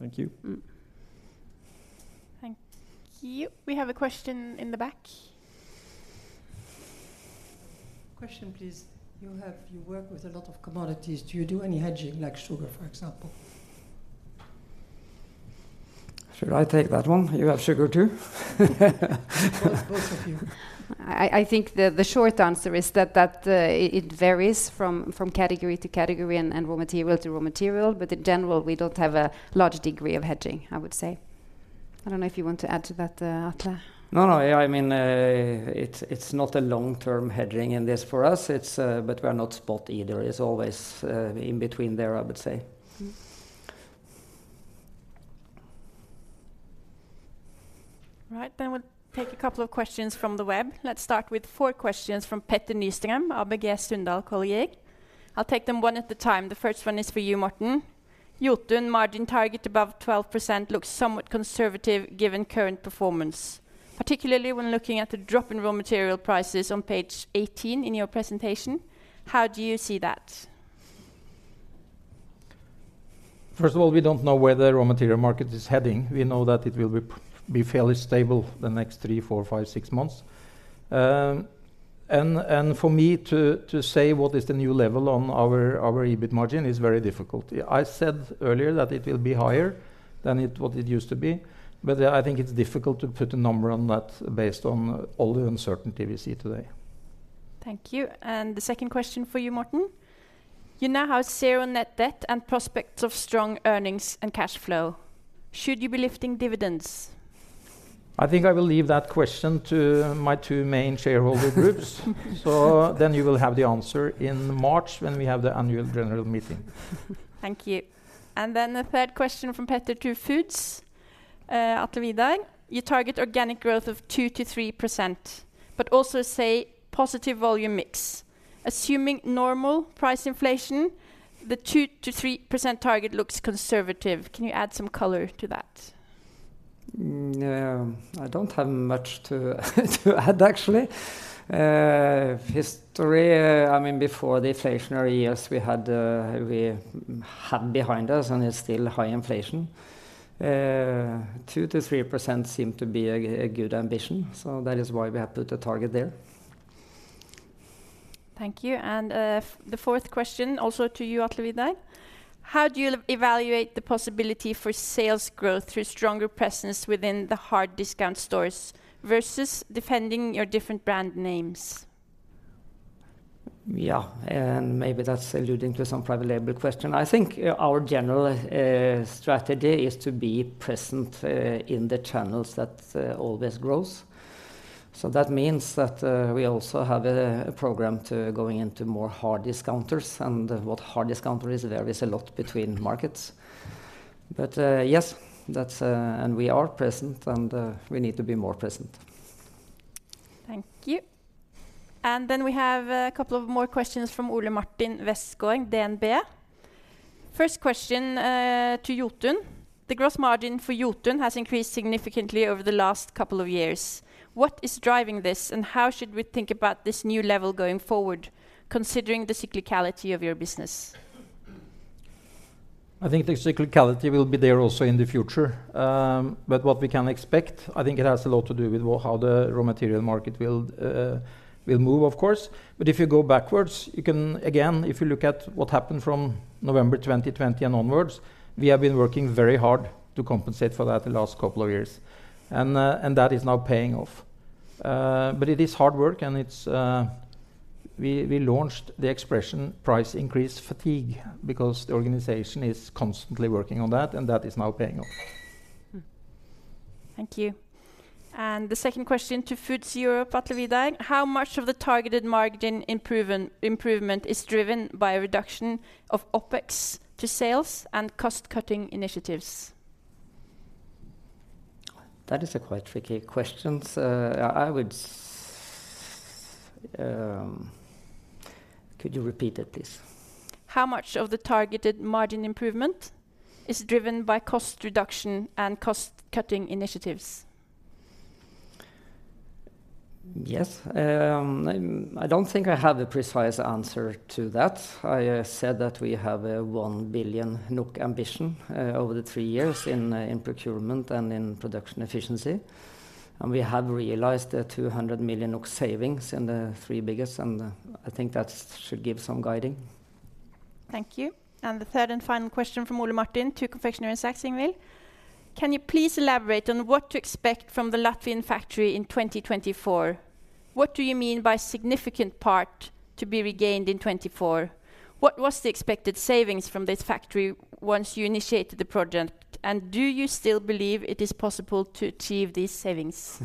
Thank you. Thank you. We have a question in the back. Question, please. You have, you work with a lot of commodities. Do you do any hedging, like sugar, for example? Should I take that one? You have sugar, too. Yes, both of you. I think the short answer is that it varies from category to category and raw material to raw material, but in general, we don't have a large degree of hedging, I would say. I don't know if you want to add to that, Atle. No, no, yeah, I mean, it's not a long-term hedging in this for us. It's, but we are not spot either. It's always in between there, I would say. Right, then we'll take a couple of questions from the web. Let's start with four questions from Petter Nystrøm of ABG Sundal Collier. I'll take them one at a time. The first one is for you, Morten. Jotun margin target above 12% looks somewhat conservative given current performance, particularly when looking at the drop in raw material prices on page 18 in your presentation. How do you see that? First of all, we don't know where the raw material market is heading. We know that it will be fairly stable the next three, four, five, six months. And for me to say what is the new level on our EBIT margin is very difficult. I said earlier that it will be higher than it... what it used to be, but yeah, I think it's difficult to put a number on that based on all the uncertainty we see today. Thank you. The second question for you, Morten: You now have zero net debt and prospects of strong earnings and cash flow. Should you be lifting dividends? I think I will leave that question to my two main shareholder groups. So then you will have the answer in March when we have the annual general meeting. Thank you. And then the third question from Petter to Foods, Atle Vidar. You target organic growth of 2%-3%, but also say positive volume mix. Assuming normal price inflation, the 2%-3% target looks conservative. Can you add some color to that? I don't have much to add, actually. History, I mean, before the inflationary years, we had behind us, and it's still high inflation. 2%-3% seem to be a good ambition, so that is why we have put a target there. Thank you. The fourth question, also to you, Atle Vidar: How do you evaluate the possibility for sales growth through stronger presence within the hard discount stores versus defending your different brand names? Yeah, and maybe that's alluding to some private label question. I think, our general, strategy is to be present, in the channels that, always grows. So that means that, we also have a program to going into more hard discounters, and what hard discounter is, there is a lot between markets. But, yes, that's... And we are present, and, we need to be more present. Thank you. And then we have a couple of more questions from Ole Martin Westgaard, DNB. First question to Jotun: The gross margin for Jotun has increased significantly over the last couple of years. What is driving this, and how should we think about this new level going forward, considering the cyclicality of your business? I think the cyclicality will be there also in the future. But what we can expect, I think it has a lot to do with how the raw material market will move, of course. But if you go backwards, you can, again, if you look at what happened from November 2020 and onwards, we have been working very hard to compensate for that the last couple of years, and that is now paying off. But it is hard work, and it's... We launched the expression price increase fatigue, because the organization is constantly working on that, and that is now paying off. Thank you. The second question to Foods Europe, Atle Vidar: How much of the targeted margin improvement is driven by a reduction of OpEx to sales and cost-cutting initiatives? That is a quite tricky question. Could you repeat it, please? How much of the targeted margin improvement is driven by cost reduction and cost-cutting initiatives? Yes. I don't think I have a precise answer to that. I said that we have a 1 billion NOK ambition over the three years in procurement and in production efficiency, and we have realized a 200 million savings in the three biggest, and I think that should give some guiding. Thank you. The third and final question from Ole Martin to Confectionery & Snacks, Ingvill: Can you please elaborate on what to expect from the Latvian factory in 2024? What do you mean by significant part to be regained in 2024? What was the expected savings from this factory once you initiated the project, and do you still believe it is possible to achieve these savings?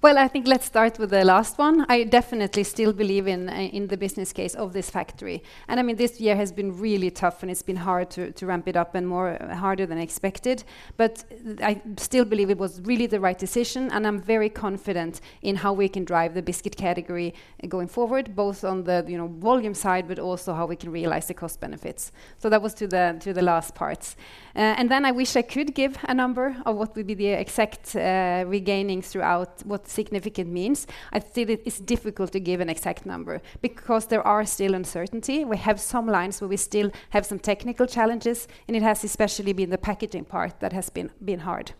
Well, I think let's start with the last one. I definitely still believe in the business case of this factory. And, I mean, this year has been really tough, and it's been hard to ramp it up and more harder than expected. But I still believe it was really the right decision, and I'm very confident in how we can drive the biscuit category going forward, both on the volume side, but also how we can realize the cost benefits. So that was to the last parts. And then I wish I could give a number of what would be the exact regainings throughout, what significant means. I'd say that it's difficult to give an exact number because there are still uncertainty. We have some lines where we still have some technical challenges, and it has especially been the packaging part that has been hard.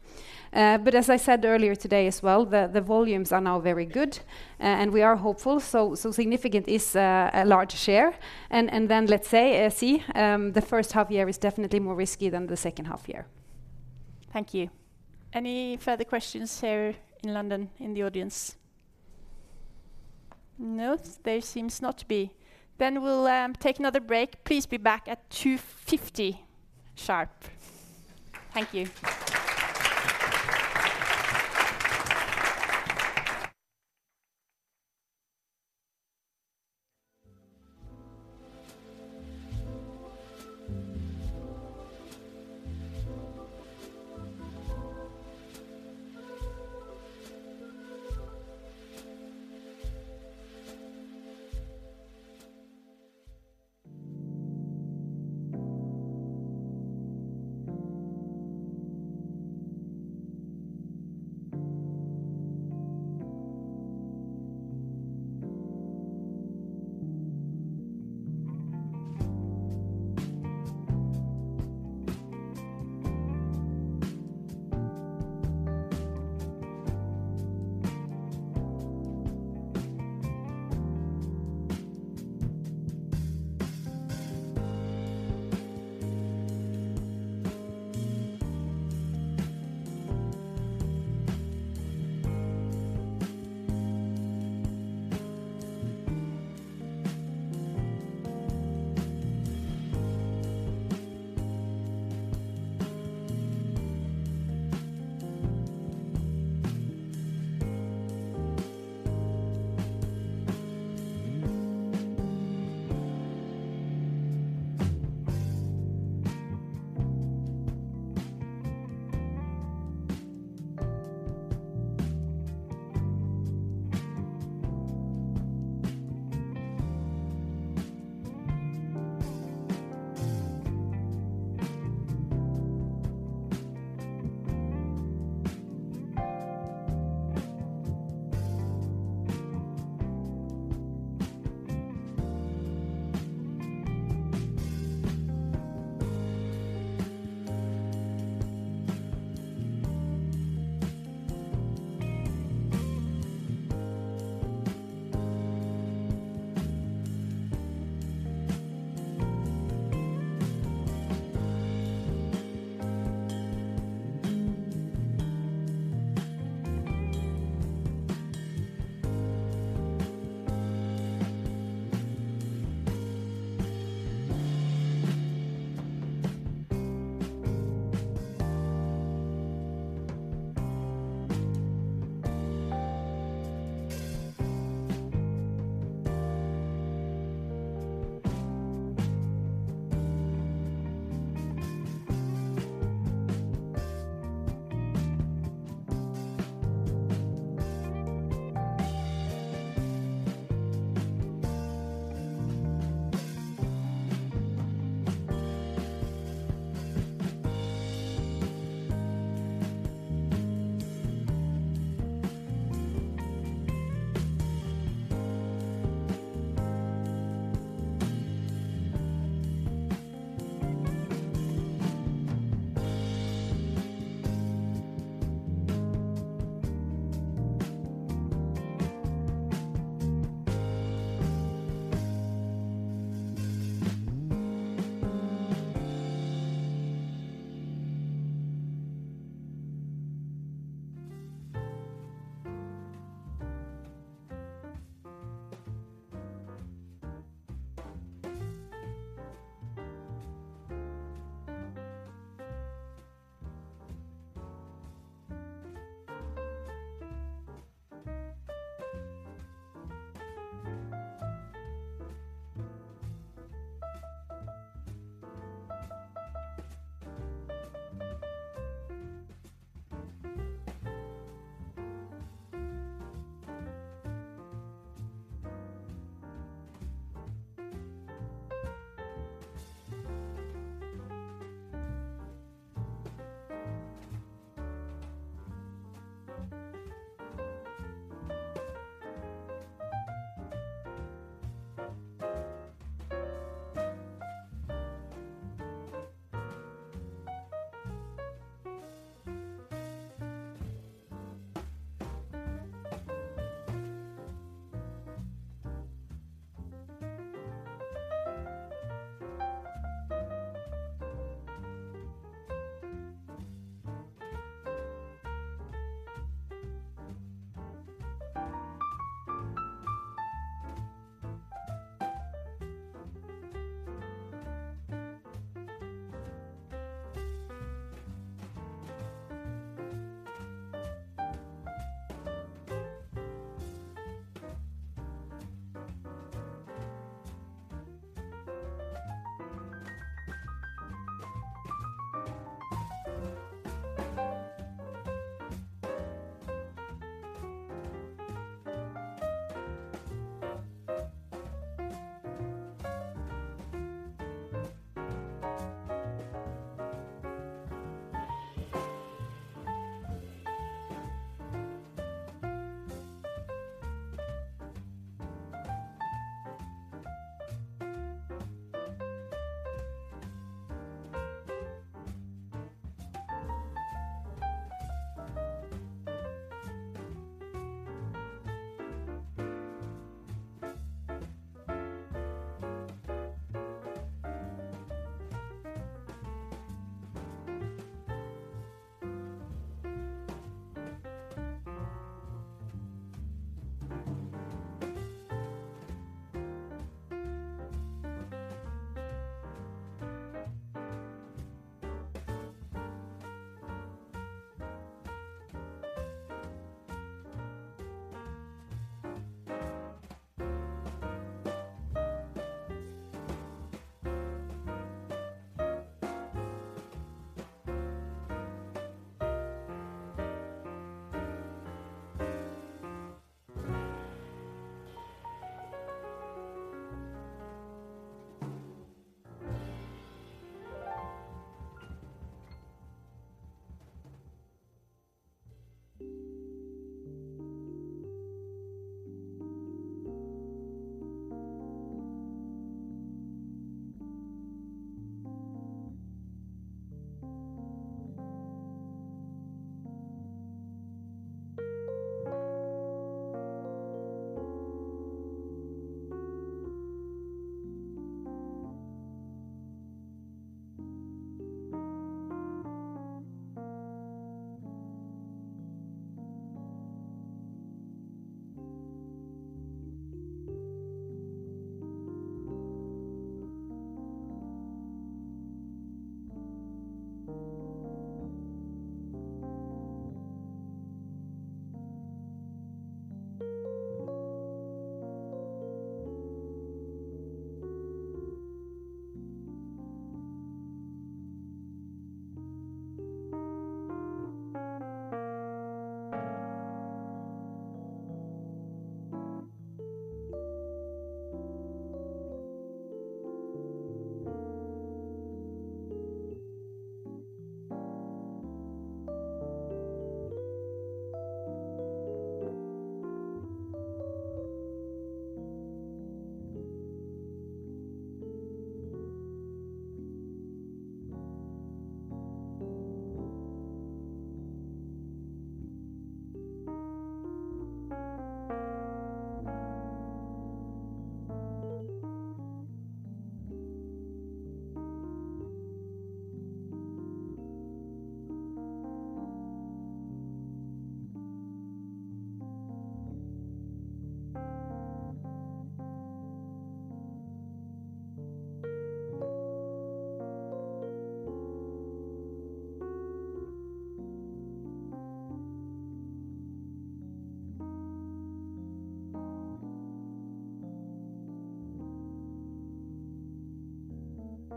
But as I said earlier today as well, the volumes are now very good, and we are hopeful. So significant is a large share, and then let's say C, the first half year is definitely more risky than the second half year. Thank you. Any further questions here in London, in the audience?... No, there seems not to be. Then we'll take another break. Please be back at 2:50 P.M. sharp.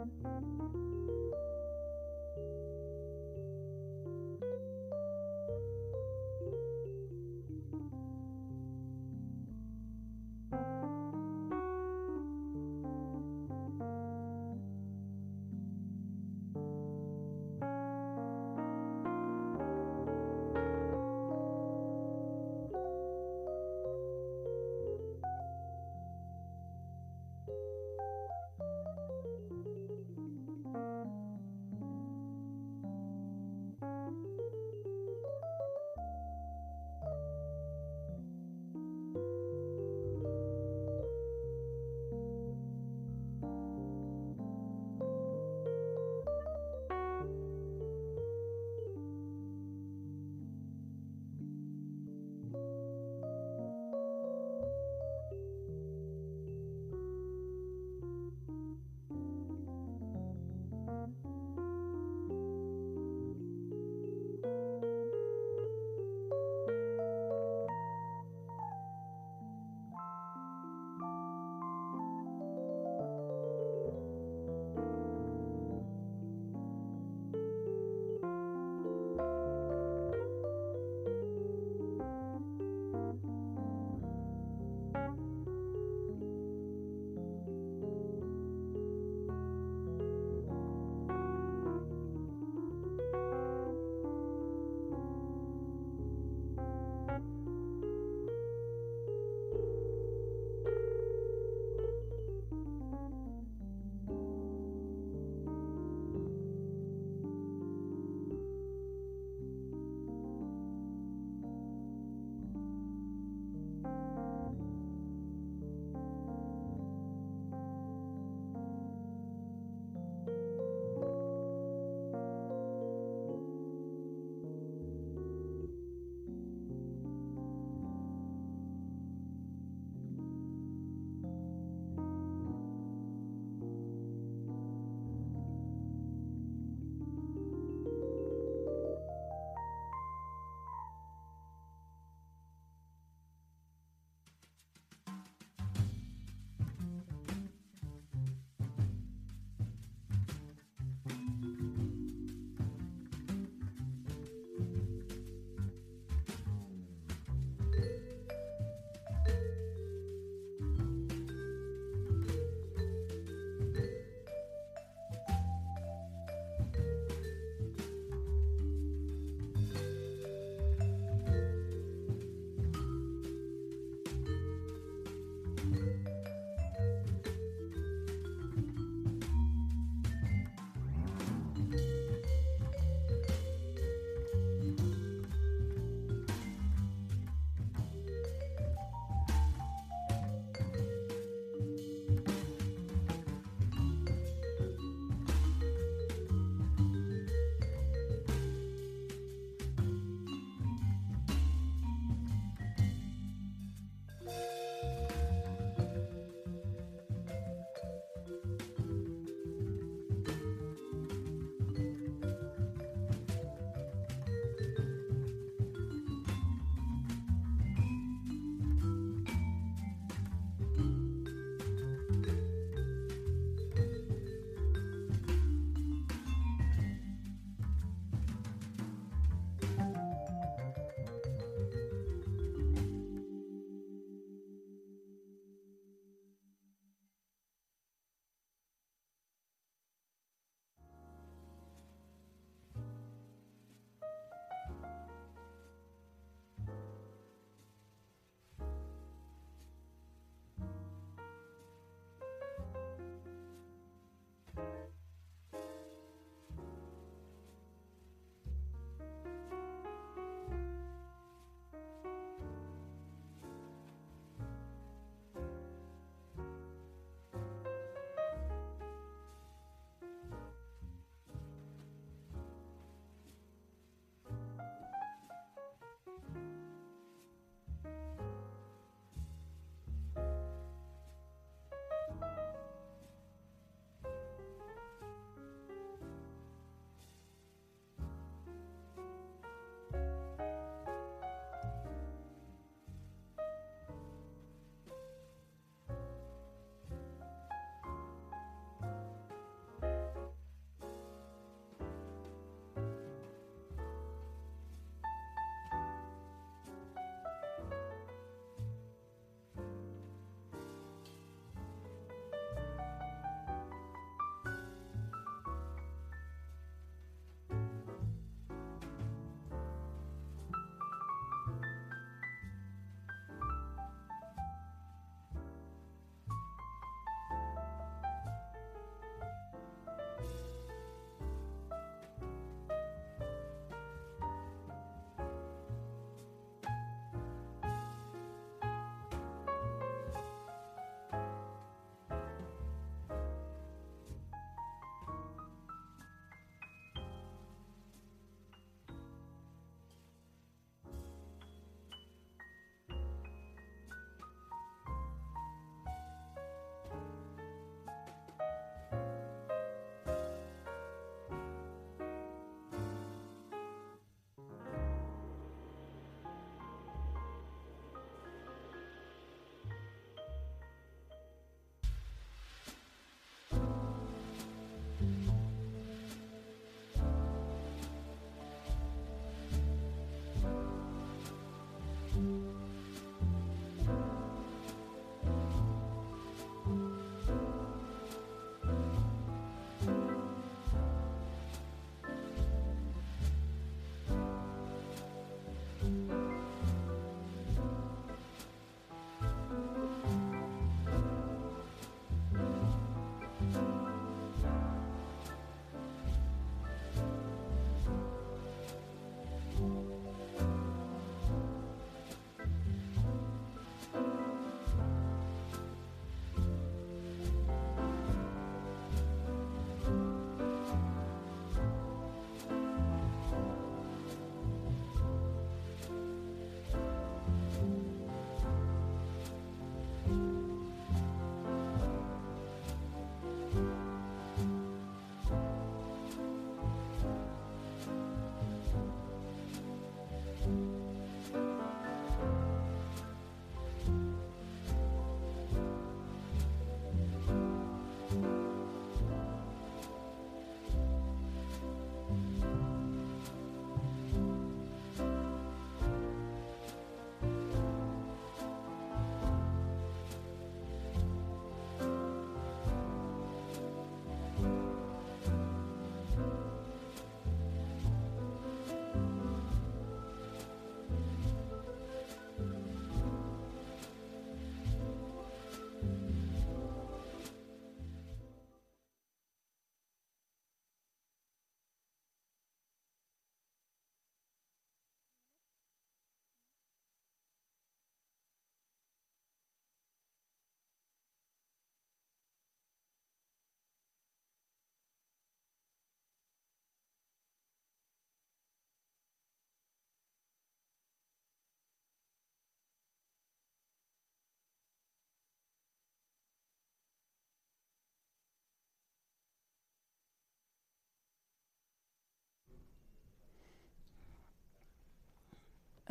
Thank you.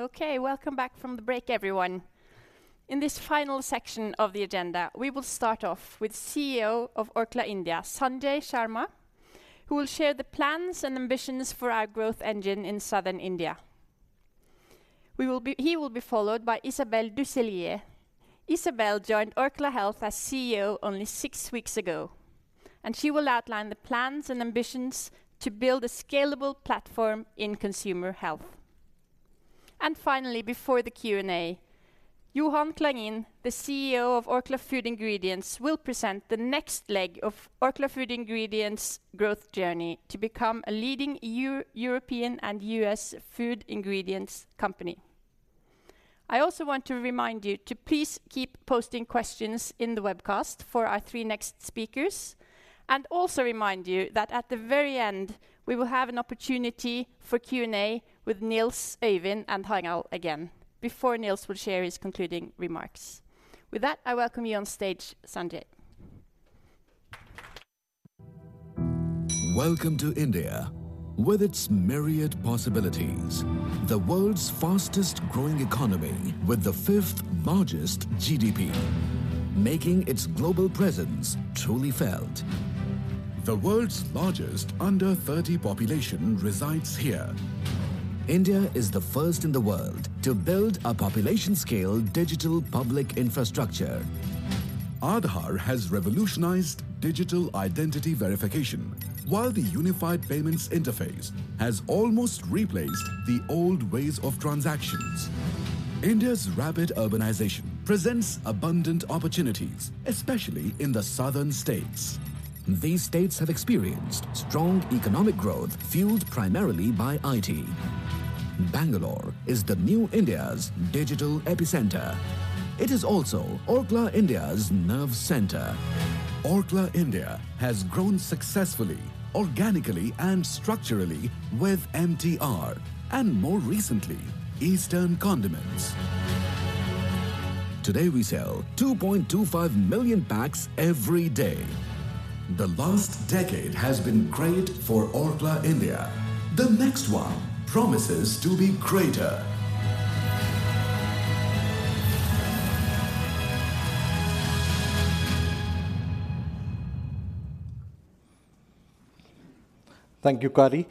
Okay, welcome back from the break, everyone. In this final section of the agenda, we will start off with CEO of Orkla India, Sanjay Sharma, who will share the plans and ambitions for our growth engine in Southern India. He will be followed by Isabelle Ducellier. Isabelle joined Orkla Health as CEO only six weeks ago, and she will outline the plans and ambitions to build a scalable platform in consumer health. And finally, before the Q&A, Johan Clarin, the CEO of Orkla Food Ingredients, will present the next leg of Orkla Food Ingredients' growth journey to become a leading European and U.S. food ingredients company. I also want to remind you to please keep posting questions in the webcast for our three next speakers, and also remind you that at the very end, we will have an opportunity for Q&A with Nils, Øyvind, and Harald again, before Nils will share his concluding remarks. With that, I welcome you on stage, Sanjay. Welcome to India, with its myriad possibilities, the world's fastest growing economy, with the 5th largest GDP, making its global presence truly felt. The world's largest under 30 population resides here. India is the first in the world to build a population-scale digital public infrastructure. Aadhaar has revolutionized digital identity verification, while the Unified Payments Interface has almost replaced the old ways of transactions. India's rapid urbanization presents abundant opportunities, especially in the southern states. These states have experienced strong economic growth, fueled primarily by IT. Bangalore is the new India's digital epicenter. It is also Orkla India's nerve center. Orkla India has grown successfully, organically, and structurally with MTR and more recently, Eastern Condiments. Today, we sell 2.25 million packs every day. The last decade has been great for Orkla India. The next one promises to be greater. Thank you, Kari.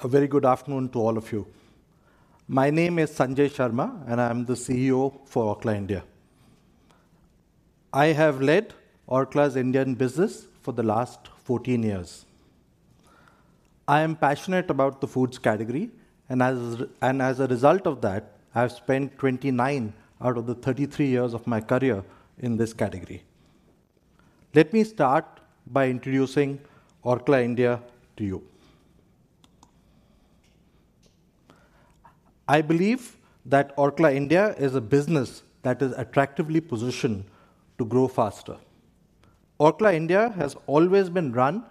A very good afternoon to all of you. My name is Sanjay Sharma, and I'm the CEO for Orkla India. I have led Orkla's Indian business for the last 14 years. I am passionate about the foods category, and as a result of that, I've spent 29 out of the 33 years of my career in this category. Let me start by introducing Orkla India to you. I believe that Orkla India is a business that is attractively positioned to grow faster. Orkla India has always been run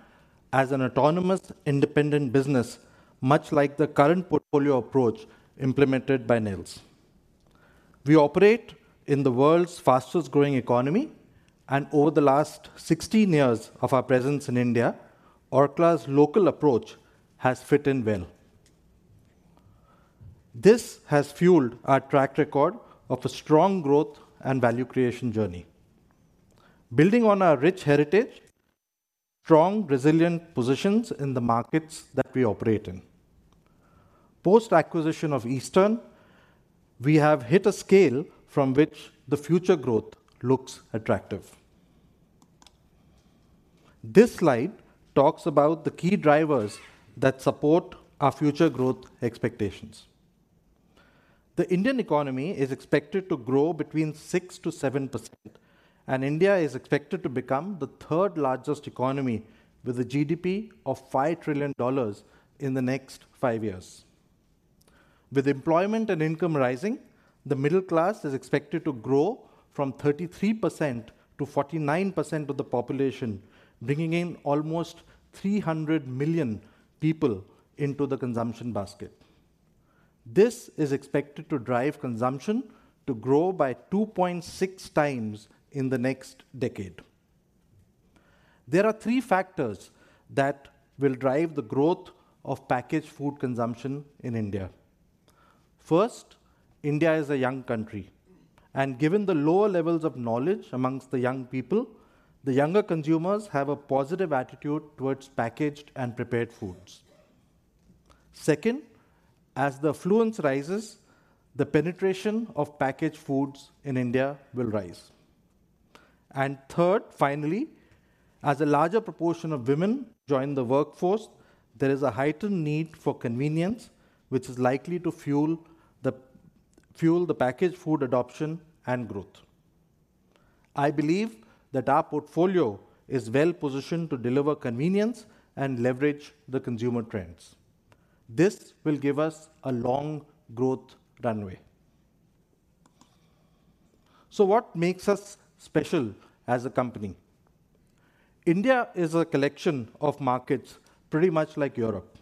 as an autonomous, independent business, much like the current portfolio approach implemented by Nils. We operate in the world's fastest-growing economy, and over the last 16 years of our presence in India, Orkla's local approach has fit in well. This has fueled our track record of a strong growth and value creation journey. Building on our rich heritage, strong, resilient positions in the markets that we operate in. Post-acquisition of Eastern, we have hit a scale from which the future growth looks attractive. This slide talks about the key drivers that support our future growth expectations. The Indian economy is expected to grow between 6%-7%, and India is expected to become the third largest economy with a GDP of $5 trillion in the next five years. With employment and income rising, the middle class is expected to grow from 33% to 49% of the population, bringing in almost 300 million people into the consumption basket. This is expected to drive consumption to grow by 2.6x in the next decade. There are three factors that will drive the growth of packaged food consumption in India. First, India is a young country, and given the lower levels of knowledge among the young people, the younger consumers have a positive attitude towards packaged and prepared foods. Second, as the affluence rises, the penetration of packaged foods in India will rise. Third, finally, as a larger proportion of women join the workforce, there is a heightened need for convenience, which is likely to fuel the packaged food adoption and growth. I believe that our portfolio is well positioned to deliver convenience and leverage the consumer trends. This will give us a long growth runway. So what makes us special as a company? India is a collection of markets, pretty much like Europe.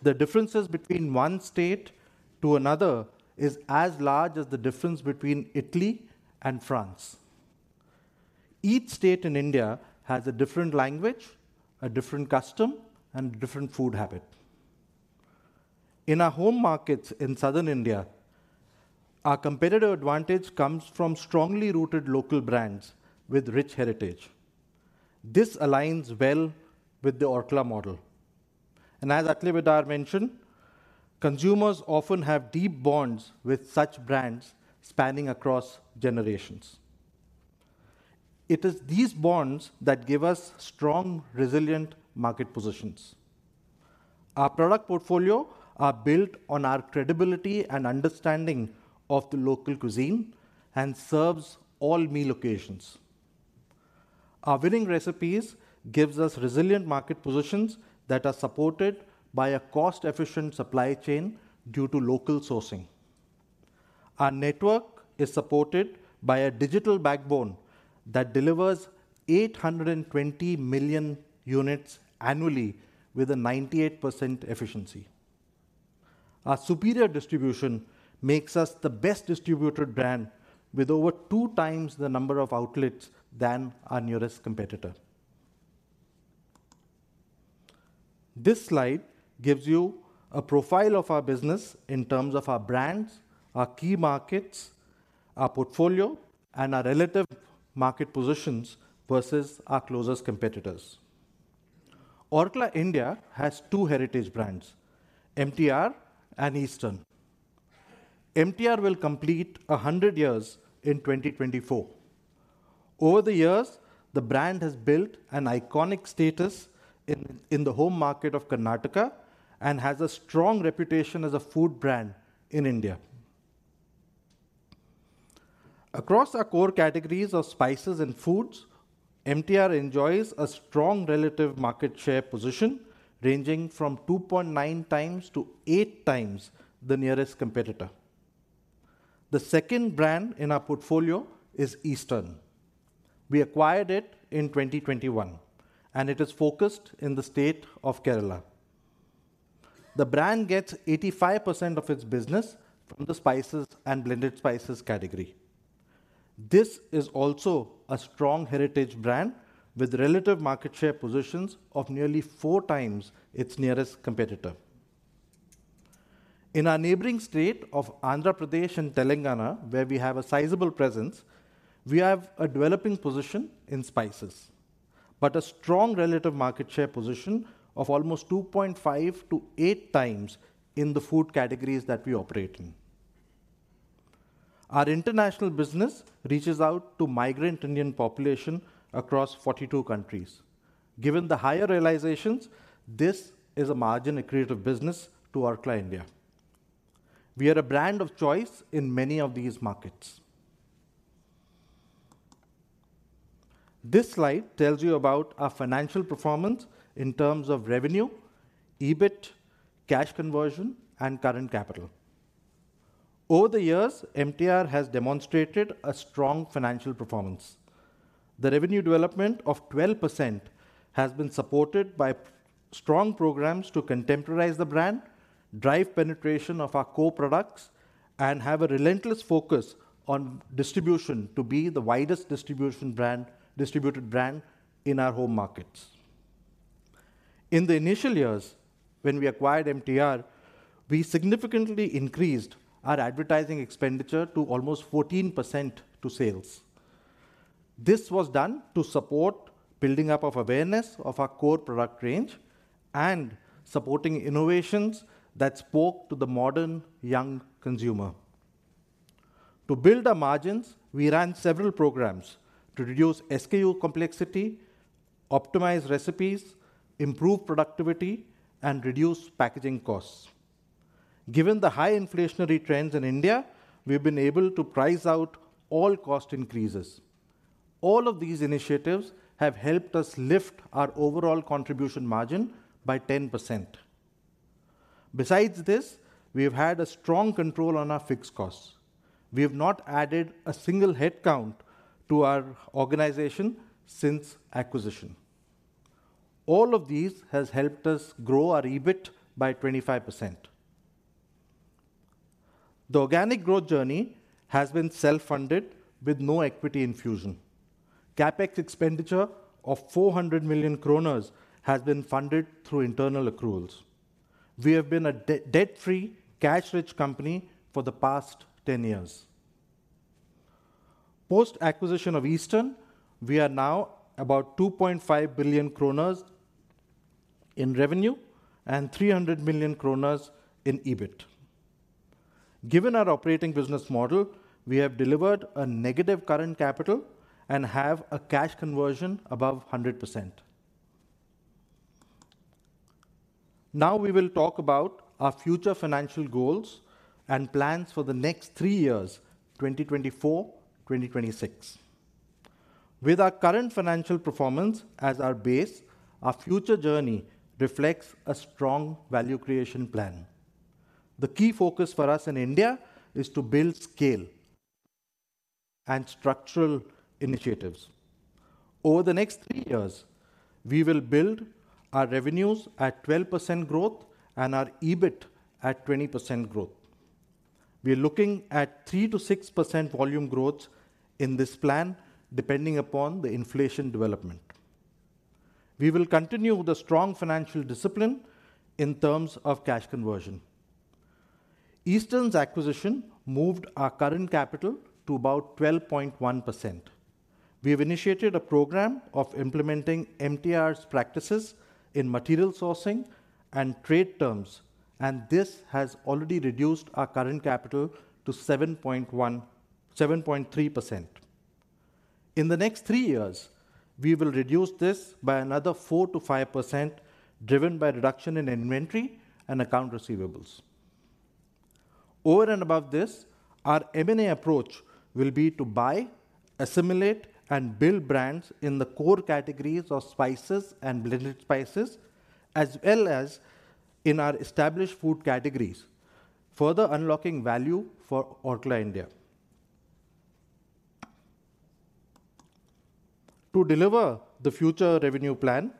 The differences between one state to another is as large as the difference between Italy and France. Each state in India has a different language, a different custom, and different food habit. In our home markets in Southern India, our competitive advantage comes from strongly rooted local brands with rich heritage. This aligns well with the Orkla model. As Atle Vidar mentioned, consumers often have deep bonds with such brands spanning across generations. It is these bonds that give us strong, resilient market positions. Our product portfolio are built on our credibility and understanding of the local cuisine and serves all meal occasions.... Our winning recipes gives us resilient market positions that are supported by a cost-efficient supply chain due to local sourcing. Our network is supported by a digital backbone that delivers 820 million units annually with a 98% efficiency. Our superior distribution makes us the best distributor brand with over 2x the number of outlets than our nearest competitor. This slide gives you a profile of our business in terms of our brands, our key markets, our portfolio, and our relative market positions versus our closest competitors. Orkla India has two heritage brands, MTR and Eastern. MTR will complete 100 years in 2024. Over the years, the brand has built an iconic status in the home market of Karnataka and has a strong reputation as a food brand in India. Across our core categories of spices and foods, MTR enjoys a strong relative market share position, ranging from 2.9x-8x the nearest competitor. The second brand in our portfolio is Eastern. We acquired it in 2021, and it is focused in the state of Kerala. The brand gets 85% of its business from the spices and blended spices category. This is also a strong heritage brand with relative market share positions of nearly 4x its nearest competitor. In our neighboring state of Andhra Pradesh and Telangana, where we have a sizable presence, we have a developing position in spices, but a strong relative market share position of almost 2.5x-8x in the food categories that we operate in. Our International Business reaches out to migrant Indian population across 42 countries. Given the higher realizations, this is a margin accretive business to Orkla India. We are a brand of choice in many of these markets. This slide tells you about our financial performance in terms of revenue, EBIT, cash conversion, and current capital. Over the years, MTR has demonstrated a strong financial performance. The revenue development of 12% has been supported by strong programs to contemporize the brand, drive penetration of our core products, and have a relentless focus on distribution to be the widest distribution brand, distributed brand in our home markets. In the initial years, when we acquired MTR, we significantly increased our advertising expenditure to almost 14% to sales. This was done to support building up of awareness of our core product range and supporting innovations that spoke to the modern young consumer. To build our margins, we ran several programs to reduce SKU complexity, optimize recipes, improve productivity, and reduce packaging costs. Given the high inflationary trends in India, we've been able to price out all cost increases. All of these initiatives have helped us lift our overall contribution margin by 10%. Besides this, we have had a strong control on our fixed costs. We have not added a single headcount to our organization since acquisition. All of these has helped us grow our EBIT by 25%. The organic growth journey has been self-funded with no equity infusion. CapEx expenditure of INR 400 million crore has been funded through internal accruals. We have been a debt-free, cash-rich company for the past 10 years. Post-acquisition of Eastern, we are now about INR 2.5 billion crore in revenue and INR 300 million crore in EBIT. Given our operating business model, we have delivered a negative current capital and have a cash conversion above 100%. Now we will talk about our future financial goals and plans for the next three years, 2024, 2026. With our current financial performance as our base, our future journey reflects a strong value creation plan. The key focus for us in India is to build scale and structural initiatives. Over the next three years, we will build our revenues at 12% growth and our EBIT at 20% growth. We are looking at 3%-6% volume growth in this plan, depending upon the inflation development. We will continue with a strong financial discipline in terms of cash conversion. Eastern's acquisition moved our current capital to about 12.1%. We have initiated a program of implementing MTR's practices in material sourcing and trade terms, and this has already reduced our current capital to 7.3%. In the next three years, we will reduce this by another 4%-5%, driven by reduction in inventory and account receivables. Over and above this, our M&A approach will be to buy, assimilate, and build brands in the core categories of spices and blended spices, as well as in our established food categories, further unlocking value for Orkla India. To deliver the future revenue plan,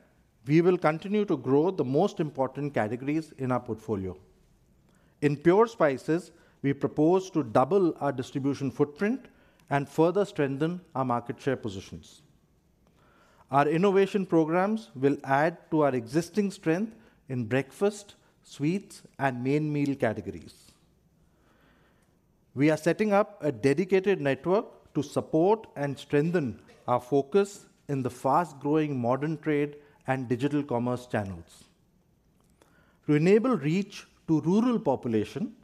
we will continue to grow the most important categories in our portfolio. In pure spices, we propose to double our distribution footprint and further strengthen our market share positions. Our innovation programs will add to our existing strength in breakfast, sweets, and main meal categories. We are setting up a dedicated network to support and strengthen our focus in the fast-growing modern trade and digital commerce channels. To enable reach to rural population,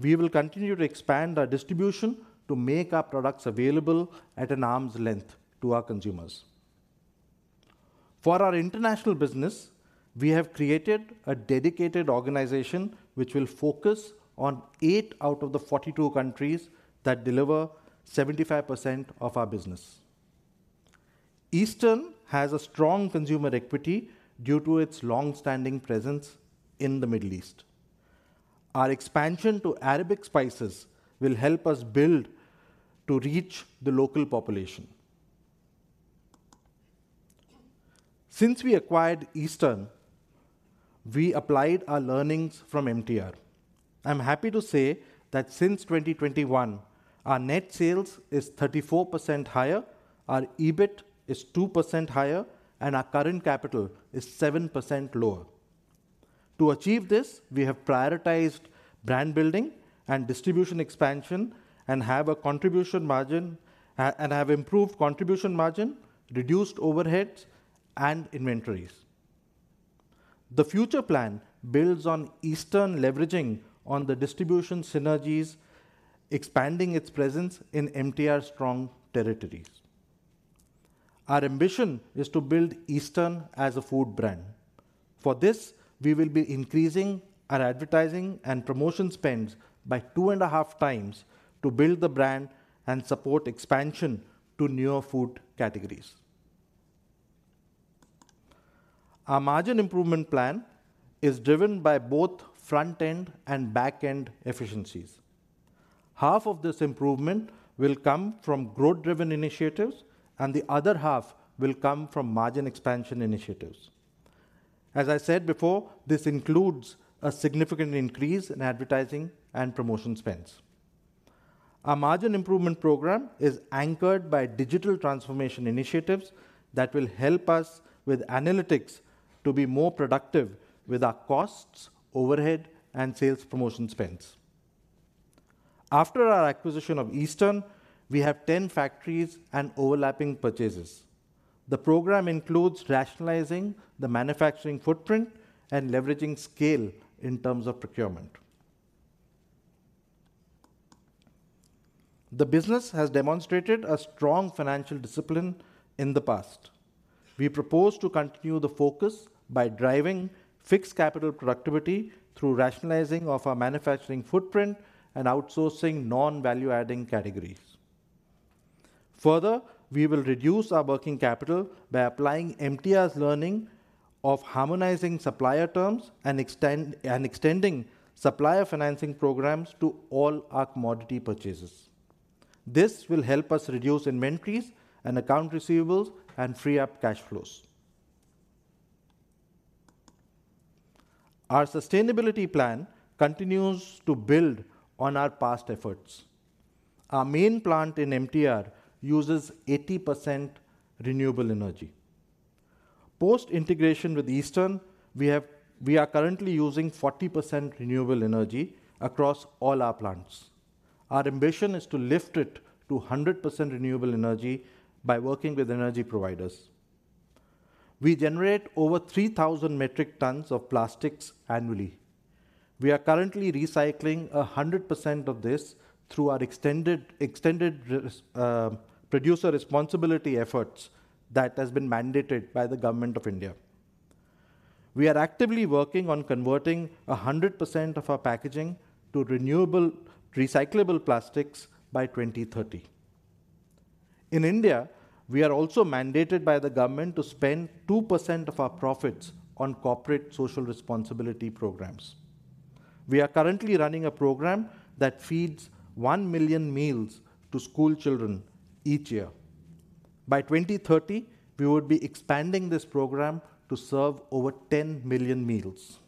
we will continue to expand our distribution to make our products available at an arm's length to our consumers. For our International Business, we have created a dedicated organization, which will focus on eight out of the 42 countries that deliver 75% of our business. Eastern has a strong consumer equity due to its long-standing presence in the Middle East. Our expansion to Arabic spices will help us build to reach the local population. Since we acquired Eastern, we applied our learnings from MTR. I'm happy to say that since 2021, our net sales is 34% higher, our EBIT is 2% higher, and our current capital is 7% lower. To achieve this, we have prioritized brand building and distribution expansion and have improved contribution margin, reduced overheads and inventories. The future plan builds on Eastern leveraging on the distribution synergies, expanding its presence in MTR's strong territories. Our ambition is to build Eastern as a food brand. For this, we will be increasing our advertising and promotion spends by two and a half times to build the brand and support expansion to new food categories. Our margin improvement plan is driven by both front-end and back-end efficiencies. Half of this improvement will come from growth-driven initiatives, and the other half will come from margin expansion initiatives. As I said before, this includes a significant increase in advertising and promotion spends. Our margin improvement program is anchored by digital transformation initiatives that will help us with analytics to be more productive with our costs, overhead, and sales promotion spends. After our acquisition of Eastern, we have 10 factories and overlapping purchases. The program includes rationalizing the manufacturing footprint and leveraging scale in terms of procurement. The business has demonstrated a strong financial discipline in the past. We propose to continue the focus by driving fixed capital productivity through rationalizing of our manufacturing footprint and outsourcing non-value adding categories. Further, we will reduce our working capital by applying MTR's learning of harmonizing supplier terms and extending supplier financing programs to all our commodity purchases. This will help us reduce inventories and account receivables and free up cash flows. Our sustainability plan continues to build on our past efforts. Our main plant in MTR uses 80% renewable energy. Post-integration with Eastern, we are currently using 40% renewable energy across all our plants. Our ambition is to lift it to 100% renewable energy by working with energy providers. We generate over 3,000 metric tons of plastics annually. We are currently recycling 100% of this through our extended producer responsibility efforts that has been mandated by the Government of India. We are actively working on converting 100% of our packaging to renewable, recyclable plastics by 2030. In India, we are also mandated by the government to spend 2% of our profits on corporate social responsibility programs. We are currently running a program that feeds 1 million meals to school children each year. By 2030, we would be expanding this program to serve over 10 million meals.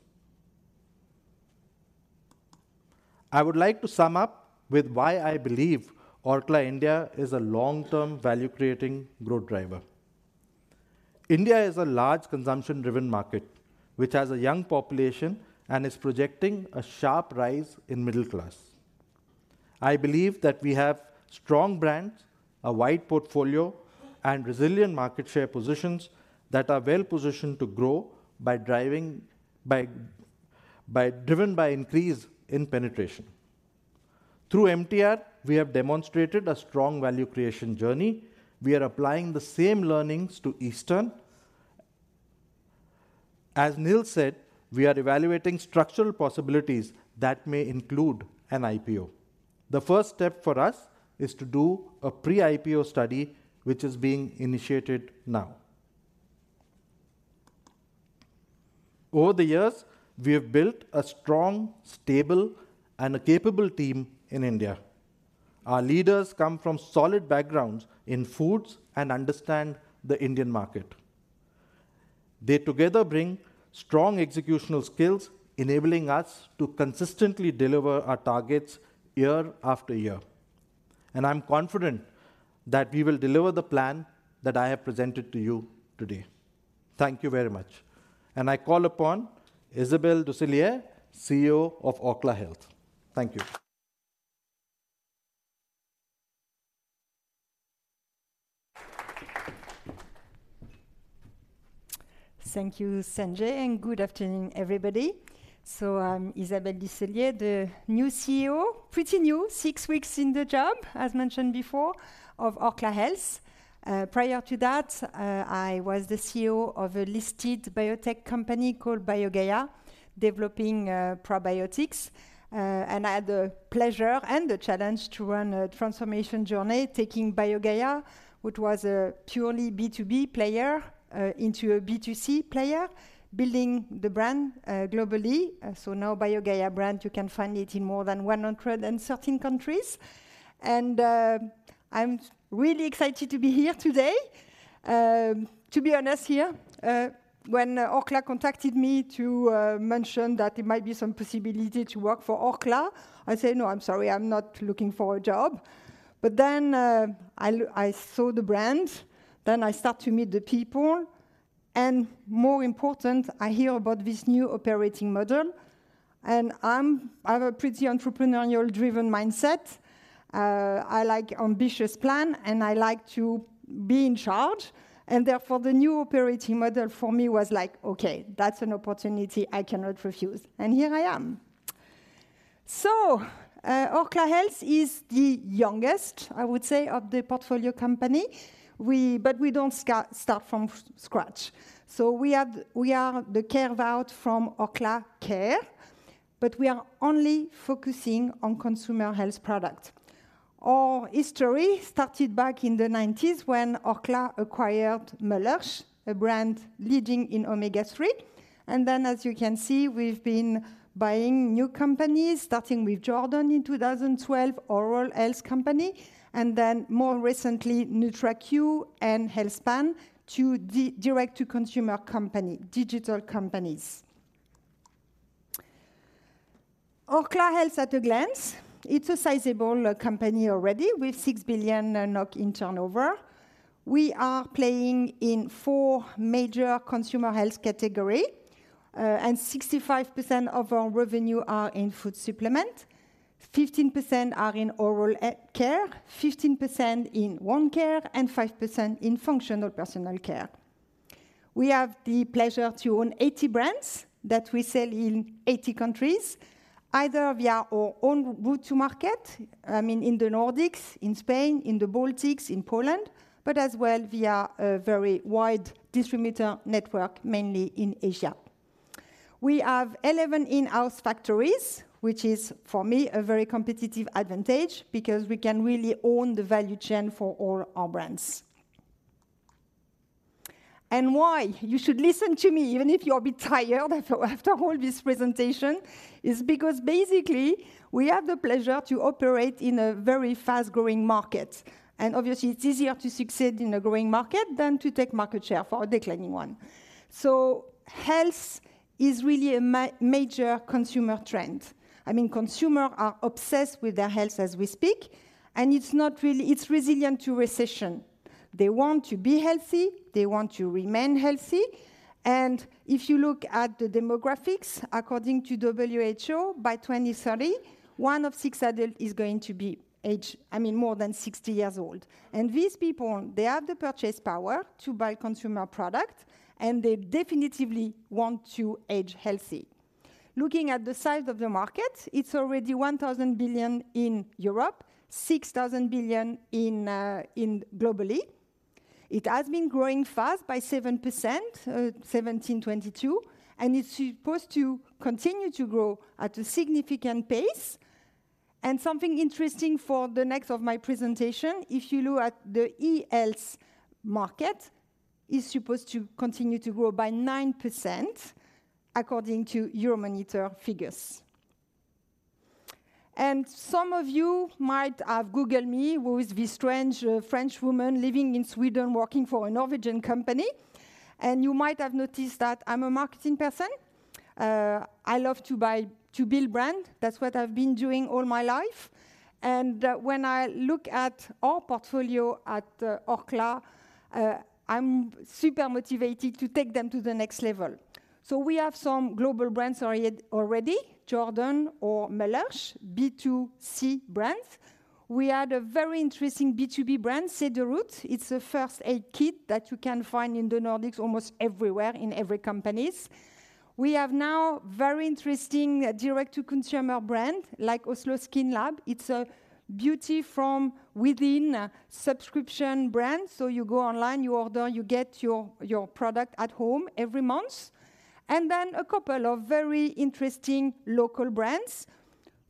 I would like to sum up with why I believe Orkla India is a long-term, value-creating growth driver. India is a large consumption-driven market, which has a young population and is projecting a sharp rise in middle class. I believe that we have strong brands, a wide portfolio, and resilient market share positions that are well positioned to grow driven by increase in penetration. Through MTR, we have demonstrated a strong value creation journey. We are applying the same learnings to Eastern. As Nils said, we are evaluating structural possibilities that may include an IPO. The first step for us is to do a pre-IPO study, which is being initiated now. Over the years, we have built a strong, stable, and a capable team in India. Our leaders come from solid backgrounds in foods and understand the Indian market. They together bring strong executional skills, enabling us to consistently deliver our targets year after year, and I'm confident that we will deliver the plan that I have presented to you today. Thank you very much. I call upon Isabelle Ducellier, CEO of Orkla Health. Thank you. Thank you, Sanjay, and good afternoon, everybody. I'm Isabelle Ducellier, the new CEO, pretty new, six weeks in the job, as mentioned before, of Orkla Health. Prior to that, I was the CEO of a listed biotech company called BioGaia, developing probiotics. I had the pleasure and the challenge to run a transformation journey, taking BioGaia, which was a purely B2B player, into a B2C player, building the brand globally. Now BioGaia brand, you can find it in more than 113 countries. I'm really excited to be here today. To be honest here, when Orkla contacted me to mention that there might be some possibility to work for Orkla, I said: "No, I'm sorry, I'm not looking for a job." But then, I saw the brand, then I start to meet the people, and more important, I hear about this new operating model. And I have a pretty entrepreneurial-driven mindset. I like ambitious plan, and I like to be in charge, and therefore, the new operating model for me was like: Okay, that's an opportunity I cannot refuse, and here I am. So, Orkla Health is the youngest, I would say, of the portfolio company. But we don't start from scratch. So we are, we are the carve out from Orkla Care, but we are only focusing on consumer health product. Our history started back in the 1990s when Orkla acquired Möller's, a brand leading in Omega-3. Then, as you can see, we've been buying new companies, starting with Jordan in 2012, oral health company, and then more recently, NutraQ and Healthspan, to direct to consumer company, digital companies. Orkla Health at a glance, it's a sizable company already with 6 billion NOK in turnover. We are playing in four major consumer health category, and 65% of our revenue are in Food supplement, 15% are in Oral Care, 15% in Wound Care, and 5% in Functional Personal Care. We have the pleasure to own 80 brands that we sell in 80 countries, either via our own route to market, I mean, in the Nordics, in Spain, in the Baltics, in Poland, but as well via a very wide distributor network, mainly in Asia. We have 11 in-house factories, which is, for me, a very competitive advantage because we can really own the value chain for all our brands. Why you should listen to me, even if you're a bit tired after all this presentation, is because basically, we have the pleasure to operate in a very fast-growing market. Obviously, it's easier to succeed in a growing market than to take market share for a declining one. So health is really a major consumer trend. I mean, consumers are obsessed with their health as we speak, and it's not really. It's resilient to recession. They want to be healthy, they want to remain healthy. If you look at the demographics, according to WHO, by 2030, one of six adults is going to be aged, I mean, more than 60 years old. These people, they have the purchasing power to buy consumer product, and they definitely want to age healthy. Looking at the size of the market, it's already 1,000 billion in Europe, 6,000 billion globally. It has been growing fast by 7%, 2017 to 2022, and it's supposed to continue to grow at a significant pace. And something interesting for the next of my presentation, if you look at the e-health market, is supposed to continue to grow by 9%, according to Euromonitor figures. And some of you might have googled me. Who is this strange French woman living in Sweden, working for a Norwegian company? And you might have noticed that I'm a marketing person. I love to buy, to build brand. That's what I've been doing all my life. When I look at our portfolio at Orkla, I'm super motivated to take them to the next level. So we have some global brands already, Jordan or Möller's, B2C brands. We had a very interesting B2B brand, Cederroth. It's a first aid kit that you can find in the Nordics, almost everywhere, in every companies... We have now very interesting direct-to-consumer brand, like Oslo Skin Lab. It's a beauty from within subscription brand. So you go online, you order, you get your, your product at home every month. And then a couple of very interesting local brands.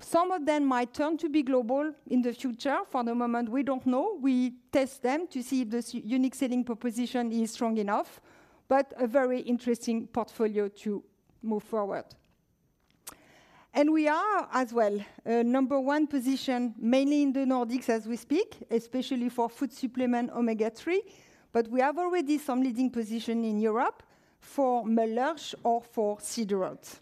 Some of them might turn to be global in the future. For the moment, we don't know. We test them to see if this unique selling proposition is strong enough, but a very interesting portfolio to move forward. We are, as well, a number one position, mainly in the Nordics as we speak, especially for Food supplement Omega-3, but we have already some leading position in Europe for Möller's or for Cederroth.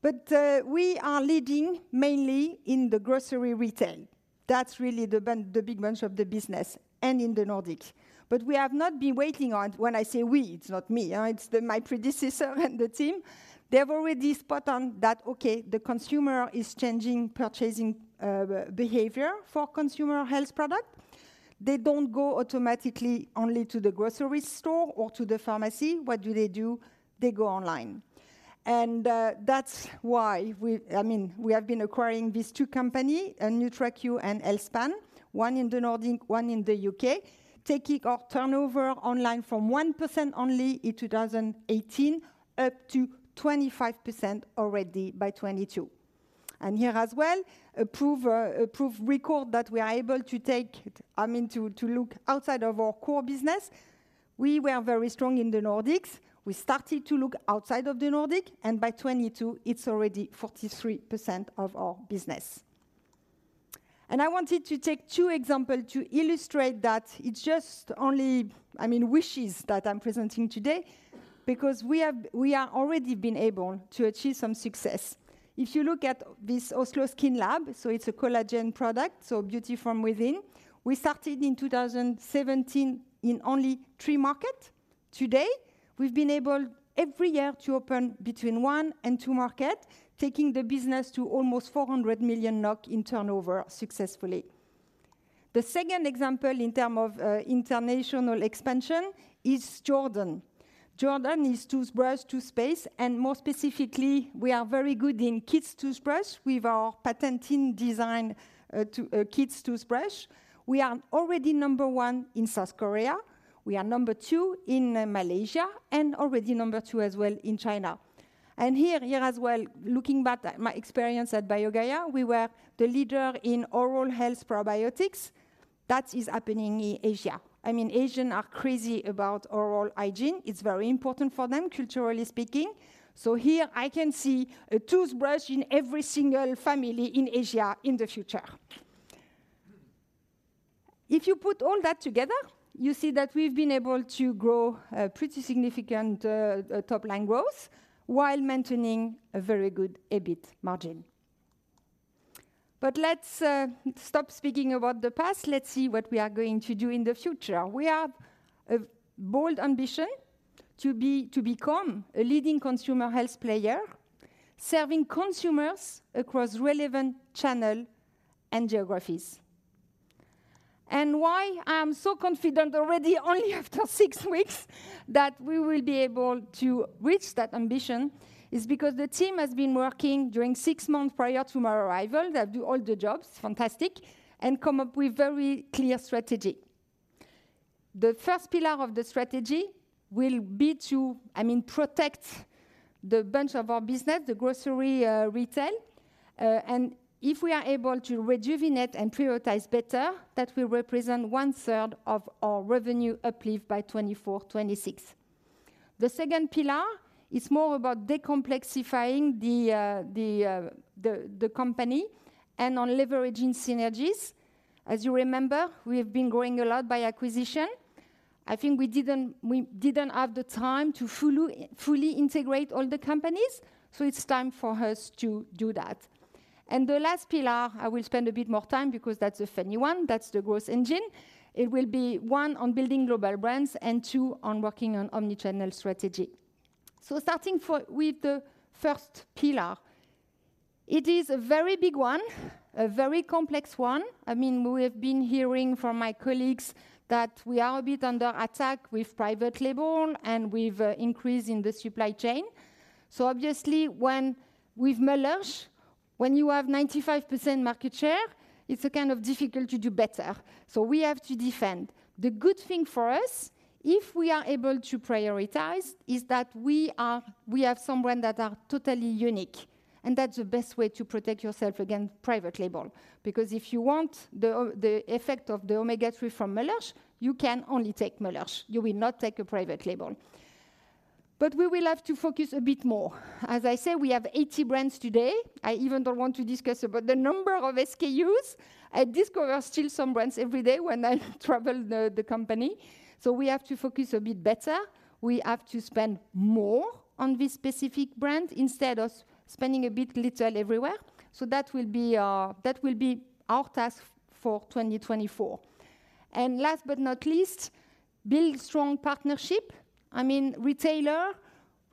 But we are leading mainly in the grocery retail. That's really the ben-- the big bunch of the business and in the Nordics. But we have not been waiting on-- When I say we, it's not me, it's the, my predecessor and the team. They have already spot on that, okay, the consumer is changing purchasing behavior for consumer health product. They don't go automatically only to the grocery store or to the pharmacy. What do they do? They go online. That's why we—I mean, we have been acquiring these two companies, NutraQ and Healthspan, one in the Nordics, one in the U.K., taking our turnover online from 1% only in 2018, up to 25% already by 2022. And here as well, a proven record that we are able to take, I mean, to look outside of our core business. We were very strong in the Nordics. We started to look outside of the Nordics, and by 2022, it's already 43% of our business. And I wanted to take two examples to illustrate that it's just only, I mean, wishes that I'm presenting today, because we have, we are already been able to achieve some success. If you look at this Oslo Skin Lab, so it's a collagen product, so beauty from within. We started in 2017 in only three markets. Today, we've been able every year to open between one and two markets, taking the business to almost 400 million NOK in turnover successfully. The second example in terms of international expansion is Jordan. Jordan is toothbrush, toothpaste, and more specifically, we are very good in kids' toothbrush with our patented design to kids' toothbrush. We are already number one in South Korea. We are number two in Malaysia, and already number two as well in China. And here, here as well, looking back at my experience at BioGaia, we were the leader in oral health probiotics. That is happening in Asia. I mean, Asians are crazy about oral hygiene. It's very important for them, culturally speaking. So here I can see a toothbrush in every single family in Asia in the future. If you put all that together, you see that we've been able to grow a pretty significant top-line growth while maintaining a very good EBIT margin. But let's stop speaking about the past. Let's see what we are going to do in the future. We have a bold ambition to become a leading consumer health player, serving consumers across relevant channel and geographies. And why I'm so confident already, only after six weeks, that we will be able to reach that ambition, is because the team has been working during six months prior to my arrival. They do all the jobs, fantastic, and come up with very clear strategy. The first pillar of the strategy will be to, I mean, protect the bunch of our business, the grocery, retail, and if we are able to rejuvenate and prioritize better, that will represent 1/3 of our revenue uplift by 2024 to 2026. The second pillar is more about decomplexifying the company and on leveraging synergies. As you remember, we have been growing a lot by acquisition. I think we didn't have the time to fully integrate all the companies, so it's time for us to do that. And the last pillar, I will spend a bit more time because that's a funny one, that's the growth engine. It will be, one, on building global brands, and two, on working on omnichannel strategy. So starting with the first pillar, it is a very big one, a very complex one. I mean, we have been hearing from my colleagues that we are a bit under attack with private label and with, increase in the supply chain. So obviously, when with Möller's, when you have 95% market share, it's a kind of difficult to do better. So we have to defend. The good thing for us, if we are able to prioritize, is that we are, we have some brand that are totally unique, and that's the best way to protect yourself against private label. Because if you want the, the effect of the Omega-3 from Möller's, you can only take Möller's. You will not take a private label. But we will have to focus a bit more. As I said, we have 80 brands today. I even don't want to discuss about the number of SKUs. I discover still some brands every day when I travel the company. So we have to focus a bit better. We have to spend more on this specific brand instead of spending a bit little everywhere. So that will be our, that will be our task for 2024. And last but not least, build strong partnership. I mean, retailer.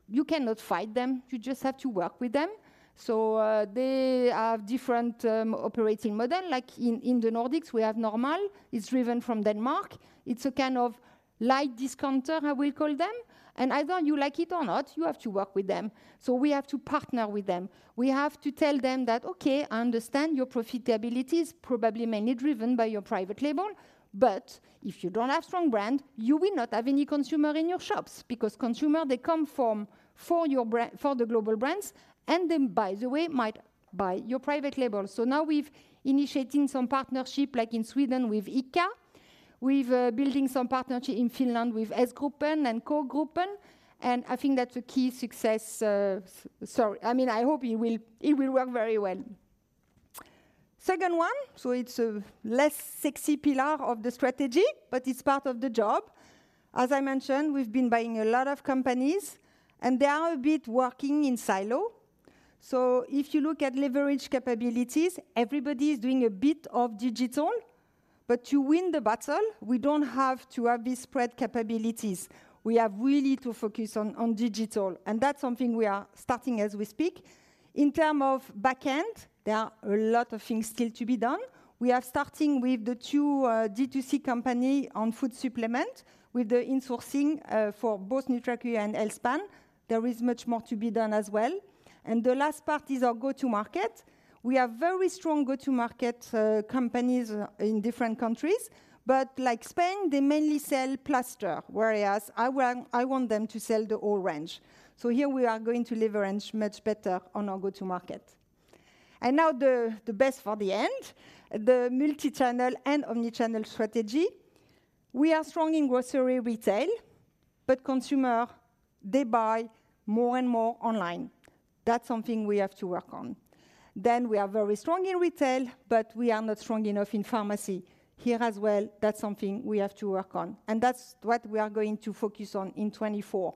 You cannot fight them, you just have to work with them. So they have different operating model, like in the Nordics, we have Normal, it's driven from Denmark. It's a kind of light discounter, I will call them, and either you like it or not, you have to work with them. So we have to partner with them. We have to tell them that, "Okay, I understand your profitability is probably mainly driven by your private label, but if you don't have strong brand, you will not have any consumer in your shops, because consumer, they come for your brand, for the global brands, and then, by the way, might buy your private label." So now we've initiating some partnership, like in Sweden with ICA, we've building some partnership in Finland with S-Gruppen and K-Gruppen, and I think that's a key success, so I mean, I hope it will, it will work very well. Second one, so it's a less sexy pillar of the strategy, but it's part of the job. As I mentioned, we've been buying a lot of companies, and they are a bit working in silo. So if you look at leverage capabilities, everybody is doing a bit of digital, but to win the battle, we don't have to have this spread capabilities. We have really to focus on, on digital, and that's something we are starting as we speak. In terms of backend, there are a lot of things still to be done. We are starting with the two D2C company on food supplement, with the insourcing, for both NutraQ and Healthspan. There is much more to be done as well. And the last part is our go-to-market. We have very strong go-to-market companies in different countries, but like Spain, they mainly sell plaster, whereas I want, I want them to sell the whole range. So here we are going to leverage much better on our go-to-market. And now the, the best for the end, the multichannel and omnichannel strategy. We are strong in grocery retail, but consumer, they buy more and more online. That's something we have to work on. Then we are very strong in retail, but we are not strong enough in pharmacy. Here as well, that's something we have to work on, and that's what we are going to focus on in 2024.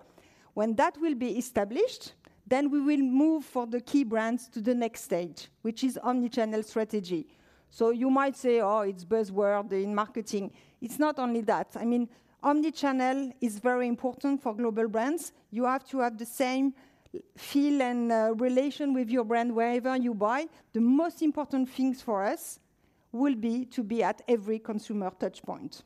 When that will be established, then we will move for the key brands to the next stage, which is omnichannel strategy. So you might say, "Oh, it's buzzword in marketing." It's not only that. I mean, omnichannel is very important for global brands. You have to have the same feel and relation with your brand wherever you buy. The most important things for us will be to be at every consumer touch point.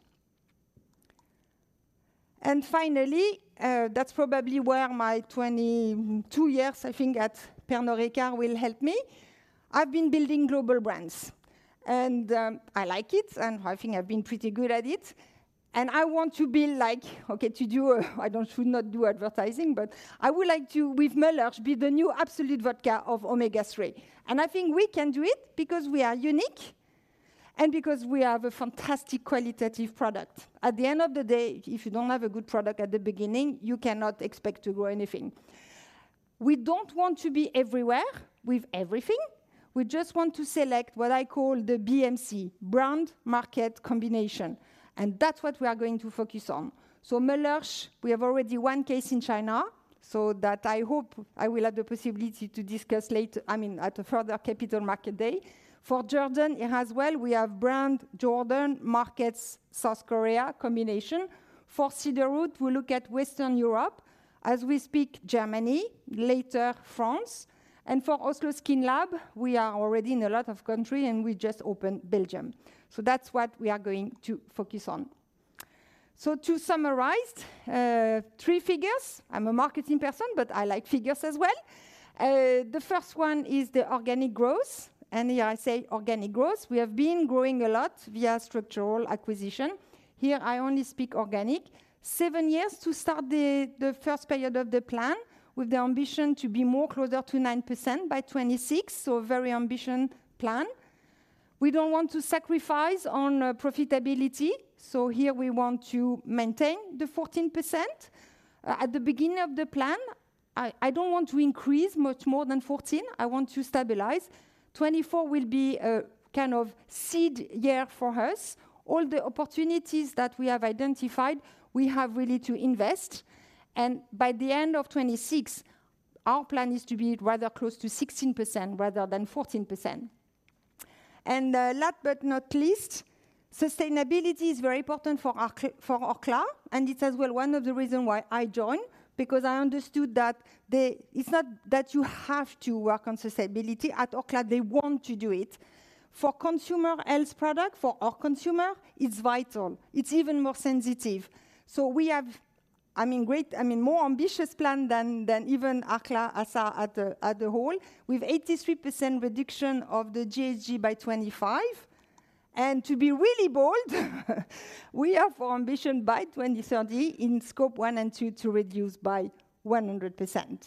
And finally, that's probably where my 22 years, I think, at Pernod Ricard will help me. I've been building global brands, and I like it, and I think I've been pretty good at it. And I want to be like, okay, to do, should not do advertising, but I would like to, with Möller's, be the new Absolut Vodka of Omega-3. And I think we can do it because we are unique and because we have a fantastic qualitative product. At the end of the day, if you don't have a good product at the beginning, you cannot expect to grow anything. We don't want to be everywhere with everything. We just want to select what I call the BMC, brand-market combination, and that's what we are going to focus on. So Möller's, we have already one case in China, so that I hope I will have the possibility to discuss later, I mean, at a further Capital Markets Day. For Jordan, as well, we have brand Jordan, markets South Korea, combination. For Cederroth, we look at Western Europe, as we speak Germany, later, France. And for Oslo Skin Lab, we are already in a lot of country, and we just opened Belgium. So that's what we are going to focus on. So to summarize, three figures. I'm a marketing person, but I like figures as well. The first one is the organic growth, and here I say organic growth. We have been growing a lot via structural acquisition. Here, I only speak organic. Seven years to start the first period of the plan, with the ambition to be closer to 9% by 2026, so a very ambitious plan. We don't want to sacrifice on profitability, so here we want to maintain the 14%. At the beginning of the plan, I don't want to increase much more than 14, I want to stabilize. 2024 will be a kind of seed year for us. All the opportunities that we have identified, we have really to invest, and by the end of 2026, our plan is to be rather close to 16% rather than 14%. Last but not least, sustainability is very important for Orkla, and it's as well one of the reason why I joined, because I understood that it's not that you have to work on sustainability, at Orkla, they want to do it. For consumer health product, for our consumer, it's vital. It's even more sensitive. So we have, I mean, great—I mean, more ambitious plan than even Orkla as a whole, with 83% reduction of the GHG by 2025. And to be really bold, we have ambition by 2030, in Scope 1 and 2, to reduce by 100%.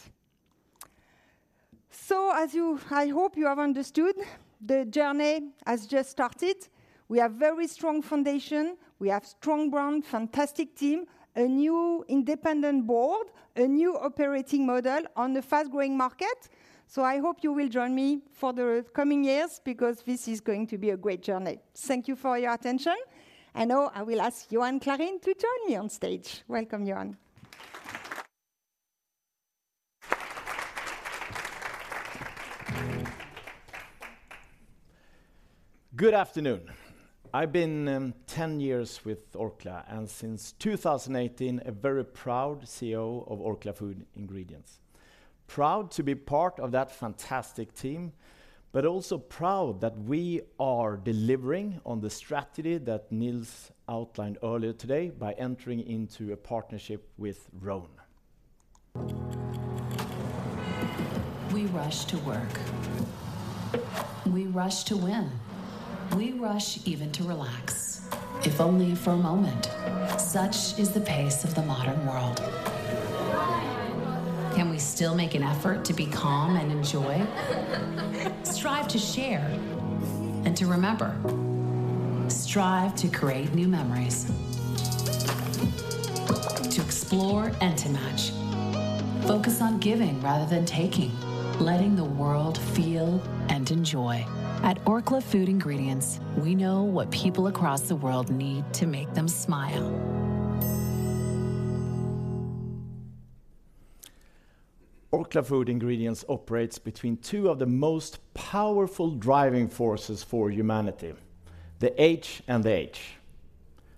So as you—I hope you have understood, the journey has just started. We have very strong foundation, we have strong brand, fantastic team, a new independent board, a new operating model on a fast-growing market. So I hope you will join me for the coming years, because this is going to be a great journey. Thank you for your attention, and now I will ask Johan Clarin to join me on stage. Welcome, Johan. Good afternoon. I've been ten years with Orkla, and since 2018, a very proud CEO of Orkla Food Ingredients. Proud to be part of that fantastic team, but also proud that we are delivering on the strategy that Nils outlined earlier today by entering into a partnership with Rhône. We rush to work. We rush to win. We rush even to relax, if only for a moment. Such is the pace of the modern world. Can we still make an effort to be calm and enjoy? Strive to share and to remember. Strive to create new memories, to explore and to match. Focus on giving rather than taking, letting the world feel and enjoy. At Orkla Food Ingredients, we know what people across the world need to make them smile. Orkla Food Ingredients operates between two of the most powerful driving forces for humanity, the H and the H,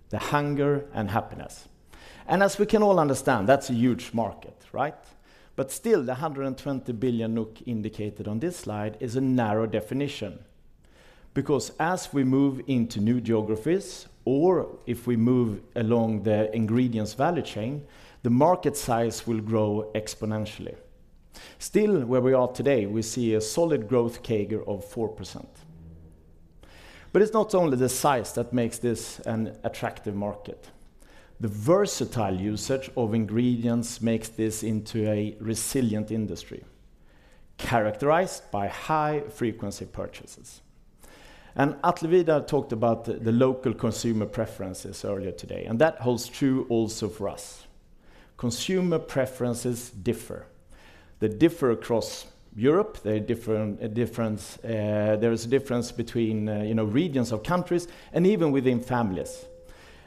the hunger and happiness. And as we can all understand, that's a huge market, right? But still, the 120 billion NOK indicated on this slide is a narrow definition. Because as we move into new geographies, or if we move along the ingredients value chain, the market size will grow exponentially. Still, where we are today, we see a solid growth CAGR of 4%. But it's not only the size that makes this an attractive market. The versatile usage of ingredients makes this into a resilient industry, characterized by high-frequency purchases. And Atle Vidar talked about the, the local consumer preferences earlier today, and that holds true also for us. Consumer preferences differ. They differ across Europe, there is a difference between, you know, regions of countries and even within families.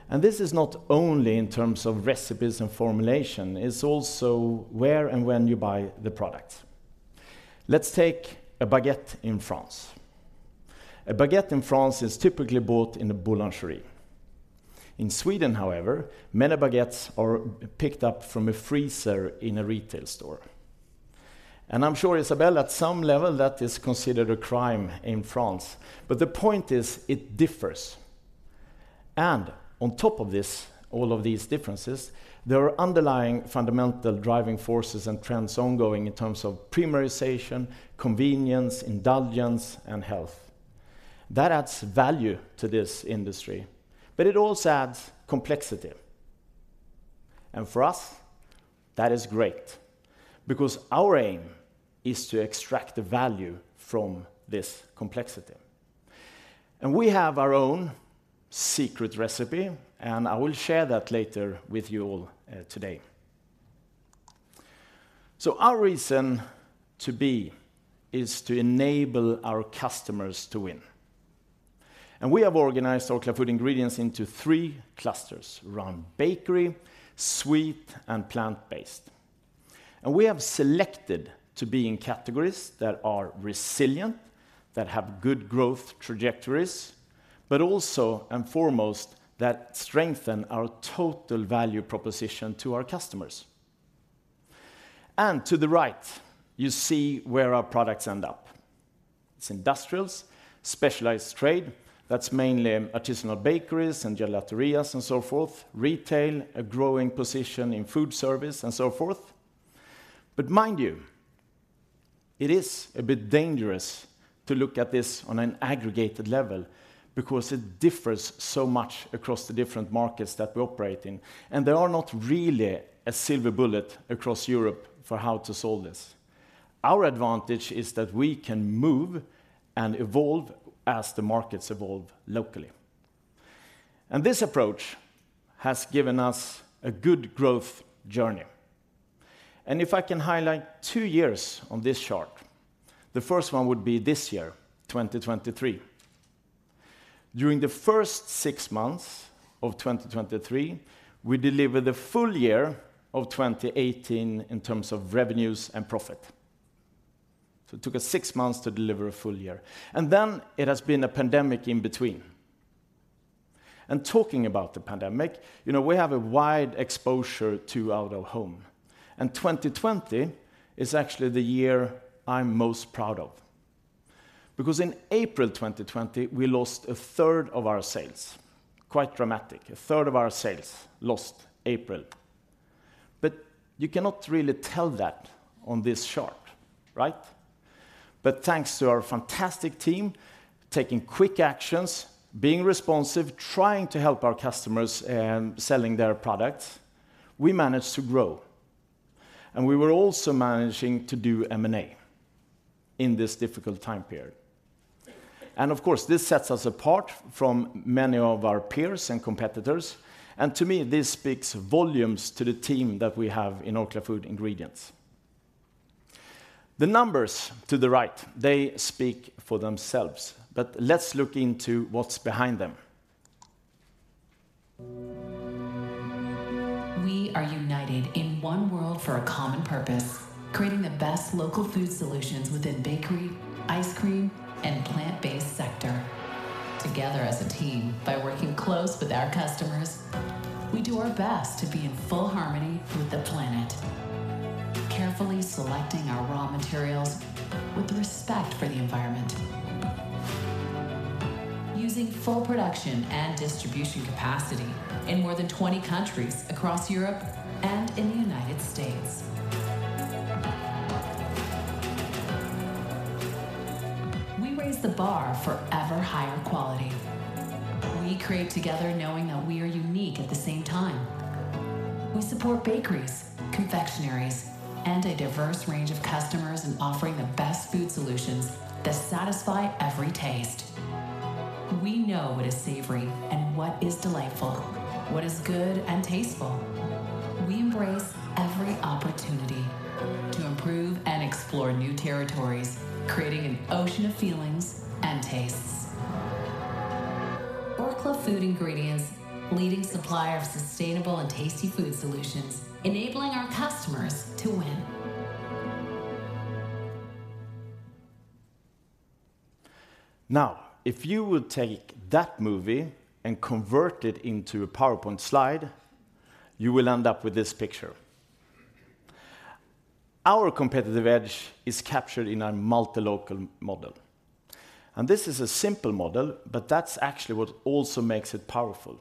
And this is not only in terms of recipes and formulation, it's also where and when you buy the product. Let's take a baguette in France. A baguette in France is typically bought in a boulangerie. In Sweden, however, many baguettes are picked up from a freezer in a retail store. And I'm sure, Isabelle, at some level, that is considered a crime in France. But the point is, it differs. And on top of this, all of these differences, there are underlying fundamental driving forces and trends ongoing in terms of premiumization, convenience, indulgence, and health. That adds value to this industry, but it also adds complexity. And for us, that is great because our aim is to extract the value from this complexity. We have our own secret recipe, and I will share that later with you all, today. Our reason to be is to enable our customers to win. We have organized Orkla Food Ingredients into three clusters: around Bakery, Sweet, and Plant-Based. We have selected to be in categories that are resilient, that have good growth trajectories, but also and foremost, that strengthen our total value proposition to our customers. To the right, you see where our products end up. It's industrials, specialized trade, that's mainly artisanal bakeries and gelaterias and so forth, retail, a growing position in food service, and so forth. But mind you, it is a bit dangerous to look at this on an aggregated level because it differs so much across the different markets that we operate in, and there are not really a silver bullet across Europe for how to solve this. Our advantage is that we can move and evolve as the markets evolve locally. And this approach has given us a good growth journey. And if I can highlight two years on this chart, the first one would be this year, 2023. During the first six months of 2023, we delivered a full year of 2018 in terms of revenues and profit. So it took us six months to deliver a full year, and then it has been a pandemic in between. Talking about the pandemic, you know, we have a wide exposure to out-of-home, and 2020 is actually the year I'm most proud of. Because in April 2020, we lost a third of our sales. Quite dramatic. 1/3 of our sales, lost April. But you cannot really tell that on this chart, right? But thanks to our fantastic team, taking quick actions, being responsive, trying to help our customers selling their products, we managed to grow, and we were also managing to do M&A in this difficult time period. And of course, this sets us apart from many of our peers and competitors, and to me, this speaks volumes to the team that we have in Orkla Food Ingredients. The numbers to the right, they speak for themselves, but let's look into what's behind them. We are united in one world for a common purpose, creating the best local food solutions within bakery, ice cream, and plant-based sector. Together as a team, by working close with our customers, we do our best to be in full harmony with the planet, carefully selecting our raw materials with respect for the environment, using full production and distribution capacity in more than 20 countries across Europe and in the United States. We raise the bar for ever higher quality. We create together knowing that we are unique at the same time. We support bakeries, confectioneries, and a diverse range of customers in offering the best food solutions that satisfy every taste. We know what is savory and what is delightful, what is good and tasteful. We embrace every opportunity to improve and explore new territories, creating an ocean of feelings and tastes. Orkla Food Ingredients, leading supplier of sustainable and tasty food solutions, enabling our customers to win. Now, if you would take that movie and convert it into a PowerPoint slide, you will end up with this picture. Our competitive edge is captured in a multi-local model, and this is a simple model, but that's actually what also makes it powerful.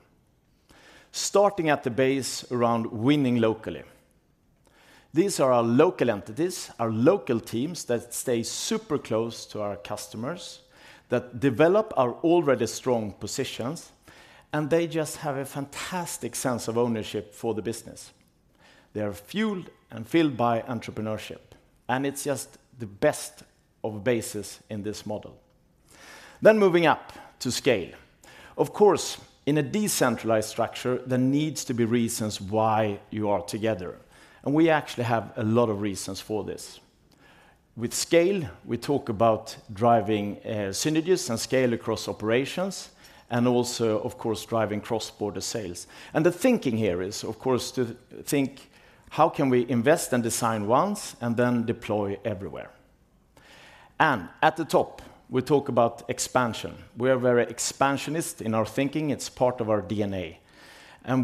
Starting at the base around winning locally. These are our local entities, our local teams that stay super close to our customers, that develop our already strong positions, and they just have a fantastic sense of ownership for the business. They are fueled and filled by entrepreneurship, and it's just the best of bases in this model. Then moving up to scale. Of course, in a decentralized structure, there needs to be reasons why you are together, and we actually have a lot of reasons for this. With scale, we talk about driving synergies and scale across operations, and also, of course, driving cross-border sales. The thinking here is, of course, to think how can we invest and design once and then deploy everywhere? At the top, we talk about expansion. We are very expansionist in our thinking. It's part of our DNA.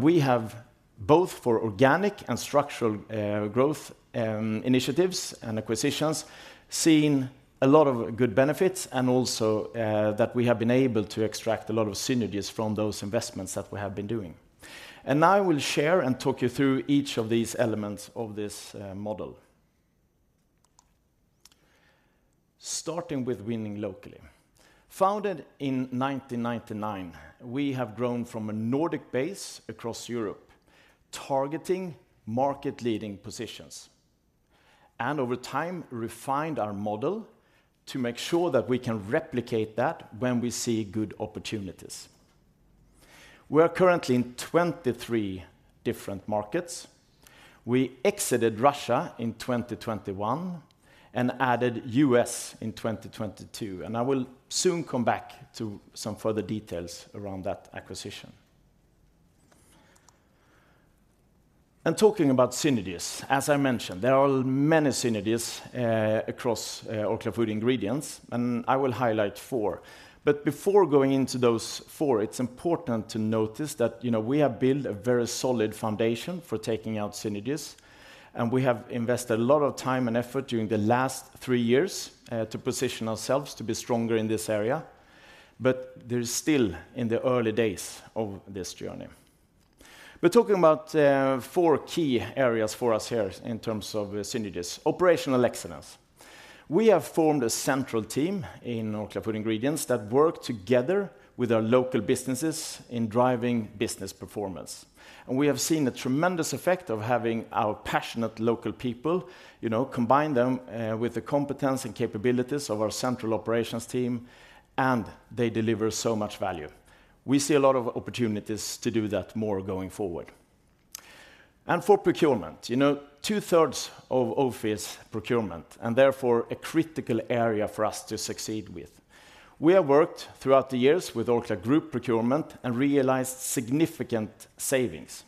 We have, both for organic and structural growth initiatives and acquisitions, seen a lot of good benefits and also that we have been able to extract a lot of synergies from those investments that we have been doing. Now I will share and talk you through each of these elements of this model. Starting with winning locally. Founded in 1999, we have grown from a Nordic base across Europe, targeting market-leading positions, and over time, refined our model to make sure that we can replicate that when we see good opportunities. We are currently in 23 different markets. We exited Russia in 2021 and added U.S. in 2022, and I will soon come back to some further details around that acquisition. And talking about synergies, as I mentioned, there are many synergies across Orkla Food Ingredients, and I will highlight four. But before going into those four, it's important to notice that, you know, we have built a very solid foundation for taking out synergies, and we have invested a lot of time and effort during the last three years to position ourselves to be stronger in this area. But they're still in the early days of this journey. We're talking about four key areas for us here in terms of synergies. Operational excellence. We have formed a central team in Orkla Food Ingredients that work together with our local businesses in driving business performance. We have seen a tremendous effect of having our passionate local people, you know, combine them with the competence and capabilities of our central operations team, and they deliver so much value. We see a lot of opportunities to do that more going forward. For procurement, you know, 2/3 of OFI is procurement, and therefore a critical area for us to succeed with. We have worked throughout the years with Orkla Group Procurement and realized significant savings.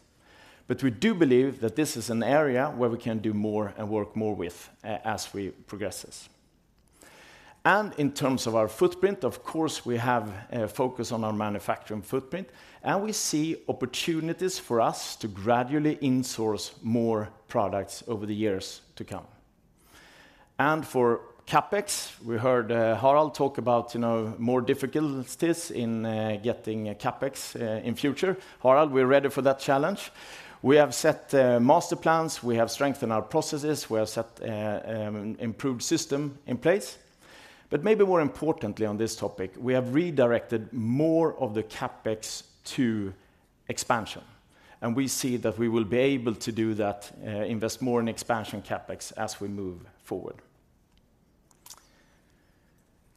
But we do believe that this is an area where we can do more and work more with as we progress. In terms of our footprint, of course, we have a focus on our manufacturing footprint, and we see opportunities for us to gradually insource more products over the years to come. For CapEx, we heard Harald talk about, you know, more difficulties in getting CapEx in future. Harald, we're ready for that challenge. We have set master plans, we have strengthened our processes, we have set improved system in place. But maybe more importantly on this topic, we have redirected more of the CapEx to expansion, and we see that we will be able to do that, invest more in expansion CapEx as we move forward.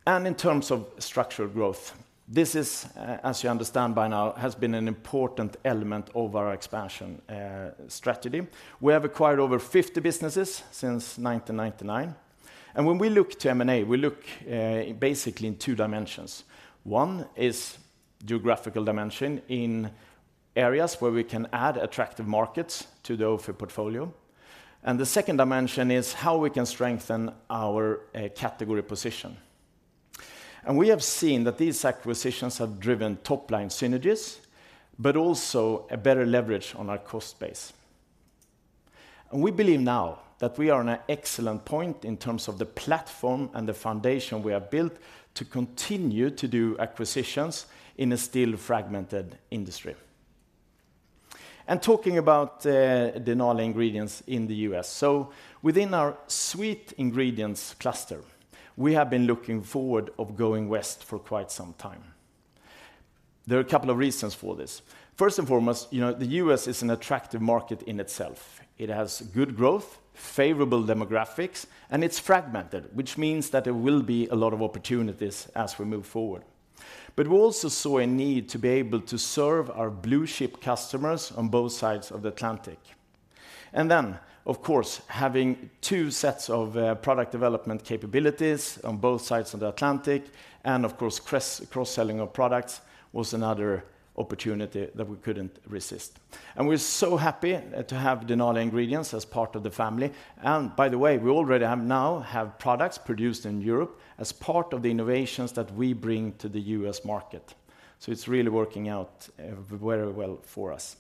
And in terms of structural growth, this is, as you understand by now, has been an important element of our expansion strategy. We have acquired over 50 businesses since 1999, and when we look to M&A, we look basically in two dimensions. One is geographical dimension in areas where we can add attractive markets to the OFI portfolio. The second dimension is how we can strengthen our category position. We have seen that these acquisitions have driven top-line synergies, but also a better leverage on our cost base. We believe now that we are in an excellent point in terms of the platform and the foundation we have built to continue to do acquisitions in a still fragmented industry. Talking about Denali Ingredients in the U.S. Within our Sweet Ingredients cluster, we have been looking forward of going west for quite some time. There are a couple of reasons for this. First and foremost, you know, the U.S. is an attractive market in itself. It has good growth, favorable demographics, and it's fragmented, which means that there will be a lot of opportunities as we move forward. But we also saw a need to be able to serve our blue-chip customers on both sides of the Atlantic. And then, of course, having two sets of product development capabilities on both sides of the Atlantic, and of course, cross-selling of products was another opportunity that we couldn't resist. And we're so happy to have Denali Ingredients as part of the family, and by the way, we already have now have products produced in Europe as part of the innovations that we bring to the U.S. market. So it's really working out very well for us.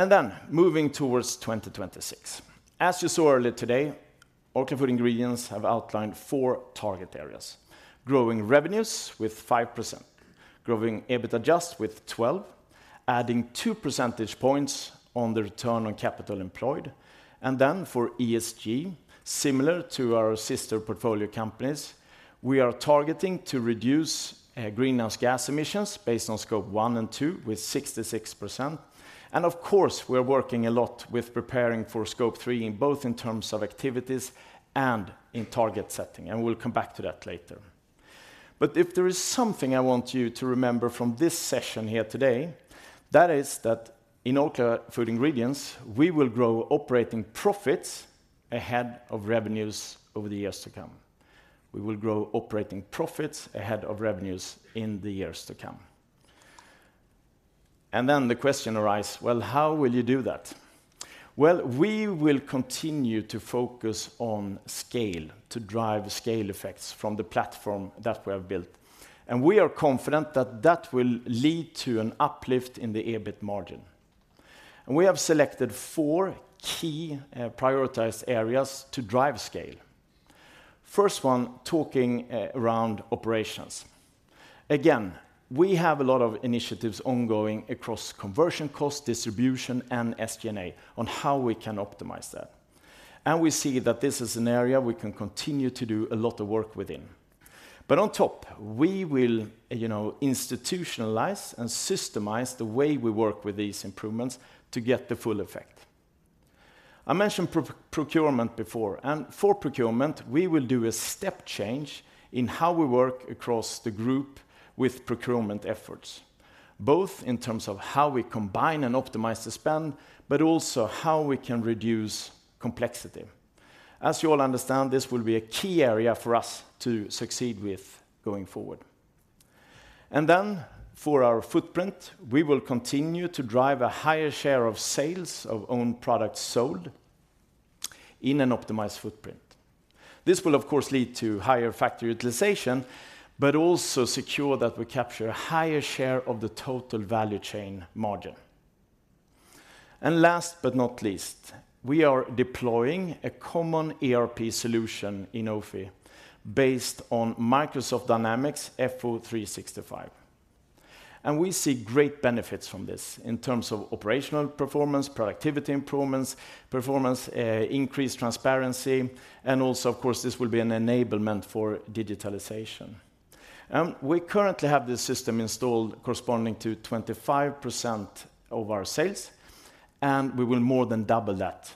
And then moving towards 2026. As you saw earlier today, Orkla Food Ingredients have outlined four target areas: growing revenues with 5%, growing EBIT adjust with 12%, adding two percentage points on the Return on Capital Employed, and then for ESG, similar to our sister portfolio companies, we are targeting to reduce greenhouse gas emissions based on Scope 1 and 2, with 66%. And of course, we're working a lot with preparing for Scope 3, in both in terms of activities and in target setting, and we'll come back to that later. But if there is something I want you to remember from this session here today, that is that in Orkla Food Ingredients, we will grow operating profits ahead of revenues over the years to come. We will grow operating profits ahead of revenues in the years to come. And then the question arise, "Well, how will you do that?" Well, we will continue to focus on scale, to drive scale effects from the platform that we have built, and we are confident that that will lead to an uplift in the EBIT margin. We have selected four key, prioritized areas to drive scale. First one, talking around operations. Again, we have a lot of initiatives ongoing across conversion cost, distribution, and SG&A, on how we can optimize that. And we see that this is an area we can continue to do a lot of work within. But on top, we will, you know, institutionalize and systemize the way we work with these improvements to get the full effect. I mentioned procurement before, and for procurement, we will do a step change in how we work across the group with procurement efforts, both in terms of how we combine and optimize the spend, but also how we can reduce complexity. As you all understand, this will be a key area for us to succeed with going forward. And then for our footprint, we will continue to drive a higher share of sales of own products sold in an optimized footprint. This will, of course, lead to higher factory utilization, but also secure that we capture a higher share of the total value chain margin. And last but not least, we are deploying a common ERP solution in OFI based on Microsoft Dynamics 365. We see great benefits from this in terms of operational performance, productivity improvements, performance, increased transparency, and also, of course, this will be an enablement for digitalization. We currently have the system installed corresponding to 25% of our sales, and we will more than double that,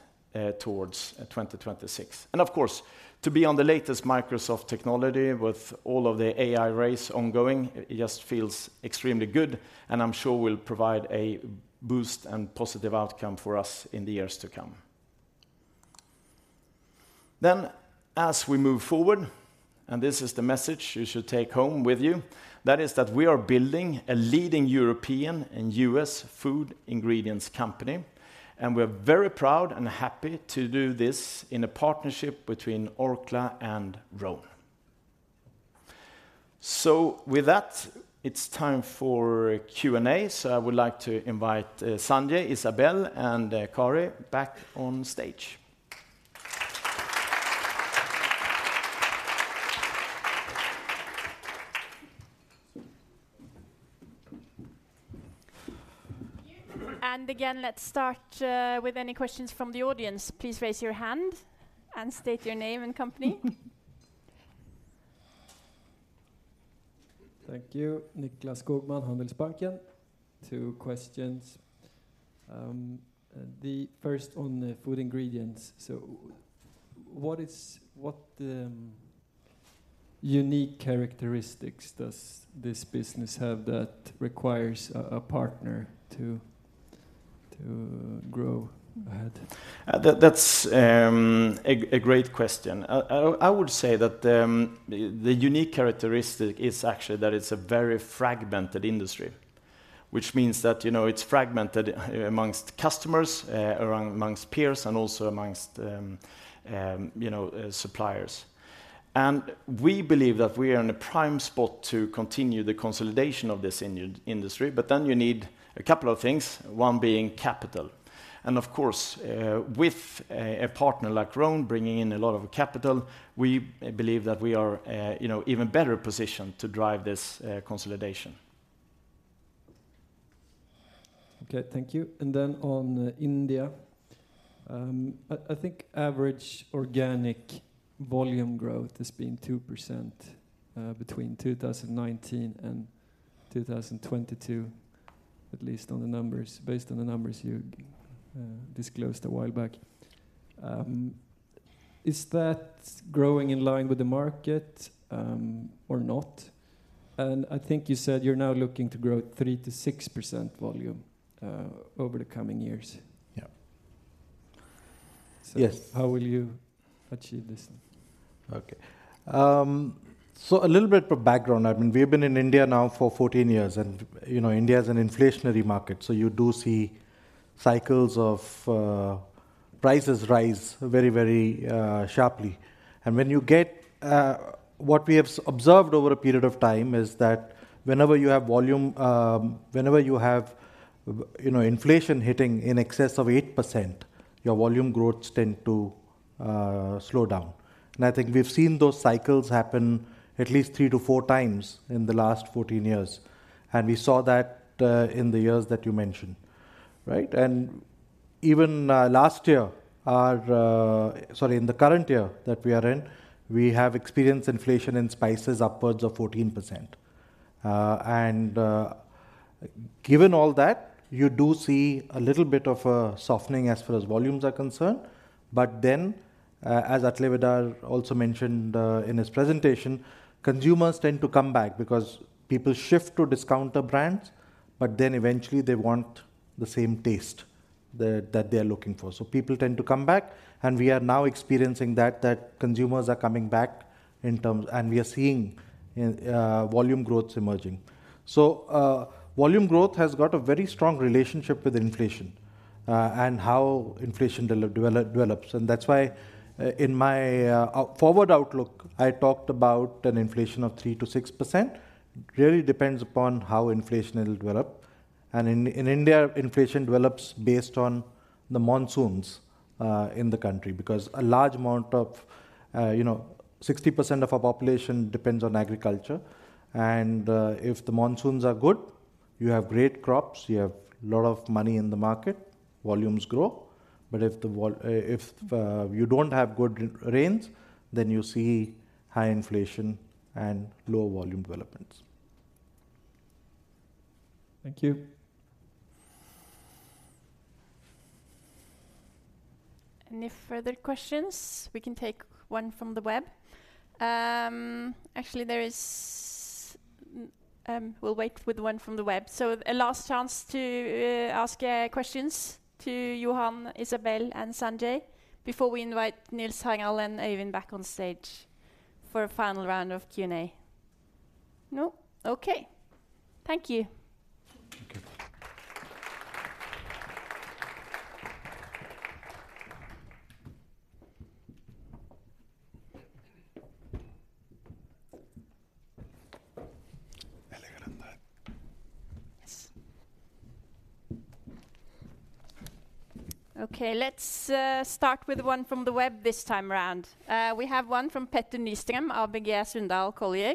towards 2026. Of course, to be on the latest Microsoft technology with all of the AI race ongoing, it just feels extremely good, and I'm sure will provide a boost and positive outcome for us in the years to come. Then, as we move forward, and this is the message you should take home with you, that is that we are building a leading European and U.S. food ingredients company, and we're very proud and happy to do this in a partnership between Orkla and Rhône. With that, it's time for Q&A. I would like to invite Sanjay, Isabelle, and Kari back on stage. Let's start with any questions from the audience. Please raise your hand and state your name and company. Thank you. Nicklas Skogman, Handelsbanken. Two questions. The first on the food ingredients: So what unique characteristics does this business have that requires a partner to- ... to grow ahead? That's a great question. I would say that the unique characteristic is actually that it's a very fragmented industry. Which means that, you know, it's fragmented amongst customers, amongst peers, and also amongst, you know, suppliers. And we believe that we are in a prime spot to continue the consolidation of this industry, but then you need a couple of things, one being capital. And of course, with a partner like Rhône bringing in a lot of capital, we believe that we are, you know, even better positioned to drive this consolidation. Okay, thank you. And then on India. I think average organic volume growth has been 2%, between 2019 and 2022, at least on the numbers based on the numbers you disclosed a while back. Is that growing in line with the market, or not? And I think you said you're now looking to grow 3%-6% volume over the coming years. Yes. So how will you achieve this? Okay. So a little bit of background. I mean, we've been in India now for 14 years, and, you know, India is an inflationary market, so you do see cycles of prices rise very, very sharply. And when you get... What we have observed over a period of time is that whenever you have volume, whenever you have, you know, inflation hitting in excess of 8%, your volume growths tend to slow down. And I think we've seen those cycles happen at least 3x-4x in the last 14 years, and we saw that in the years that you mentioned. Right? And even last year, our... Sorry, in the current year that we are in, we have experienced inflation in spices upwards of 14%. Given all that, you do see a little bit of a softening as far as volumes are concerned. But then, as Atle Vidar also mentioned, in his presentation, consumers tend to come back because people shift to discounter brands, but then eventually they want the same taste that they are looking for. So people tend to come back, and we are now experiencing that consumers are coming back in terms- and we are seeing volume growth emerging. So, volume growth has got a very strong relationship with inflation, and how inflation develops. And that's why, in my forward outlook, I talked about an inflation of 3%-6%. It really depends upon how inflation will develop. In India, inflation develops based on the monsoons in the country, because a large amount of, you know, 60% of our population depends on agriculture. And if the monsoons are good, you have great crops, you have a lot of money in the market, volumes grow. But if you don't have good rains, then you see high inflation and low volume developments. Thank you. Any further questions? We can take one from the web. Actually, we'll wait with one from the web. So a last chance to ask questions to Johan, Isabelle, and Sanjay before we invite Nils, Øyvind, and Harald back on stage for a final round of Q&A. No? Okay. Thank you. Thank you. Yes. Okay, let's start with one from the web this time around. We have one from Petter Nystrøm of ABG Sundal Collier.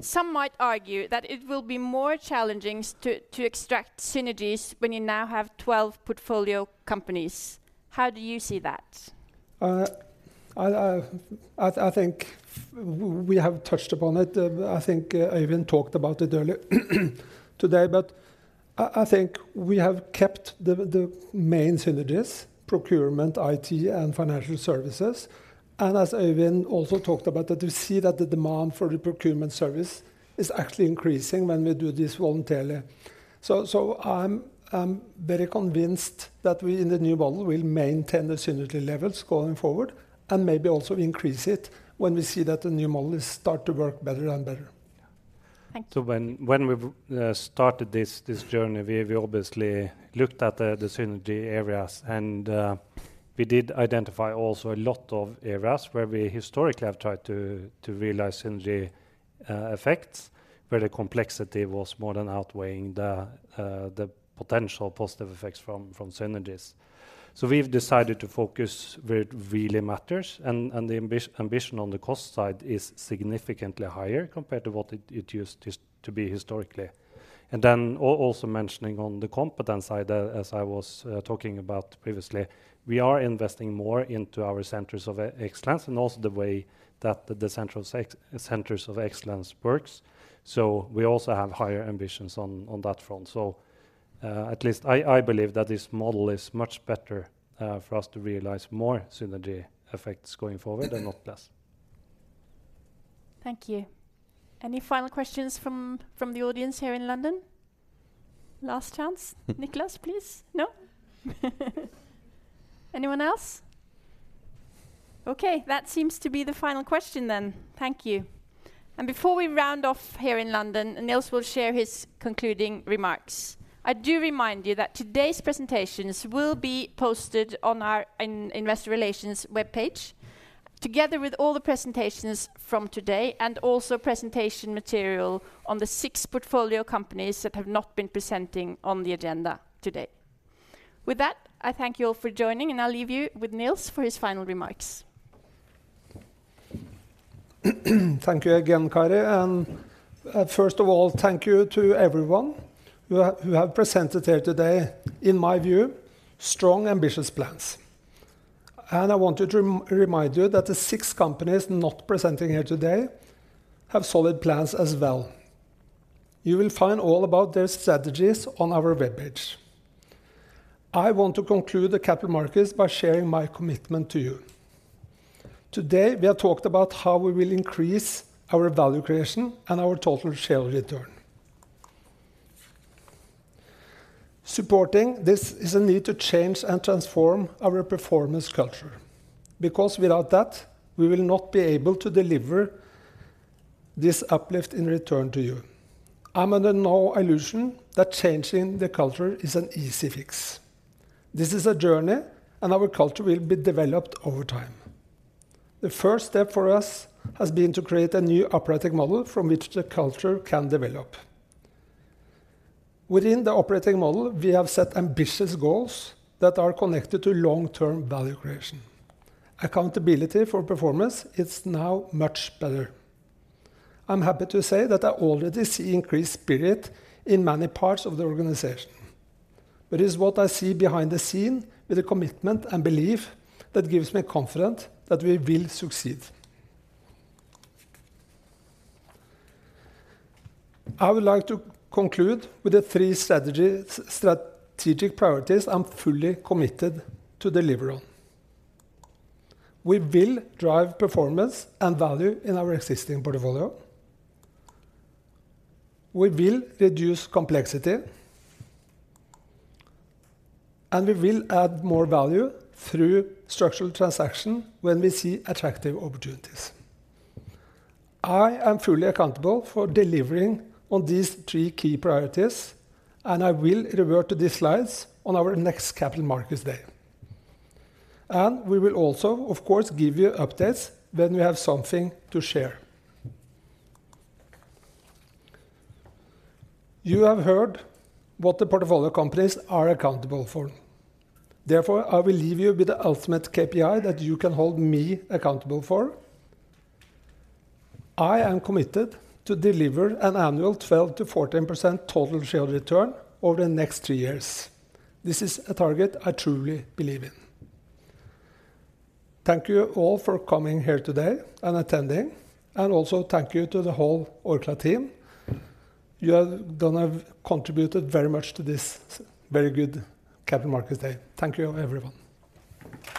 "Some might argue that it will be more challenging to, to extract synergies when you now have 12 portfolio companies. How do you see that? I think we have touched upon it. I think Øyvind talked about it earlier today, but I think we have kept the main synergies: Procurement, IT, and Financial Services. And as Øyvind also talked about, we see that the demand for the procurement service is actually increasing when we do this voluntarily. So I'm very convinced that we, in the new model, will maintain the synergy levels going forward and maybe also increase it when we see that the new model is start to work better and better. Thank you. So when we started this journey, we obviously looked at the synergy areas, and we did identify also a lot of areas where we historically have tried to realize synergy effects, where the complexity was more than outweighing the potential positive effects from synergies. So we've decided to focus where it really matters, and the ambition on the cost side is significantly higher compared to what it used to be historically. And then also mentioning on the competence side, as I was talking about previously, we are investing more into our centers of excellence and also the way that the central centers of excellence works. So we also have higher ambitions on that front. So, at least I believe that this model is much better for us to realize more synergy effects going forward and not less. Thank you. Any final questions from the audience here in London? Last chance. Nicholas, please? No? Anyone else? Okay, that seems to be the final question then. Thank you. And before we round off here in London, Nils will share his concluding remarks. I do remind you that today's presentations will be posted on our Investor Relations webpage, together with all the presentations from today, and also presentation material on the six portfolio companies that have not been presenting on the agenda today. With that, I thank you all for joining, and I'll leave you with Nils for his final remarks. Thank you again, Kari, and first of all, thank you to everyone who have presented here today, in my view, strong, ambitious plans. I wanted to remind you that the six companies not presenting here today have solid plans as well. You will find all about their strategies on our webpage. I want to conclude the capital markets by sharing my commitment to you. Today, we have talked about how we will increase our value creation and our total share return. Supporting this is a need to change and transform our performance culture, because without that, we will not be able to deliver this uplift in return to you. I'm under no illusion that changing the culture is an easy fix. This is a journey, and our culture will be developed over time. The first step for us has been to create a new operating model from which the culture can develop. Within the operating model, we have set ambitious goals that are connected to long-term value creation. Accountability for performance is now much better. I'm happy to say that I already see increased spirit in many parts of the organization. It is what I see behind the scene with a commitment and belief that gives me confidence that we will succeed. I would like to conclude with the three strategic priorities I'm fully committed to deliver on. We will drive performance and value in our existing portfolio. We will reduce complexity, and we will add more value through structural transaction when we see attractive opportunities. I am fully accountable for delivering on these three key priorities, and I will revert to these slides on our next Capital Markets Day. We will also, of course, give you updates when we have something to share. You have heard what the portfolio companies are accountable for. Therefore, I will leave you with the ultimate KPI that you can hold me accountable for. I am committed to deliver an annual 12%-14% total share return over the next three years. This is a target I truly believe in. Thank you all for coming here today and attending, and also thank you to the whole Orkla team. You have done contributed very much to this very good Capital Markets Day. Thank you, everyone.